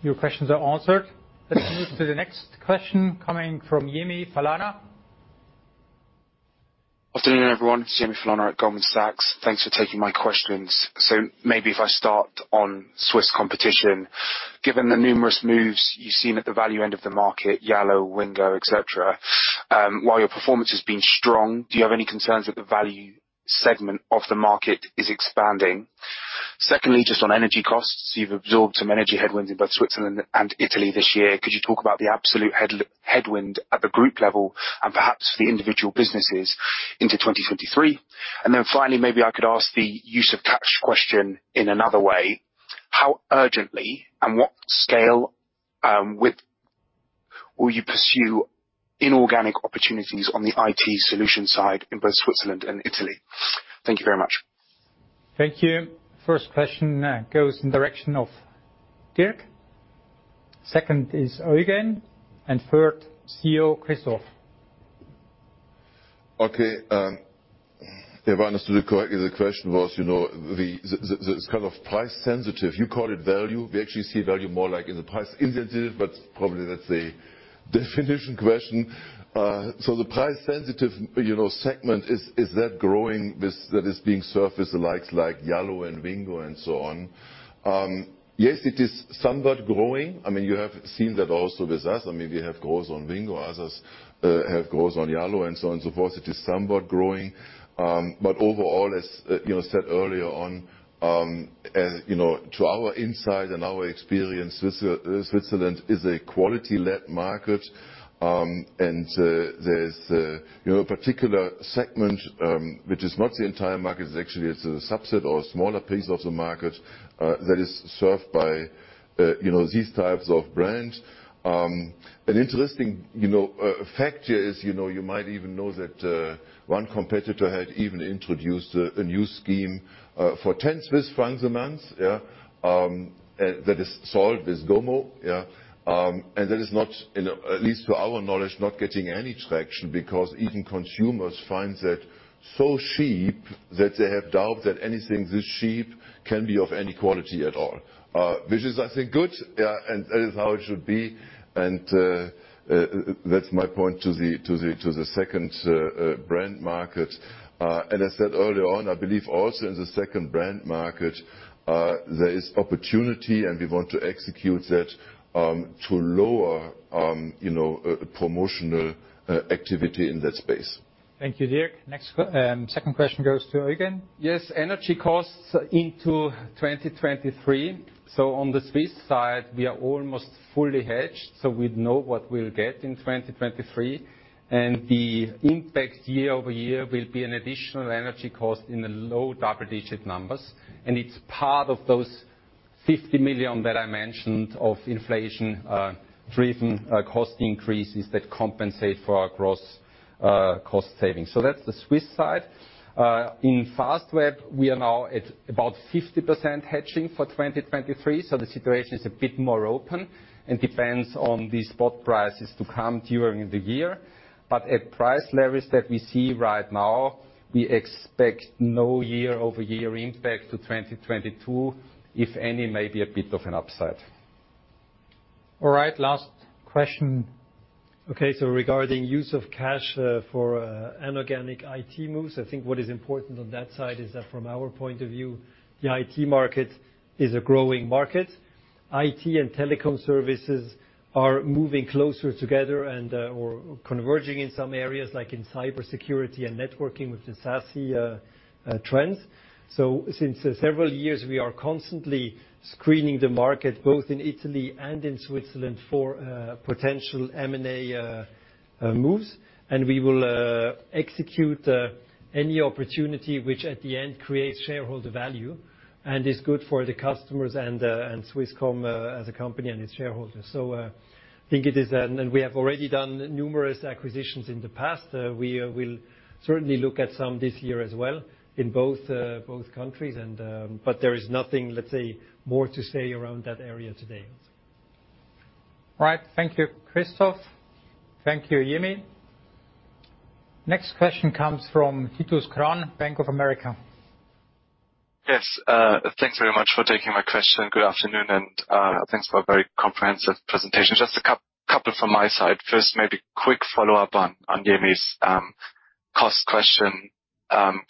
your questions are answered. Let's move to the next question coming from Yemi Falana. Good afternoon, everyone. It's Yemi Falana at Goldman Sachs. Thanks for taking my questions. Maybe if I start on Swiss competition. Given the numerous moves you've seen at the value end of the market, yallo, Wingo, et cetera, while your performance has been strong, do you have any concerns that the value segment of the market is expanding? Secondly, just on energy costs, you've absorbed some energy headwinds in both Switzerland and Italy this year. Could you talk about the absolute headwind at the group level and perhaps for the individual businesses into 2023? Finally, maybe I could ask the use of cash question in another way. How urgently and what scale, with will you pursue inorganic opportunities on the IT solution side in both Switzerland and Italy? Thank you very much. Thank you. First question goes in direction of Dirk. Second is Eugen, and third, CEO Christoph. Okay. If I understood correctly, the question was, you know, the kind of price sensitive. You call it value. We actually see value more like in the price incentive, but probably that's a definition question. The price sensitive, you know, segment is that growing with that is being serviced the likes like Yallo and Wingo and so on? Yes, it is somewhat growing. I mean, you have seen that also with us. I mean, we have growth on Wingo, others have growth on Yallo and so on and so forth. It is somewhat growing. Overall, as you know, said earlier on, as you know, to our insight and our experience, Switzerland is a quality-led market, and there's you know, a particular segment which is not the entire market. It's actually, it's a subset or a smaller piece of the market that is served by, you know, these types of brands. An interesting, you know, fact here is, you know, you might even know that one competitor had even introduced a new scheme for 10 Swiss francs a month, yeah, that is sold with GoMo, yeah. That is not, you know, at least to our knowledge, not getting any traction because even consumers find that so cheap that they have doubt that anything this cheap can be of any quality at all. Which is I think good, yeah, and that is how it should be and that's my point to the second brand market. I said earlier on, I believe also in the second brand market, there is opportunity, and we want to execute that, to lower, you know, promotional activity in that space. Thank you, Dirk. Next second question goes to Eugen. Yes. Energy costs into 2023. On the Swiss side, we are almost fully hedged, so we know what we'll get in 2023. The impact year-over-year will be an additional energy cost in the low double-digit numbers. It's part of those 50 million that I mentioned of inflation, driven cost increases that compensate for our gross cost savings. That's the Swiss side. In Fastweb, we are now at about 50% hedging for 2023, the situation is a bit more open and depends on the spot prices to come during the year. At price levels that we see right now, we expect no year-over-year impact to 2022. If any, maybe a bit of an upside. All right. Last question. Okay, regarding use of cash, for inorganic IT moves, I think what is important on that side is that from our point of view, the IT market is a growing market. IT and telecom services are moving closer together and, or converging in some areas like in cybersecurity and networking with the SASE trends. Since several years, we are constantly screening the market, both in Italy and in Switzerland for potential M&A moves. We will execute any opportunity which at the end creates shareholder value and is good for the customers and Swisscom, as a company and its shareholders. Think it is then. We have already done numerous acquisitions in the past. We will certainly look at some this year as well in both countries and, but there is nothing, let's say, more to say around that area today. All right. Thank you, Christoph. Thank you, Yemi. Next question comes from Titus Krahn, Bank of America. Yes. Thanks very much for taking my question. Good afternoon, and thanks for a very comprehensive presentation. Just a couple from my side. First, maybe quick follow-up on Yemi's cost question,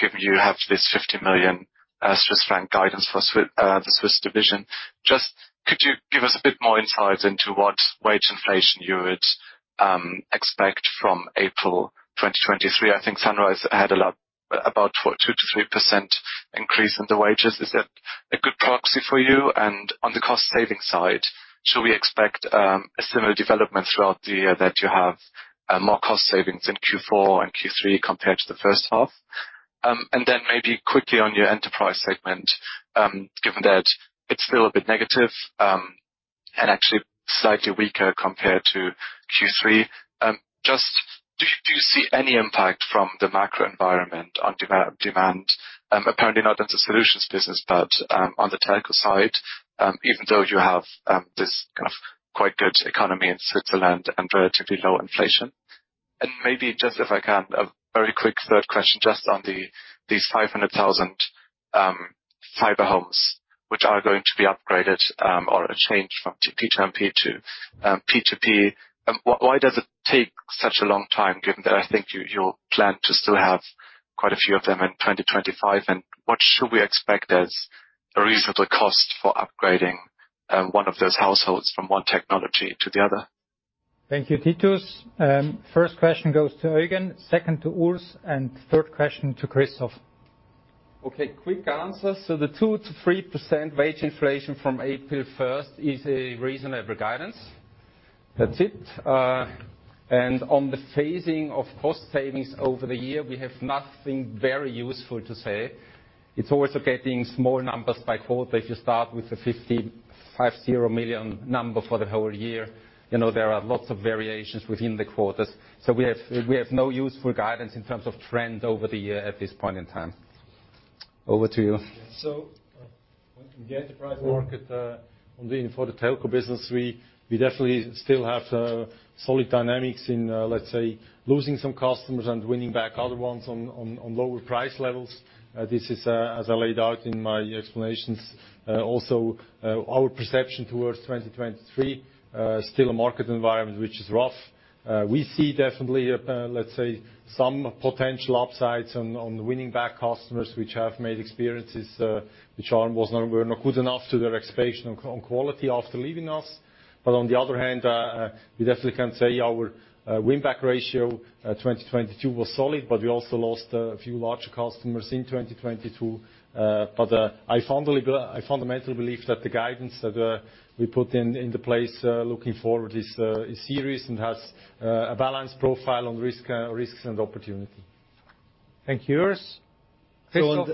given you have this 50 million Swiss franc guidance for the Swiss division. Just could you give us a bit more insight into what wage inflation you would expect from April 2023? I think Sunrise had a lot, about 2%-3% increase in the wages. Is that a good proxy for you? On the cost-saving side, should we expect a similar development throughout the year that you have more cost savings in Q4 and Q3 compared to the first half? Maybe quickly on your enterprise segment, given that it's still a bit negative, and actually slightly weaker compared to Q3, do you see any impact from the macro environment on demand? Apparently not in the solutions business, but on the telco side, even though you have this kind of quite good economy in Switzerland and relatively low inflation. Maybe just if I can, a very quick third question, just on these 500,000 fiber homes which are going to be upgraded or changed from GP to MP to P2P. Why does it take such a long time, given that I think you'll plan to still have quite a few of them in 2025? What should we expect as a reasonable cost for upgrading, one of those households from one technology to the other? Thank you, Titus. First question goes to Eugen, second to Urs, third question to Christoph. Okay, quick answers. The 2%-3% wage inflation from April 1st is a reasonable guidance. That's it. On the phasing of cost savings over the year, we have nothing very useful to say. It's always okay getting small numbers by quarter if you start with a 550 million number for the whole year. You know, there are lots of variations within the quarters. We have no useful guidance in terms of trend over the year at this point in time. Over to you. In the enterprise market, for the telco business, we definitely still have solid dynamics in, let's say losing some customers and winning back other ones on lower price levels. This is, as I laid out in my explanations, also our perception towards 2023, still a market environment which is rough. We see definitely, let's say some potential upsides on winning back customers which have made experiences, which weren't good enough to their expectation on quality after leaving us. On the other hand, we definitely can say our win back ratio 2022 was solid, but we also lost a few larger customers in 2022. I fundamentally believe that the guidance that we put in the place looking forward is serious and has a balanced profile on risks and opportunity. Thank you. Urs? On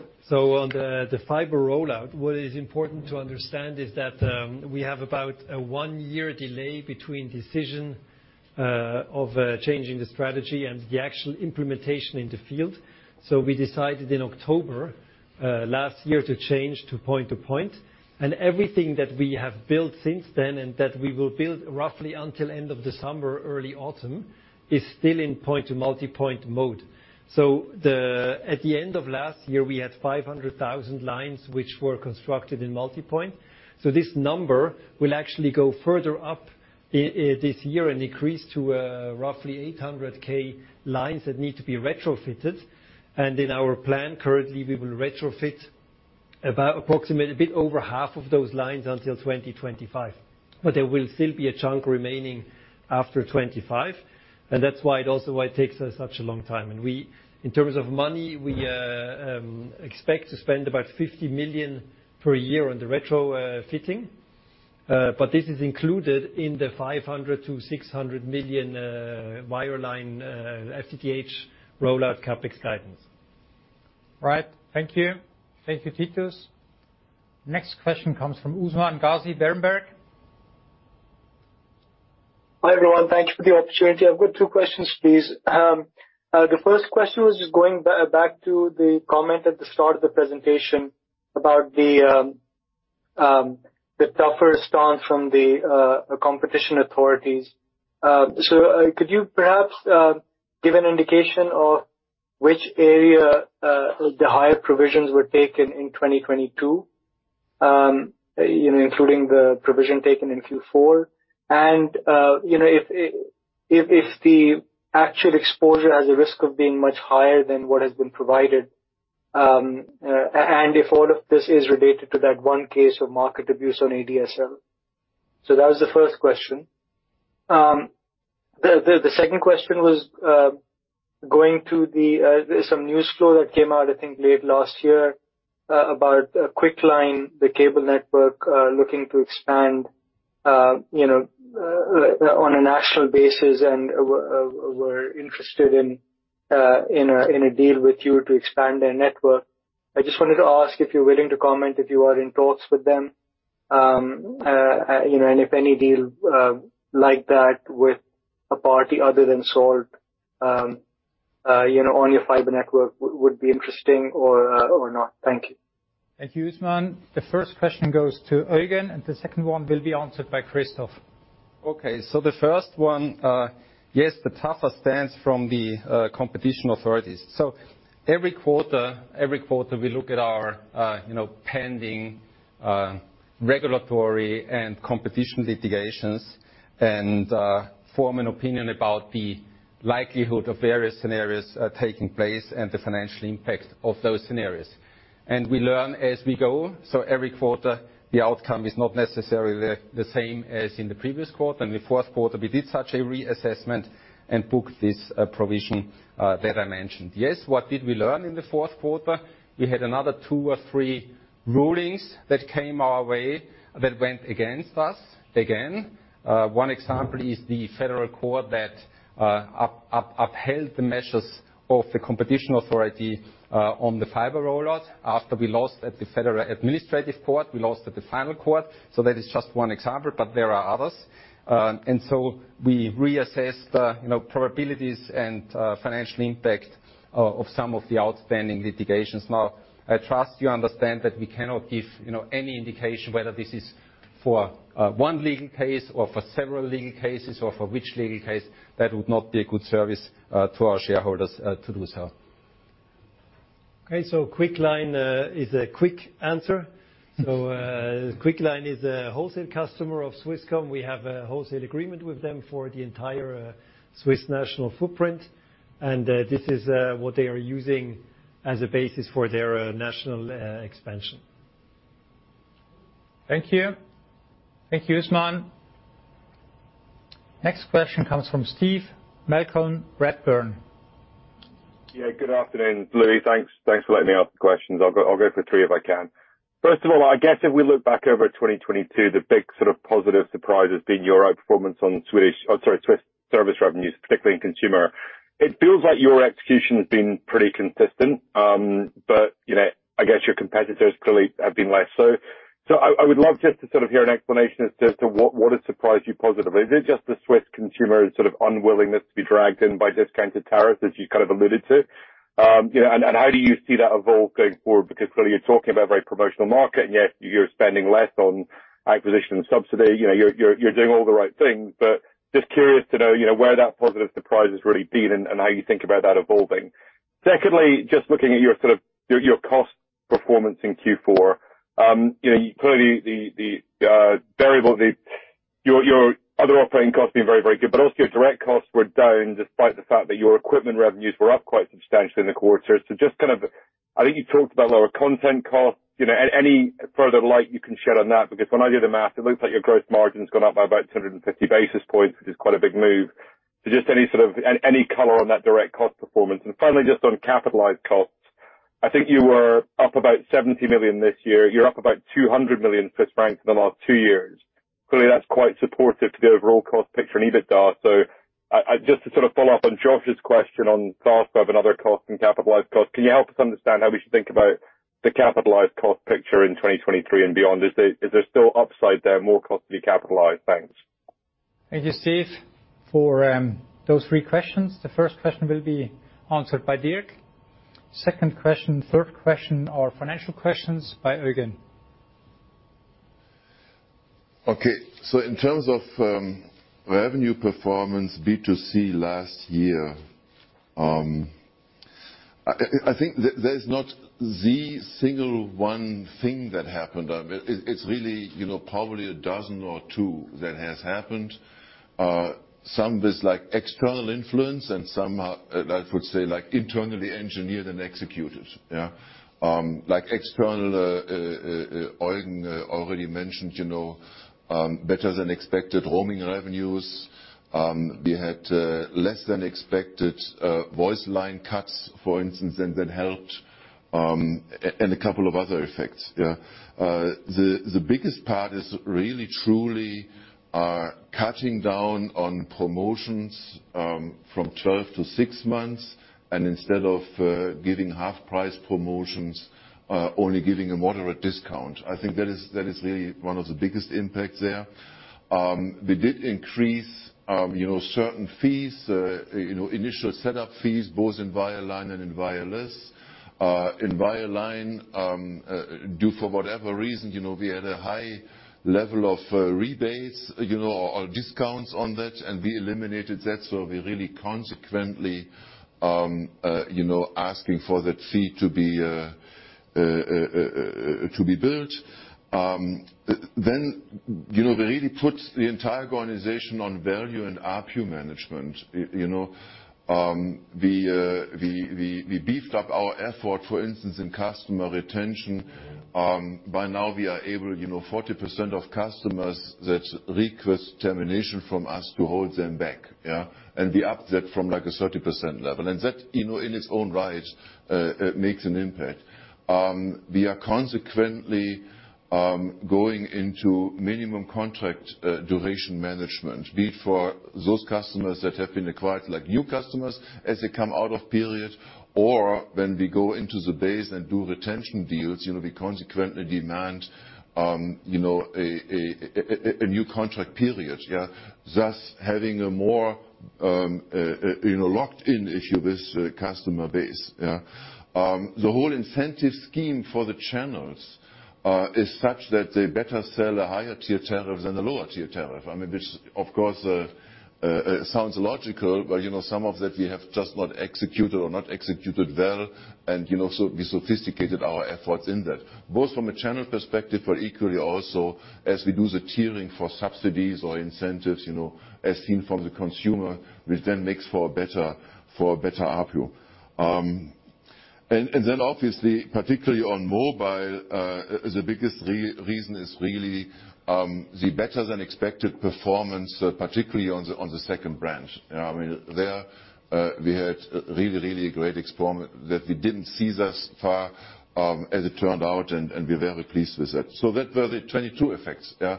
the fiber rollout, what is important to understand is that we have about a one-year delay between decision of changing the strategy and the actual implementation in the field. We decided in October last year to change to point-to-point. Everything that we have built since then and that we will build roughly until end of December, early autumn, is still in point-to-multipoint mode. At the end of last year, we had 500,000 lines which were constructed in multipoint. This number will actually go further up this year and increase to roughly 800K lines that need to be retrofitted. In our plan, currently, we will retrofit about approximately a bit over half of those lines until 2025. There will still be a chunk remaining after 25, and that's why it also why it takes us such a long time. We, in terms of money, we expect to spend about 50 million per year on the retro fitting. This is included in the 500 million-600 million wireline FTTH rollout CapEx guidance. Right. Thank you. Thank you, Titus. Next question comes from Usman Ghazi, Berenberg. Hi, everyone. Thank you for the opportunity. I've got two questions, please. The first question was just going back to the comment at the start of the presentation about the tougher stance from the competition authorities. Could you perhaps give an indication of which area the higher provisions were taken in 2022, you know, including the provision taken in Q4? You know, if the actual exposure has a risk of being much higher than what has been provided, and if all of this is related to that 1 case of market abuse on ADSL. That was the first question. The second question was going to some news flow that came out, I think, late last year, about Quickline, the cable network, looking to expand, you know, on a national basis and were interested in a deal with you to expand their network. I just wanted to ask if you're willing to comment if you are in talks with them, you know, and if any deal like that with a party other than Salt, you know, on your fiber network would be interesting or not. Thank you. Thank you, Usman. The first question goes to Eugen. The second one will be answered by Christoph. Okay. The first one, yes, the tougher stance from the competition authorities. Every quarter, every quarter, we look at our, you know, pending regulatory and competition litigations and form an opinion about the likelihood of various scenarios taking place and the financial impact of those scenarios. We learn as we go. Every quarter, the outcome is not necessarily the same as in the previous quarter. In the fourth quarter, we did such a reassessment and booked this provision that I mentioned. What did we learn in the fourth quarter? We had another two or three rulings that came our way that went against us again. One example is the Federal Court that upheld the measures of the Competition Authority on the fiber rollout. After we lost at the Federal Administrative Court, we lost at the final court. That is just one example, but there are others. We reassess the, you know, probabilities and financial impact of some of the outstanding litigations. Now, I trust you understand that we cannot give, you know, any indication whether this is for one legal case or for several legal cases or for which legal case. That would not be a good service to our shareholders to do so. Quickline is a quick answer. Quickline is a wholesale customer of Swisscom. We have a wholesale agreement with them for the entire Swiss national footprint. This is what they are using as a basis for their national expansion. Thank you. Thank you, Usman. Next question comes from Steve Malcolm, Redburn. Yeah, good afternoon, Louis. Thanks for letting me ask the questions. I'll go for three if I can. First of all, I guess if we look back over 2022, the big sort of positive surprise has been your outperformance on Swiss, sorry, Swiss service revenues, particularly in consumer. It feels like your execution has been pretty consistent, you know, I guess your competitors clearly have been less so. I would love just to sort of hear an explanation as to what has surprised you positively. Is it just the Swiss consumer's sort of unwillingness to be dragged in by discounted tariffs, as you kind of alluded to? You know, how do you see that evolve going forward? Clearly you're talking about a very promotional market, and yet you're spending less on acquisition and subsidy. You know, you're doing all the right things. Just curious to know, you know, where that positive surprise has really been and how you think about that evolving. Secondly, just looking at your sort of, your cost performance in Q4. You know, clearly the variable, Your other operating costs have been very good, but also your direct costs were down despite the fact that your equipment revenues were up quite substantially in the quarter. I think you talked about lower content costs. You know, any further light you can shed on that? When I do the math, it looks like your growth margin's gone up by about 250 basis points, which is quite a big move. Just any sort of, any color on that direct cost performance. Finally, just on capitalized costs, I think you were up about 70 million this year. You're up about 200 million in the last two years. Clearly, that's quite supportive to the overall cost picture and EBITDA. I... Just to sort of follow up on Josh's question on cost of and other costs and capitalized costs, can you help us understand how we should think about the capitalized cost picture in 2023 and beyond? Is there still upside there, more cost to be capitalized? Thanks. Thank you, Steve, for those three questions. The first question will be answered by Dirk. Second question, third question are financial questions by Eugen. In terms of revenue performance, B2C last year, I think there is not the single one thing that happened. It's really, you know, probably a dozen or two that has happened. Some there's like external influence and some are, I would say like internally engineered and executed, yeah. Like external, Eugen already mentioned, you know, better than expected roaming revenues. We had less than expected voice line cuts, for instance, and that helped, and a couple of other effects, yeah. The biggest part is really truly cutting down on promotions, from 12 to six months, and instead of giving half-price promotions, only giving a moderate discount. I think that is really one of the biggest impacts there. We did increase, you know, certain fees, you know, initial setup fees, both in Yalline and in Yallis. In Yalline, due for whatever reason, you know, we had a high level of rebates, you know, or discounts on that, and we eliminated that. We're really consequently, you know, asking for that fee to be billed. You know, we really put the entire organization on value and ARPU management. You know, we beefed up our effort, for instance, in customer retention. By now we are able, you know, 40% of customers that request termination from us to hold them back, yeah. We up that from like a 30% level. That, you know, in its own right, makes an impact. We are consequently going into minimum contract duration management, be it for those customers that have been acquired, like new customers, as they come out of period, or when we go into the base and do retention deals. You know, we consequently demand, you know, a new contract period, yeah, thus having a more, you know, locked in issue with customer base, yeah. The whole incentive scheme for the channels is such that they better sell a higher tier tariff than a lower tier tariff. I mean, which of course sounds logical, but you know, some of that we have just not executed or not executed well. You know, so we sophisticated our efforts in that, both from a channel perspective, but equally also as we do the tiering for subsidies or incentives, you know, as seen from the consumer, which then makes for a better ARPU. And then obviously, particularly on mobile, the biggest reason is really the better than expected performance, particularly on the second branch. You know, I mean there, we had really, really great explore that we didn't seize thus far, as it turned out, and we're very pleased with that. That were the 22 effects, yeah.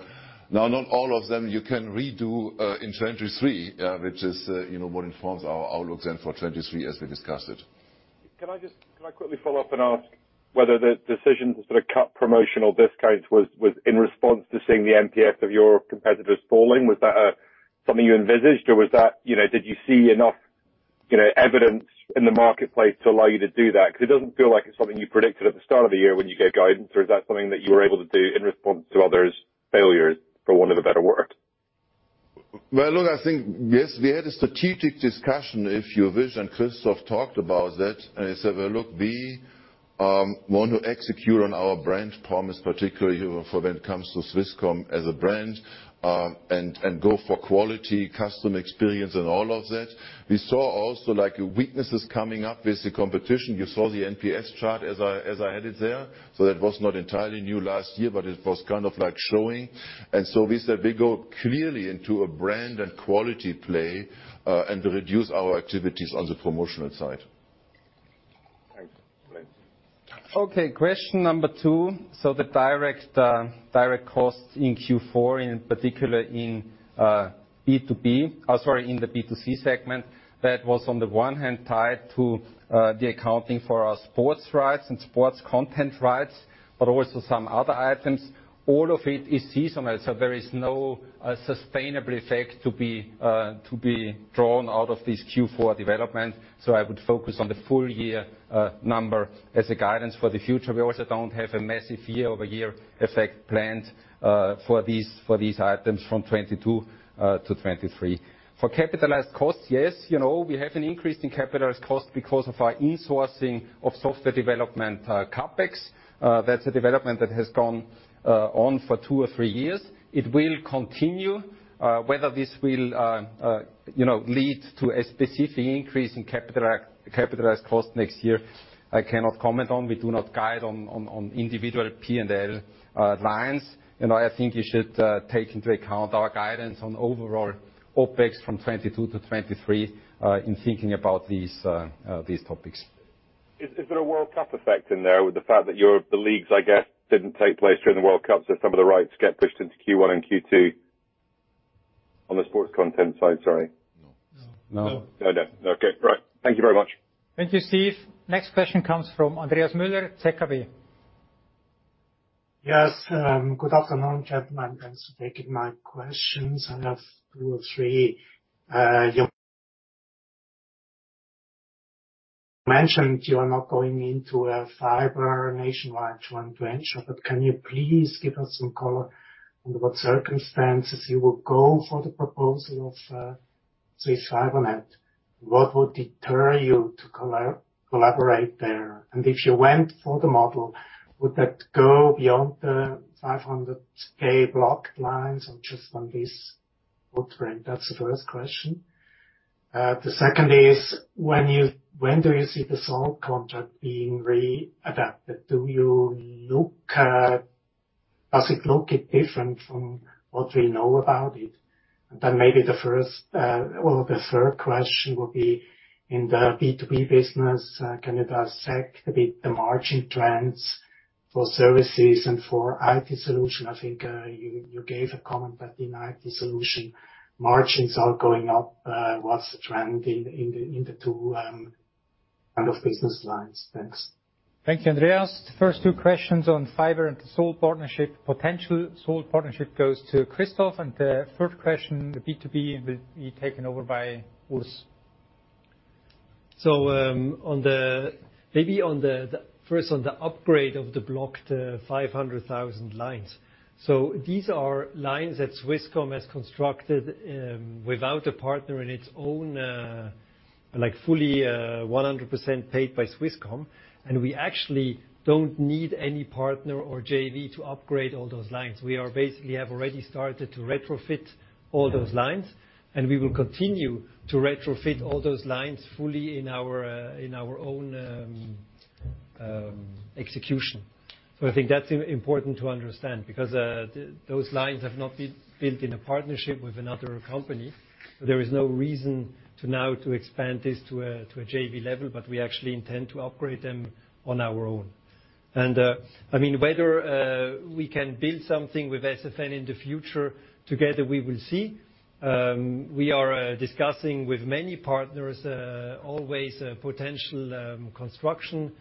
Not all of them you can redo in 2023, which is, you know, what informs our outlook then for 23 as we discussed it. Can I quickly follow up and ask whether the decisions to sort of cut promotional discounts was in response to seeing the NPS of your competitors falling? Was that something you envisaged, or was that, you know, did you see enough, you know, evidence in the marketplace to allow you to do that? It doesn't feel like it's something you predicted at the start of the year when you gave guidance, or is that something that you were able to do in response to others' failures, for want of a better word? Well, look, I think yes, we had a strategic discussion, if you wish, and Christoph talked about that. He said, "Well, look, we want to execute on our brand promise, particularly for when it comes to Swisscom as a brand, and go for quality, customer experience, and all of that." We saw also like weaknesses coming up with the competition. You saw the NPS chart as I had it there. So that was not entirely new last year, but it was kind of like showing. We said we go clearly into a brand and quality play, and reduce our activities on the promotional side. Okay, question number two. The direct direct cost in Q4, in particular in B2B. Sorry, in the B2C segment, that was on the one hand tied to the accounting for our sports rights and sports content rights, but also some other items. All of it is seasonal, there is no sustainable effect to be drawn out of this Q4 development. I would focus on the full year number as a guidance for the future. We also don't have a massive year-over-year effect planned for these items from 2022-2023. For capitalized costs, yes, you know, we have an increase in capitalized costs because of our in-sourcing of software development, CapEx. That's a development that has gone on for two or three years. It will continue. Whether this will, you know, lead to a specific increase in capitalized cost next year, I cannot comment on. We do not guide on individual P&L lines. You know, I think you should take into account our guidance on overall OpEx from 2022-2023 in thinking about these topics. Is there a World Cup effect in there with the fact that your the leagues, I guess, didn't take place during the World Cup, so some of the rights get pushed into Q1 and Q2 on the sports content side? Sorry. No. No. No, no. Okay, great. Thank you very much. Thank you, Steve. Next question comes from Andreas Müller, ZKB. Yes. Good afternoon, gentlemen. Thanks for taking my questions. I have two or three. You mentioned you are not going into a fiber nationwide joint venture, can you please give us some color under what circumstances you would go for the proposal of Swiss Fibre Net? What would deter you to collaborate there? If you went for the model, would that go beyond the 500K blocked lines or just on this footprint? That's the first question. The second is, when do you see the Salt contract being readapted? Does it look different from what we know about it? Then maybe the first, well, the third question would be in the B2B business, can you dissect a bit the margin trends for services and for IT solution? I think, you gave a comment that in IT solution, margins are going up. What's the trend in the two line of business lines? Thanks. Thank you, Andreas. The first two questions on fiber and the Salt partnership, potential Salt partnership goes to Christoph, and the third question, the B2B, will be taken over by Urs. On the upgrade of the blocked 500,000 lines. These are lines that Swisscom has constructed without a partner in its own fully 100% paid by Swisscom. We actually don't need any partner or JV to upgrade all those lines. We are basically have already started to retrofit all those lines, and we will continue to retrofit all those lines fully in our own execution. I think that's important to understand because those lines have not been built in a partnership with another company. There is no reason to now to expand this to a JV level. We actually intend to upgrade them on our own. Whether we can build something with SFN in the future together, we will see. We are discussing with many partners always a potential construction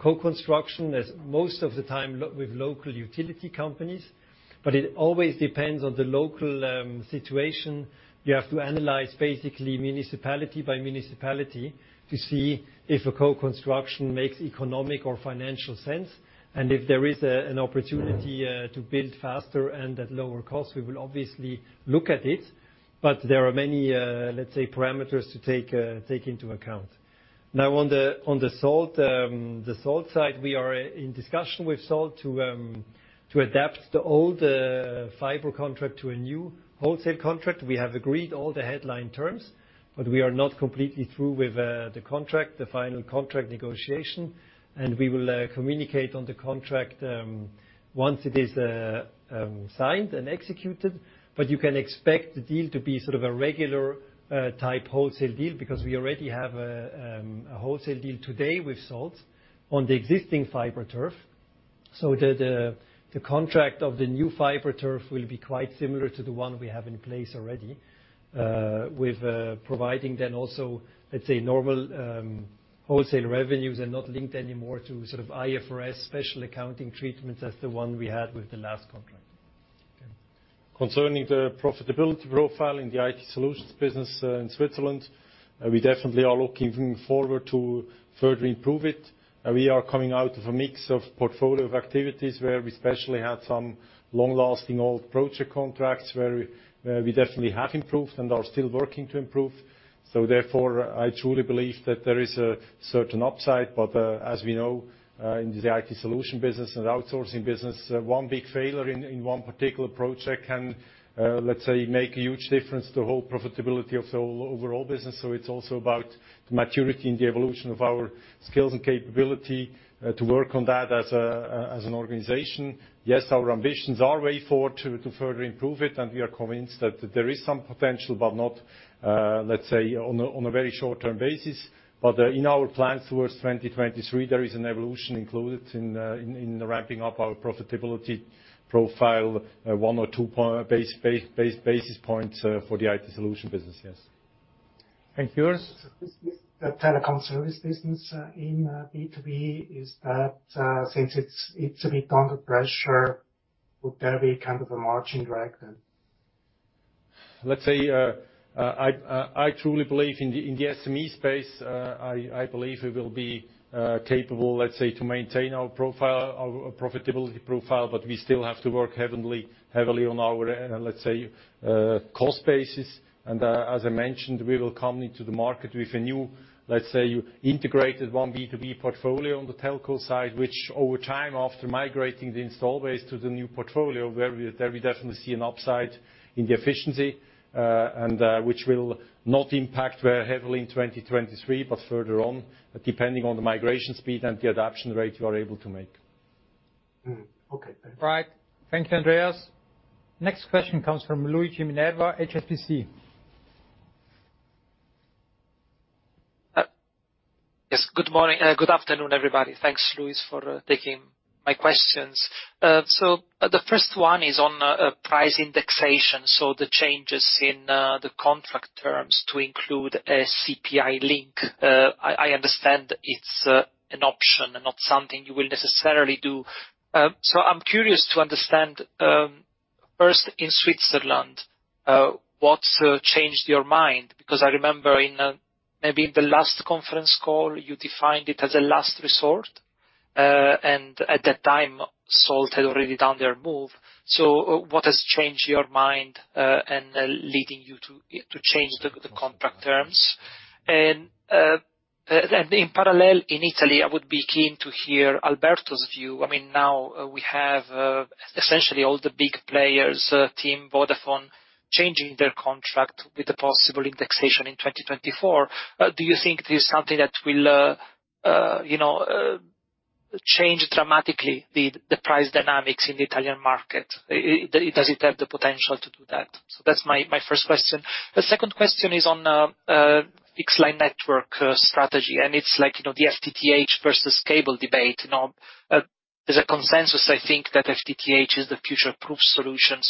co-construction as most of the time with local utility companies. It always depends on the local situation. You have to analyze basically municipality by municipality to see if a co-construction makes economic or financial sense, and if there is an opportunity to build faster and at lower cost, we will obviously look at it. There are many, let's say, parameters to take into account. Now on the, on the Salt, the Salt side, we are in discussion with Salt to adapt the old fiber contract to a new wholesale contract. We have agreed all the headline terms, but we are not completely through with the contract, the final contract negotiation, and we will communicate on the contract once it is signed and executed. You can expect the deal to be sort of a regular type wholesale deal because we already have a wholesale deal today with Salt on the existing fiber turf. The contract of the new fiber turf will be quite similar to the one we have in place already, with providing then also, let's say, normal wholesale revenues and not linked anymore to sort of IFRS special accounting treatment as the one we had with the last contract. Concerning the profitability profile in the IT solutions business, in Switzerland, we definitely are looking forward to further improve it. We are coming out of a mix of portfolio of activities where we especially had some long-lasting old project contracts where we definitely have improved and are still working to improve. Therefore, I truly believe that there is a certain upside. As we know, in the IT solution business and outsourcing business, one big failure in one particular project can, let's say, make a huge difference to whole profitability of the whole overall business. It's also about the maturity and the evolution of our skills and capability, to work on that as an organization. Yes, our ambitions are way forward to further improve it, and we are convinced that there is some potential, but not, let's say, on a very short-term basis. In our plans towards 2023, there is an evolution included in ramping up our profitability profile, 1 or 2 basis points, for the IT solution business. Yes. Yours? The telecom service business in B2B, is that since it's a bit under pressure, would that be kind of a margin drag then? Let's say, I truly believe in the, in the SME space, I believe we will be capable, let's say, to maintain our profile, our profitability profile, but we still have to work heavily on our e-let's say, cost basis. As I mentioned, we will come into the market with a new, let's say, integrated One B2B portfolio on the telco side, which over time, after migrating the install base to the new portfolio, where we, there we definitely see an upside in the efficiency, and which will not impact very heavily in 2023, but further on, depending on the migration speed and the adaption rate we are able to make. Okay. Thank you. Right. Thank you, Andreas Müller. Next question comes from Luigi Minerva, HSBC. Yes. Good morning, good afternoon, everybody. Thanks, Louis, for taking my questions. The first one is on price indexation, so the changes in the contract terms to include a CPI link. I understand it's an option and not something you will necessarily do. I'm curious to understand, first in Switzerland, what's changed your mind? Because I remember in maybe the last conference call, you defined it as a last resort. At that time, Salt had already done their move. What has changed your mind and leading you to change the contract terms? In parallel, in Italy, I would be keen to hear Alberto's view. I mean, now we have essentially all the big players, Team Vodafone, changing their contract with the possible indexation in 2024. Do you think this is something that will, you know, change dramatically the price dynamics in the Italian market? Does it have the potential to do that? That's my first question. The second question is on fixed line network strategy, and it's like, you know, the FTTH versus cable debate. You know, there's a consensus, I think, that FTTH is the future-proof solution.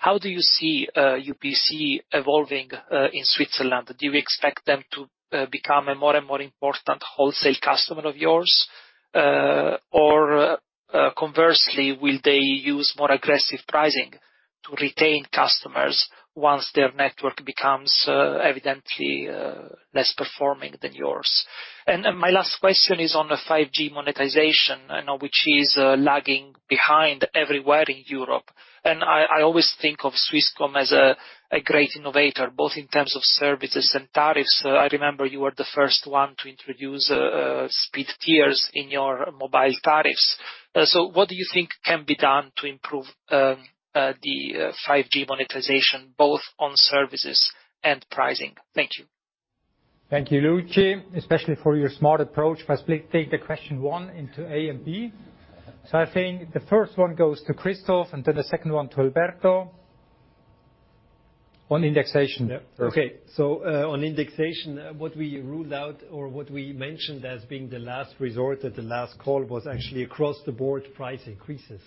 How do you see UPC evolving in Switzerland? Do you expect them to become a more and more important wholesale customer of yours? Or, conversely, will they use more aggressive pricing to retain customers once their network becomes, evidently, less performing than yours? My last question is on the 5G monetization, you know, which is lagging behind everywhere in Europe. I always think of Swisscom as a great innovator, both in terms of services and tariffs. I remember you were the first one to introduce speed tiers in your mobile tariffs. What do you think can be done to improve the 5G monetization, both on services and pricing? Thank you. Thank you, Luigi, especially for your smart approach by taking the question one into A and B. I think the first one goes to Christoph, and then the second one to Alberto. On indexation? Yeah. On indexation, what we ruled out or what we mentioned as being the last resort at the last call was actually across-the-board price increases.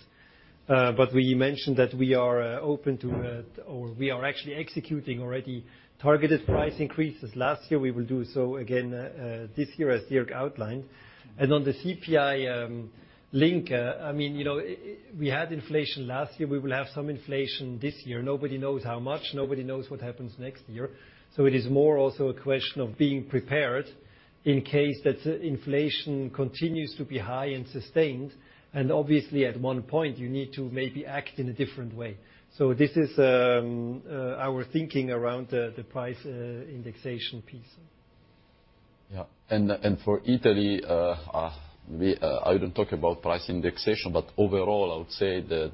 But we mentioned that we are open to or we are actually executing already targeted price increases. Last year, we will do so again this year as Jorg outlined. On the CPI link, I mean, you know, we had inflation last year. We will have some inflation this year. Nobody knows how much. Nobody knows what happens next year. It is more also a question of being prepared in case that inflation continues to be high and sustained. Obviously, at one point, you need to maybe act in a different way. This is our thinking around the price indexation piece. Yeah. For Italy, we, I wouldn't talk about price indexation. Overall, I would say that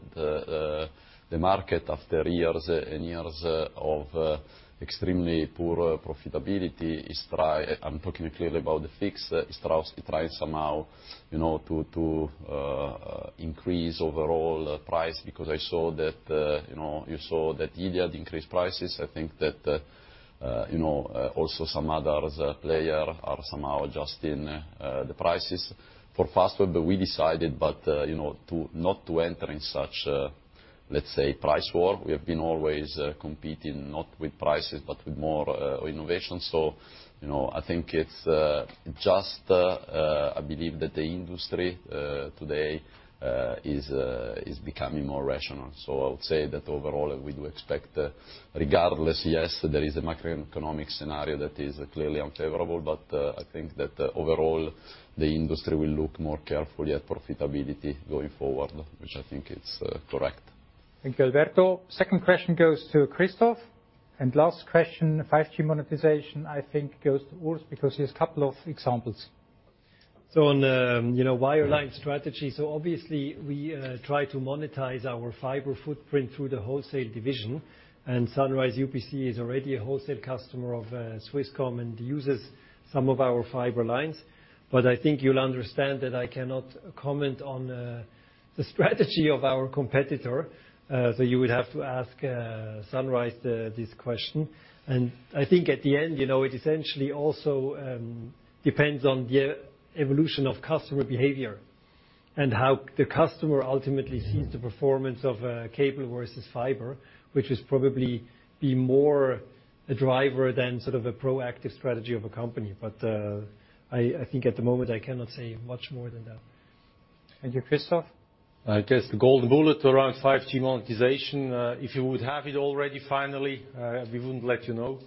the market after years and years of extremely poor profitability is. I'm talking clearly about the fixed. It tries to somehow, you know, to increase overall price because I saw that, you know, you saw that Iliad increased prices. I think that, you know, also some other player are somehow adjusting the prices. For Fastweb, we decided but, you know, not to enter in such a, let's say, price war. We have been always competing not with prices, but with more innovation. I think it's just, I believe that the industry today is becoming more rational. I would say that overall, we do expect regardless, yes, there is a macroeconomic scenario that is clearly unfavorable, but I think that overall, the industry will look more carefully at profitability going forward, which I think it's correct. Thank you, Alberto. Second question goes to Christoph, and last question, 5G monetization, I think, goes to Urs because he has a couple of examples. On, you know, wireline strategy, obviously, we try to monetize our fiber footprint through the wholesale division, and Sunrise UPC is already a wholesale customer of Swisscom and uses some of our fiber lines. I think you'll understand that I cannot comment on the strategy of our competitor, so you would have to ask Sunrise this question. I think at the end, you know, it essentially also depends on the evolution of customer behavior. How the customer ultimately sees the performance of cable versus fiber, which is probably be more a driver than sort of a proactive strategy of a company. I think at the moment, I cannot say much more than that. Thank you. Christoph? I guess the golden bullet around 5G monetization, if you would have it already, finally, we wouldn't let you know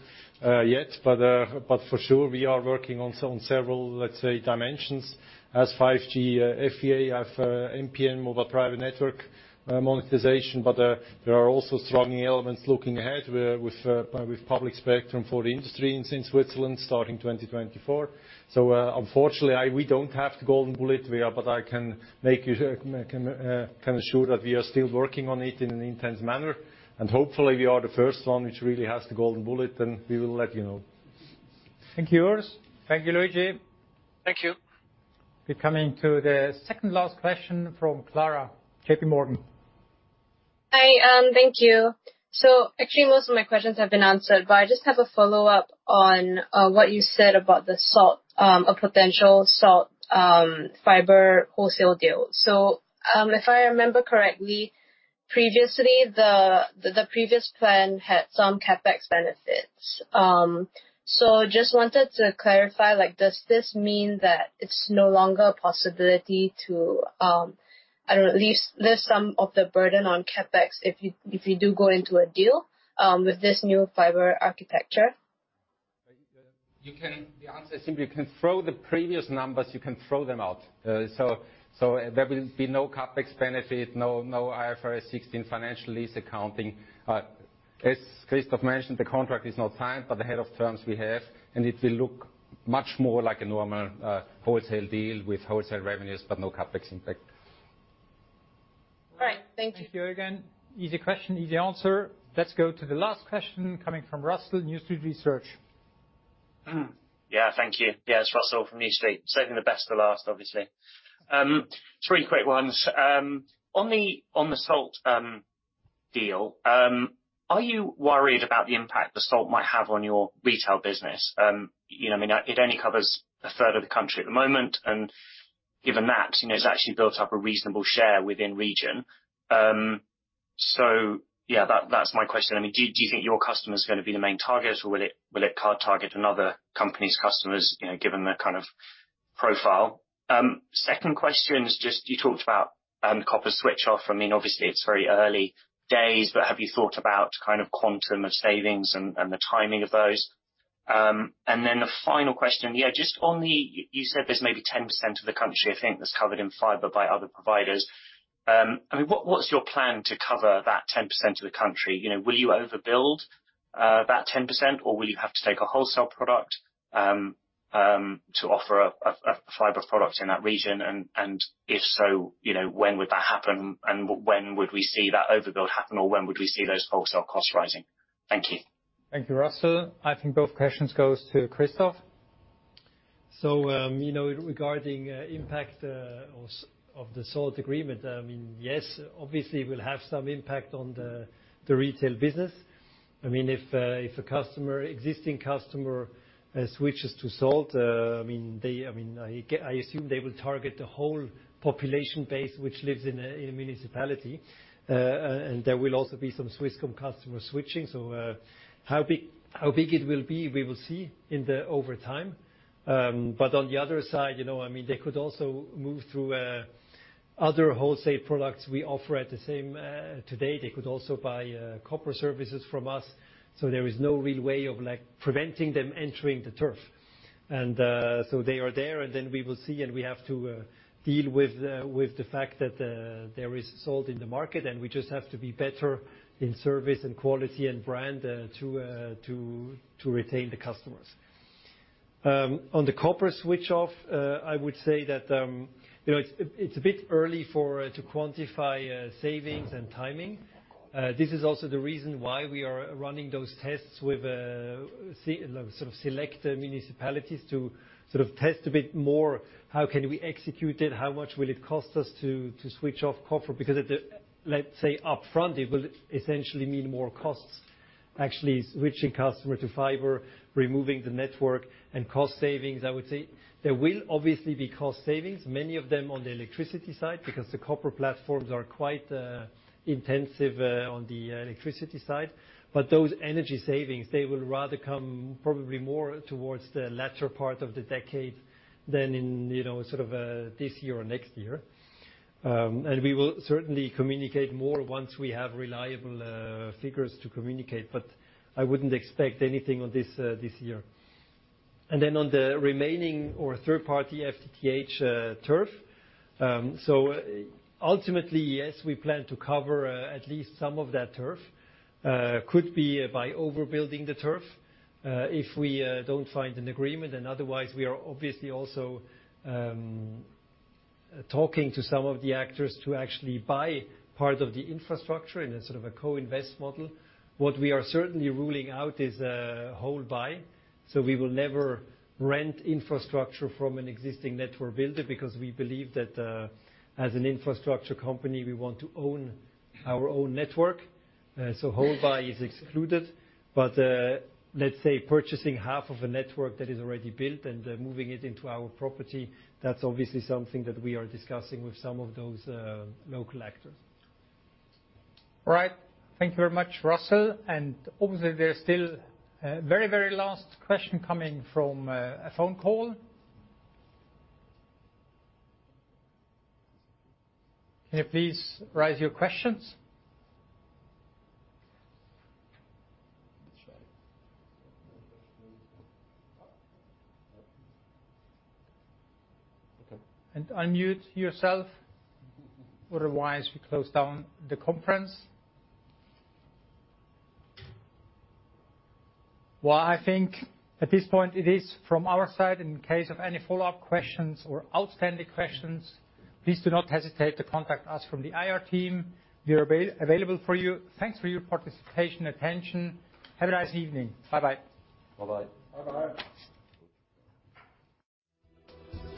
yet. For sure, we are working on several, let's say, dimensions as 5G FWA, MPN, Mobile Private Network, monetization. There are also strong elements looking ahead with public spectrum for the industry in Switzerland starting 2024. Unfortunately, we don't have the golden bullet. We are but I can assure that we are still working on it in an intense manner. Hopefully we are the first one which really has the golden bullet, and we will let you know. Thank you, Urs. Thank you, Luigi. Thank you. We're coming to the second last question from Klara, JPMorgan. Hi, thank you. Actually, most of my questions have been answered, but I just have a follow-up on what you said about the Salt or potential Salt fiber wholesale deal. If I remember correctly, previously, the previous plan had some CapEx benefits. Just wanted to clarify, like does this mean that it's no longer a possibility to, I don't know, less some of the burden on CapEx if you do go into a deal with this new fiber architecture? The answer is simple. You can throw the previous numbers, you can throw them out. There will be no CapEx benefit, no IFRS 16 financial lease accounting. As Christoph mentioned, the contract is not signed, but the head of terms we have, it will look much more like a normal wholesale deal with wholesale revenues, but no CapEx impact. All right. Thank you. Thank you again. Easy question, easy answer. Let's go to the last question coming from Russell, New Street Research. Yeah. Thank you. Yeah, it's Russell from New Street. Saving the best for last, obviously. Three quick ones. On the, on the Salt deal, are you worried about the impact the Salt might have on your retail business? You know, I mean, it only covers a third of the country at the moment, and given that, you know, it's actually built up a reasonable share within region. So yeah, that's my question. I mean, do you think your customer is gonna be the main target or will it target another company's customers, you know, given their kind of profile? Second question is just you talked about copper switch off. I mean, obviously, it's very early days, but have you thought about kind of quantum of savings and the timing of those? Then the final question. Yeah, just on the. You said there's maybe 10% of the country, I think, that's covered in fiber by other providers. I mean, what's your plan to cover that 10% of the country? You know, will you overbuild that 10%, or will you have to take a wholesale product to offer a fiber product in that region? If so, you know, when would that happen, and when would we see that overbuild happen, or when would we see those wholesale costs rising? Thank you. Thank you, Russell. I think both questions goes to Christoph. You know, regarding impact of the Salt agreement, I mean, yes, obviously, we'll have some impact on the retail business. I mean, if a customer, existing customer, switches to Salt, I mean, I assume they will target the whole population base which lives in a municipality. And there will also be some Swisscom customers switching. How big it will be, we will see in the over time. On the other side, you know, I mean, they could also move to other wholesale products we offer at the same today. They could also buy copper services from us. There is no real way of, like, preventing them entering the turf. They are there, we will see, we have to deal with the fact that there is Salt in the market, we just have to be better in service and quality and brand to retain the customers. On the copper switch off, I would say that, you know, it's a bit early to quantify savings and timing. This is also the reason why we are running those tests with like sort of select municipalities to sort of test a bit more, how can we execute it? How much will it cost us to switch off copper? Let's say upfront, it will essentially mean more costs, actually switching customer to fiber, removing the network and cost savings, I would say. There will obviously be cost savings, many of them on the electricity side, because the copper platforms are quite intensive on the electricity side. Those energy savings, they will rather come probably more towards the latter part of the decade than in, you know, sort of this year or next year. We will certainly communicate more once we have reliable figures to communicate, but I wouldn't expect anything on this this year. On the remaining or third-party FTTH turf. Ultimately, yes, we plan to cover at least some of that turf. Could be by overbuilding the turf, if we don't find an agreement. Otherwise, we are obviously also talking to some of the actors to actually buy part of the infrastructure in a sort of a co-invest model. What we are certainly ruling out is a whole buy. We will never rent infrastructure from an existing network builder because we believe that as an infrastructure company, we want to own our own network. Whole buy is excluded. Let's say purchasing half of a network that is already built and moving it into our property, that's obviously something that we are discussing with some of those local actors. All right. Thank you very much, Russell. Obviously, there's still very last question coming from a phone call. Can you please raise your questions? Let me try. Okay. Unmute yourself. Otherwise, we close down the conference. Well, I think at this point it is from our side. In case of any follow-up questions or outstanding questions, please do not hesitate to contact us from the IR team. We are available for you. Thanks for your participation, attention. Have a nice evening. Bye-bye. Bye-bye. Bye-bye.